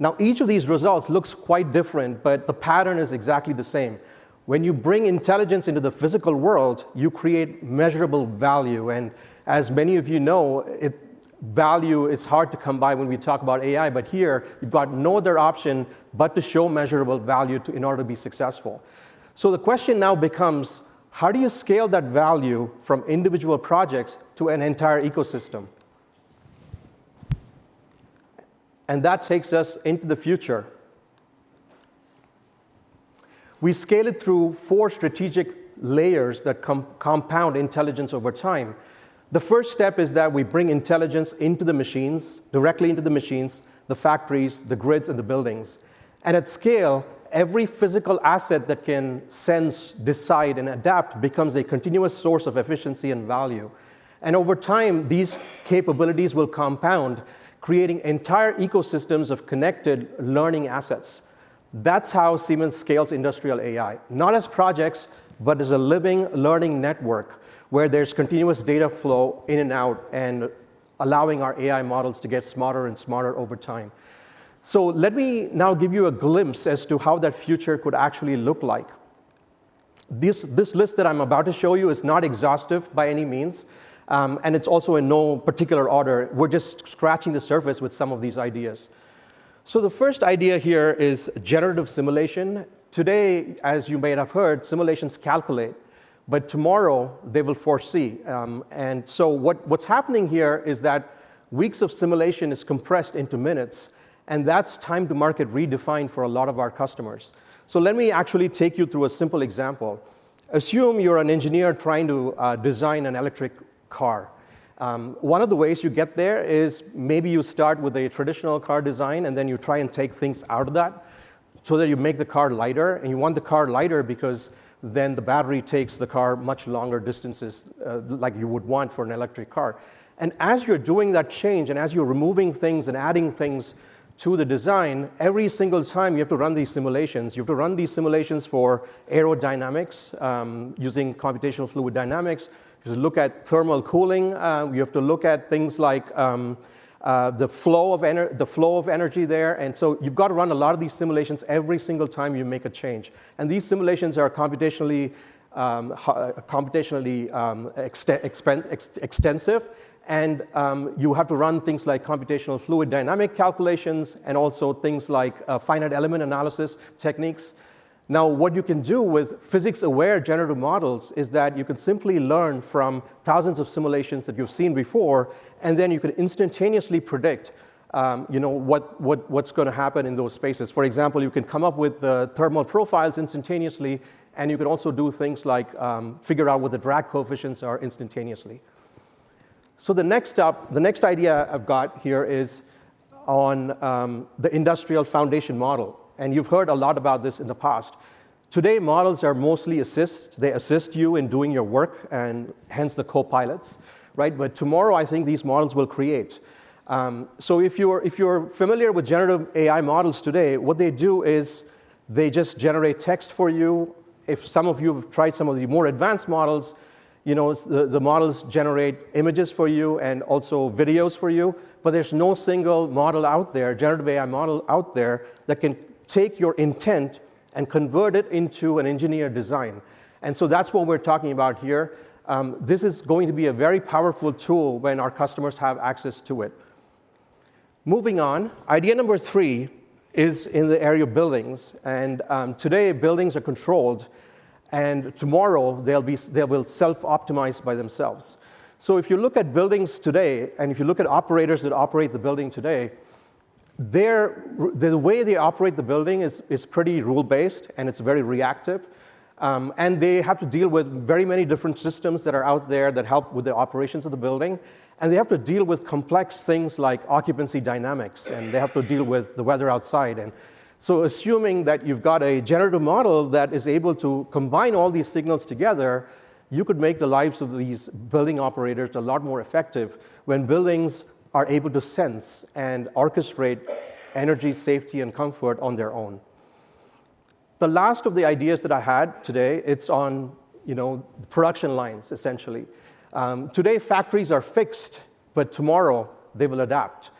Now, each of these results looks quite different, but the pattern is exactly the same. When you bring intelligence into the physical world, you create measurable value. And as many of you know, value is hard to come by when we talk about AI. But here, you've got no other option but to show measurable value in order to be successful. So the question now becomes, how do you scale that value from individual projects to an entire ecosystem? And that takes us into the future. We scale it through four strategic layers that compound intelligence over time. The first step is that we bring intelligence into the machines, directly into the machines, the factories, the grids, and the buildings, and at scale, every physical asset that can sense, decide, and adapt becomes a continuous source of efficiency and value, and over time, these capabilities will compound, creating entire ecosystems of connected learning assets. That's how Siemens scales industrial AI, not as projects, but as a living learning network where there's continuous data flow in and out and allowing our AI models to get smarter and smarter over time. So let me now give you a glimpse as to how that future could actually look like. This list that I'm about to show you is not exhaustive by any means, and it's also in no particular order. We're just scratching the surface with some of these ideas. So the first idea here is generative simulation. Today, as you may have heard, simulations calculate, but tomorrow they will foresee. And so what's happening here is that weeks of simulation is compressed into minutes, and that's time-to-market redefined for a lot of our customers. So let me actually take you through a simple example. Assume you're an engineer trying to design an electric car. One of the ways you get there is maybe you start with a traditional car design, and then you try and take things out of that so that you make the car lighter. And you want the car lighter because then the battery takes the car much longer distances like you would want for an electric car. And as you're doing that change and as you're removing things and adding things to the design, every single time you have to run these simulations. You have to run these simulations for aerodynamics using computational fluid dynamics. You have to look at thermal cooling. You have to look at things like the flow of energy there. And so you've got to run a lot of these simulations every single time you make a change. And these simulations are computationally extensive. And you have to run things like computational fluid dynamics calculations and also things like finite element analysis techniques. Now, what you can do with physics-aware generative models is that you can simply learn from thousands of simulations that you've seen before, and then you can instantaneously predict what's going to happen in those spaces. For example, you can come up with the thermal profiles instantaneously, and you can also do things like figure out what the drag coefficients are instantaneously, so the next idea I've got here is on the industrial foundation model, and you've heard a lot about this in the past. Today, models are mostly assists. They assist you in doing your work, and hence the copilots, but tomorrow, I think these models will create, so if you're familiar with generative AI models today, what they do is they just generate text for you. If some of you have tried some of the more advanced models, the models generate images for you and also videos for you, but there's no single model out there, generative AI model out there that can take your intent and convert it into an engineered design, and so that's what we're talking about here. This is going to be a very powerful tool when our customers have access to it. Moving on, idea number three is in the area of buildings. Today, buildings are controlled, and tomorrow they will self-optimize by themselves. If you look at buildings today and if you look at operators that operate the building today, the way they operate the building is pretty rule-based, and it's very reactive. They have to deal with very many different systems that are out there that help with the operations of the building. They have to deal with complex things like occupancy dynamics, and they have to deal with the weather outside. Assuming that you've got a generative model that is able to combine all these signals together, you could make the lives of these building operators a lot more effective when buildings are able to sense and orchestrate energy, safety, and comfort on their own. The last of the ideas that I had today, it's on production lines, essentially. Today, factories are fixed, but tomorrow they will adapt.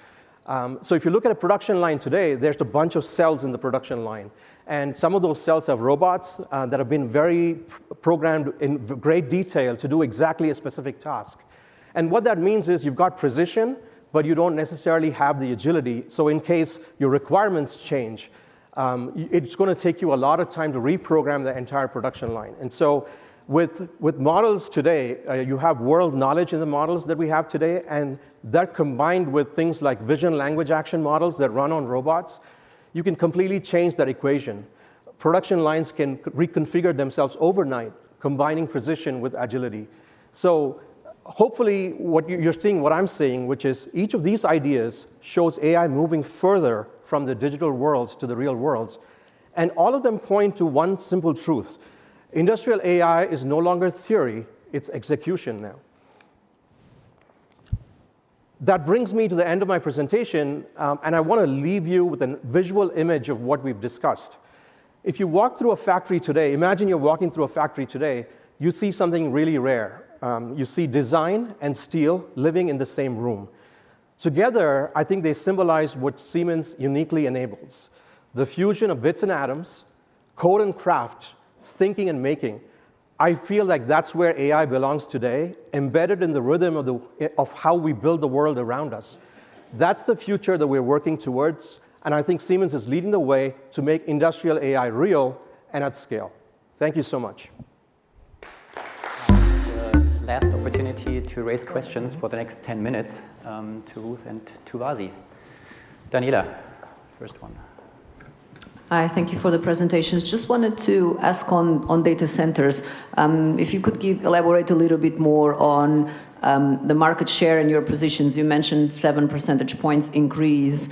So if you look at a production line today, there's a bunch of cells in the production line. And some of those cells have robots that have been very programmed in great detail to do exactly a specific task. And what that means is you've got precision, but you don't necessarily have the agility. So in case your requirements change, it's going to take you a lot of time to reprogram the entire production line. And so with models today, you have world knowledge in the models that we have today. And that combined with things like vision-language-action models that run on robots, you can completely change that equation. Production lines can reconfigure themselves overnight, combining precision with agility. So hopefully, you're seeing what I'm seeing, which is each of these ideas shows AI moving further from the digital worlds to the real worlds. And all of them point to one simple truth. Industrial AI is no longer theory. It's execution now. That brings me to the end of my presentation, and I want to leave you with a visual image of what we've discussed. If you walk through a factory today, imagine you're walking through a factory today, you see something really rare. You see design and steel living in the same room. Together, I think they symbolize what Siemens uniquely enables: the fusion of bits and atoms, code and craft, thinking and making. I feel like that's where AI belongs today, embedded in the rhythm of how we build the world around us. That's the future that we're working towards. I think Siemens is leading the way to make industrial AI real and at scale. Thank you so much. Last opportunity to raise questions for the next 10 minutes to Ruth and to Vasi. Daniela, first one. Hi. Thank you for the presentation. Just wanted to ask on data centers. If you could elaborate a little bit more on the market share and your positions. You mentioned seven percentage points increase.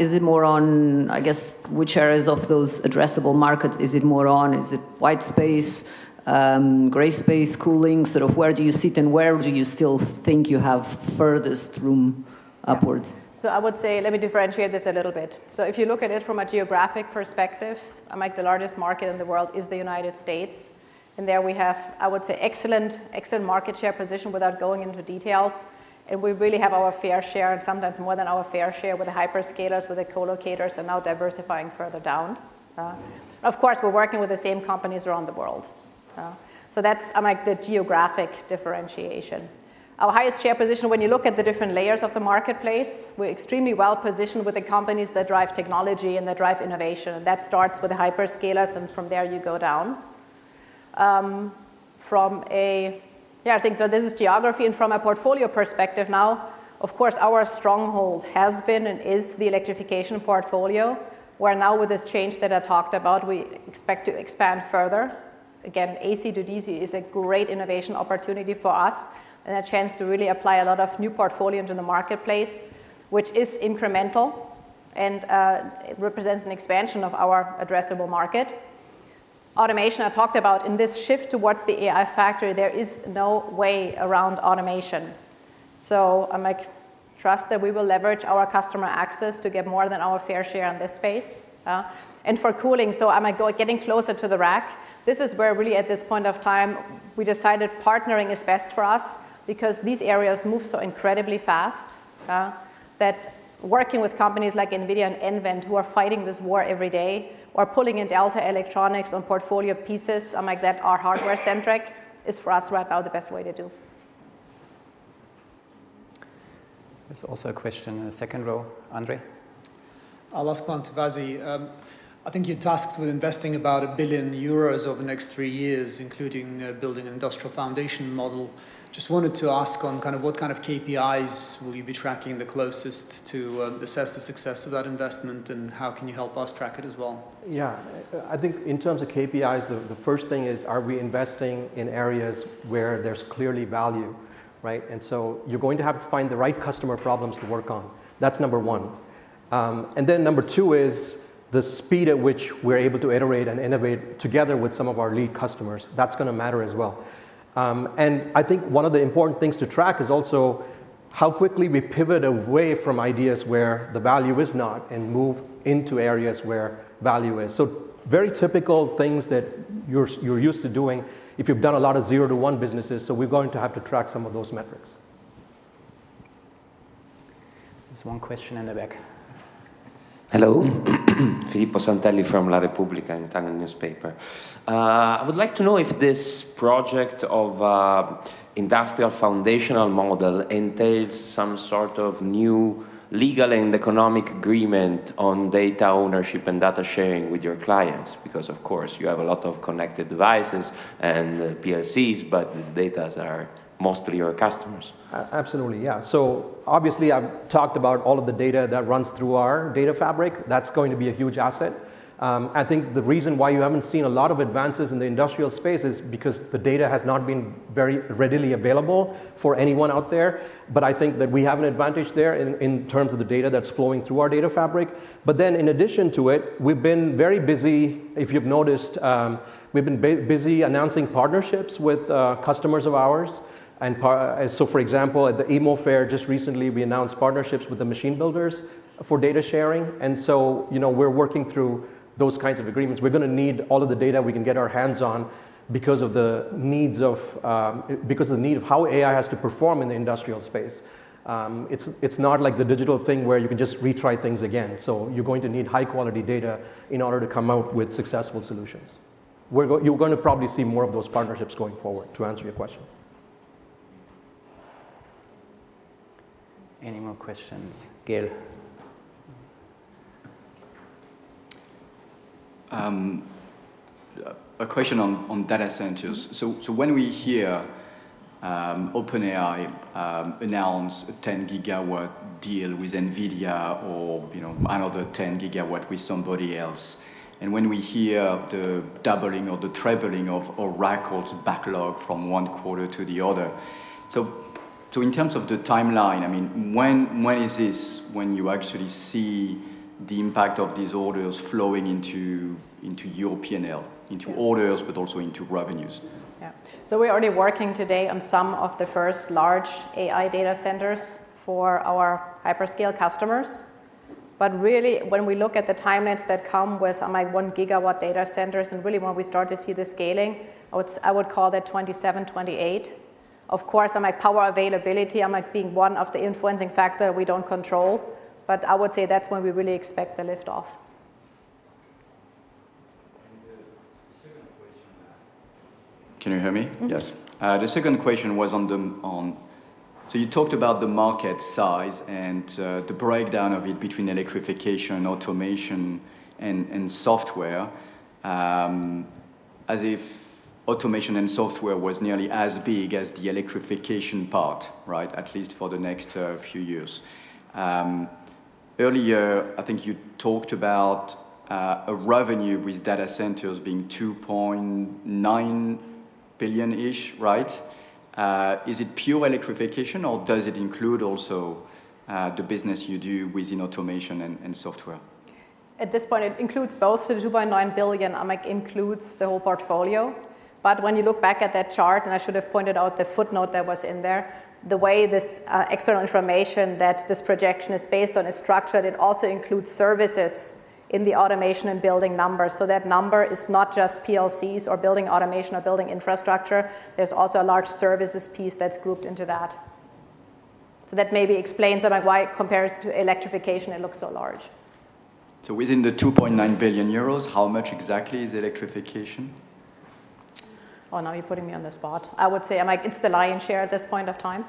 Is it more on, I guess, which areas of those addressable markets is it more on? Is it white space, gray space, cooling? Sort of where do you sit and where do you still think you have furthest room upwards? So I would say, let me differentiate this a little bit. So if you look at it from a geographic perspective, the largest market in the world is the United States. And there we have, I would say, excellent market share position without going into details. And we really have our fair share and sometimes more than our fair share with the hyperscalers, with the colocators, and now diversifying further down. Of course, we're working with the same companies around the world. So that's the geographic differentiation. Our highest share position, when you look at the different layers of the marketplace, we're extremely well positioned with the companies that drive technology and that drive innovation. And that starts with the hyperscalers, and from there you go down. Yeah, I think so this is geography. From a portfolio perspective now, of course, our stronghold has been and is the electrification portfolio, where now with this change that I talked about, we expect to expand further. Again, AC to DC is a great innovation opportunity for us and a chance to really apply a lot of new portfolio into the marketplace, which is incremental and represents an expansion of our addressable market. Automation, I talked about in this shift towards the AI factory, there is no way around automation. So I trust that we will leverage our customer access to get more than our fair share in this space. And for cooling, so I'm getting closer to the rack. This is where really at this point of time, we decided partnering is best for us because these areas move so incredibly fast that working with companies like NVIDIA and nVent, who are fighting this war every day, or pulling in Delta Electronics on portfolio pieces, I'm like that are hardware-centric is for us right now the best way to do. There's also a question in the second row. Andre? I'll ask one to Vasi. I think you tasked with investing about 1 billion euros over the next three years, including building an industrial foundation model. Just wanted to ask on kind of what kind of KPIs will you be tracking the closest to assess the success of that investment, and how can you help us track it as well? Yeah. I think in terms of KPIs, the first thing is, are we investing in areas where there's clearly value? And so you're going to have to find the right customer problems to work on. That's number one. And then number two is the speed at which we're able to iterate and innovate together with some of our lead customers. That's going to matter as well. And I think one of the important things to track is also how quickly we pivot away from ideas where the value is not and move into areas where value is. So very typical things that you're used to doing if you've done a lot of zero-to-one businesses. So we're going to have to track some of those metrics. There's one question in the back. Hello. Filippo Santelli from La Repubblica, an Italian newspaper. I would like to know if this project of industrial foundational model entails some sort of new legal and economic agreement on data ownership and data sharing with your clients because, of course, you have a lot of connected devices and PLCs, but the data are mostly your customers? Absolutely. Yeah. So obviously, I've talked about all of the data that runs through our data fabric. That's going to be a huge asset. I think the reason why you haven't seen a lot of advances in the industrial space is because the data has not been very readily available for anyone out there. But I think that we have an advantage there in terms of the data that's flowing through our data fabric. But then in addition to it, we've been very busy, if you've noticed, we've been busy announcing partnerships with customers of ours. And so, for example, at the EMO fair just recently, we announced partnerships with the machine builders for data sharing. And so we're working through those kinds of agreements. We're going to need all of the data we can get our hands on because of the need of how AI has to perform in the industrial space. It's not like the digital thing where you can just retry things again. So you're going to need high-quality data in order to come out with successful solutions. You're going to probably see more of those partnerships going forward to answer your question. Any more questions? Gael. A question on data centers. So when we hear OpenAI announce a 10-gigawatt deal with NVIDIA or another 10-gigawatt with somebody else, and when we hear the doubling or the trebling of Oracle's backlog from one quarter to the other, so in terms of the timeline, I mean, when is this when you actually see the impact of these orders flowing into European orders, but also into revenues? Yeah. So we're already working today on some of the first large AI data centers for our hyperscale customers. But really, when we look at the timelines that come with one-gigawatt data centers and really when we start to see the scaling, I would call that 2027, 2028. Of course, power availability being one of the influencing factors we don't control, but I would say that's when we really expect the lift-off. Can you hear me? Yes. The second question was on the so you talked about the market size and the breakdown of it between electrification, automation, and software, as if automation and software was nearly as big as the electrification part, at least for the next few years. Earlier, I think you talked about a revenue with data centers being 2.9 billion-ish. Is it pure electrification, or does it include also the business you do within automation and software? At this point, it includes both. So the 2.9 billion includes the whole portfolio. But when you look back at that chart, and I should have pointed out the footnote that was in there, the way this external information that this projection is based on is structured, it also includes services in the automation and building number. So that number is not just PLCs or building automation or building infrastructure. There's also a large services piece that's grouped into that. So that maybe explains why, compared to electrification, it looks so large. So within the 2.9 billion euros, how much exactly is electrification? Oh, now you're putting me on the spot. I would say it's the lion's share at this point of time.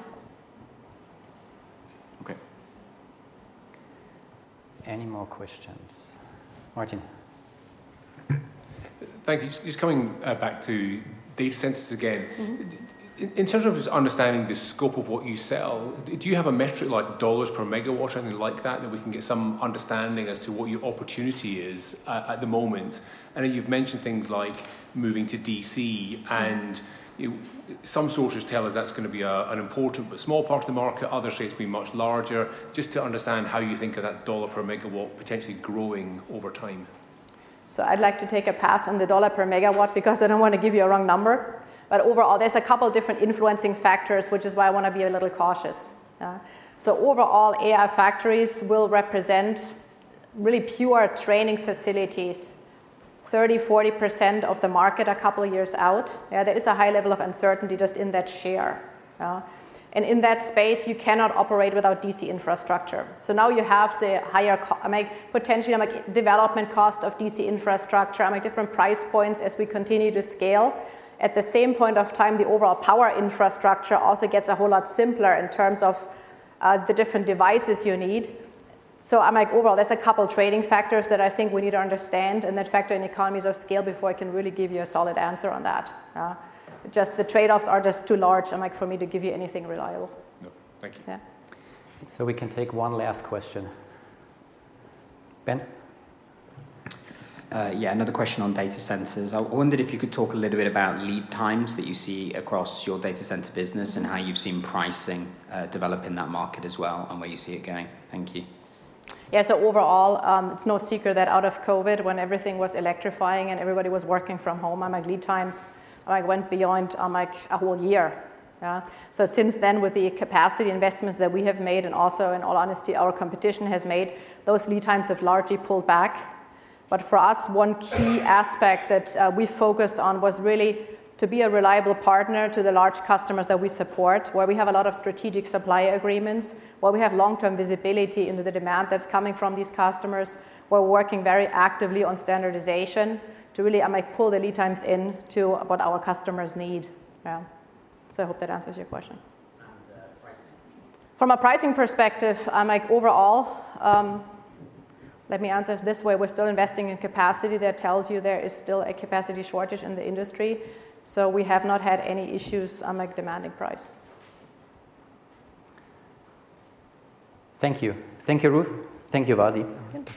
Okay. Any more questions? Martin. Thank you. Just coming back to data centers again. In terms of understanding the scope of what you sell, do you have a metric like dollars per megawatt or anything like that that we can get some understanding as to what your opportunity is at the moment? I know you've mentioned things like moving to DC, and some sources tell us that's going to be an important but small part of the market. Others say it's going to be much larger. Just to understand how you think of that dollar per megawatt potentially growing over time. So I'd like to take a pass on the dollar per megawatt because I don't want to give you a wrong number. But overall, there's a couple of different influencing factors, which is why I want to be a little cautious. So overall, AI factories will represent really pure training facilities, 30%-40% of the market a couple of years out. There is a high level of uncertainty just in that share. And in that space, you cannot operate without DC infrastructure. So now you have the higher potential development cost of DC infrastructure, different price points as we continue to scale. At the same point of time, the overall power infrastructure also gets a whole lot simpler in terms of the different devices you need. So overall, there's a couple of trading factors that I think we need to understand and then factor in economies of scale before I can really give you a solid answer on that. Just the trade-offs are just too large for me to give you anything reliable. Thank you. So, we can take one last question. Ben. Yeah, another question on data centers. I wondered if you could talk a little bit about lead times that you see across your data center business and how you've seen pricing develop in that market as well and where you see it going. Thank you. Yeah. So overall, it's no secret that out of COVID, when everything was electrifying and everybody was working from home, lead times went beyond a whole year. So since then, with the capacity investments that we have made, and also, in all honesty, our competition has made, those lead times have largely pulled back. But for us, one key aspect that we focused on was really to be a reliable partner to the large customers that we support, where we have a lot of strategic supply agreements, where we have long-term visibility into the demand that's coming from these customers, where we're working very actively on standardization to really pull the lead times into what our customers need. So I hope that answers your question. And pricing? From a pricing perspective, overall, let me answer this way. We're still investing in capacity. That tells you there is still a capacity shortage in the industry. So we have not had any issues demanding price. Thank you. Thank you, Ruth. Thank you, Vasi. Thank you.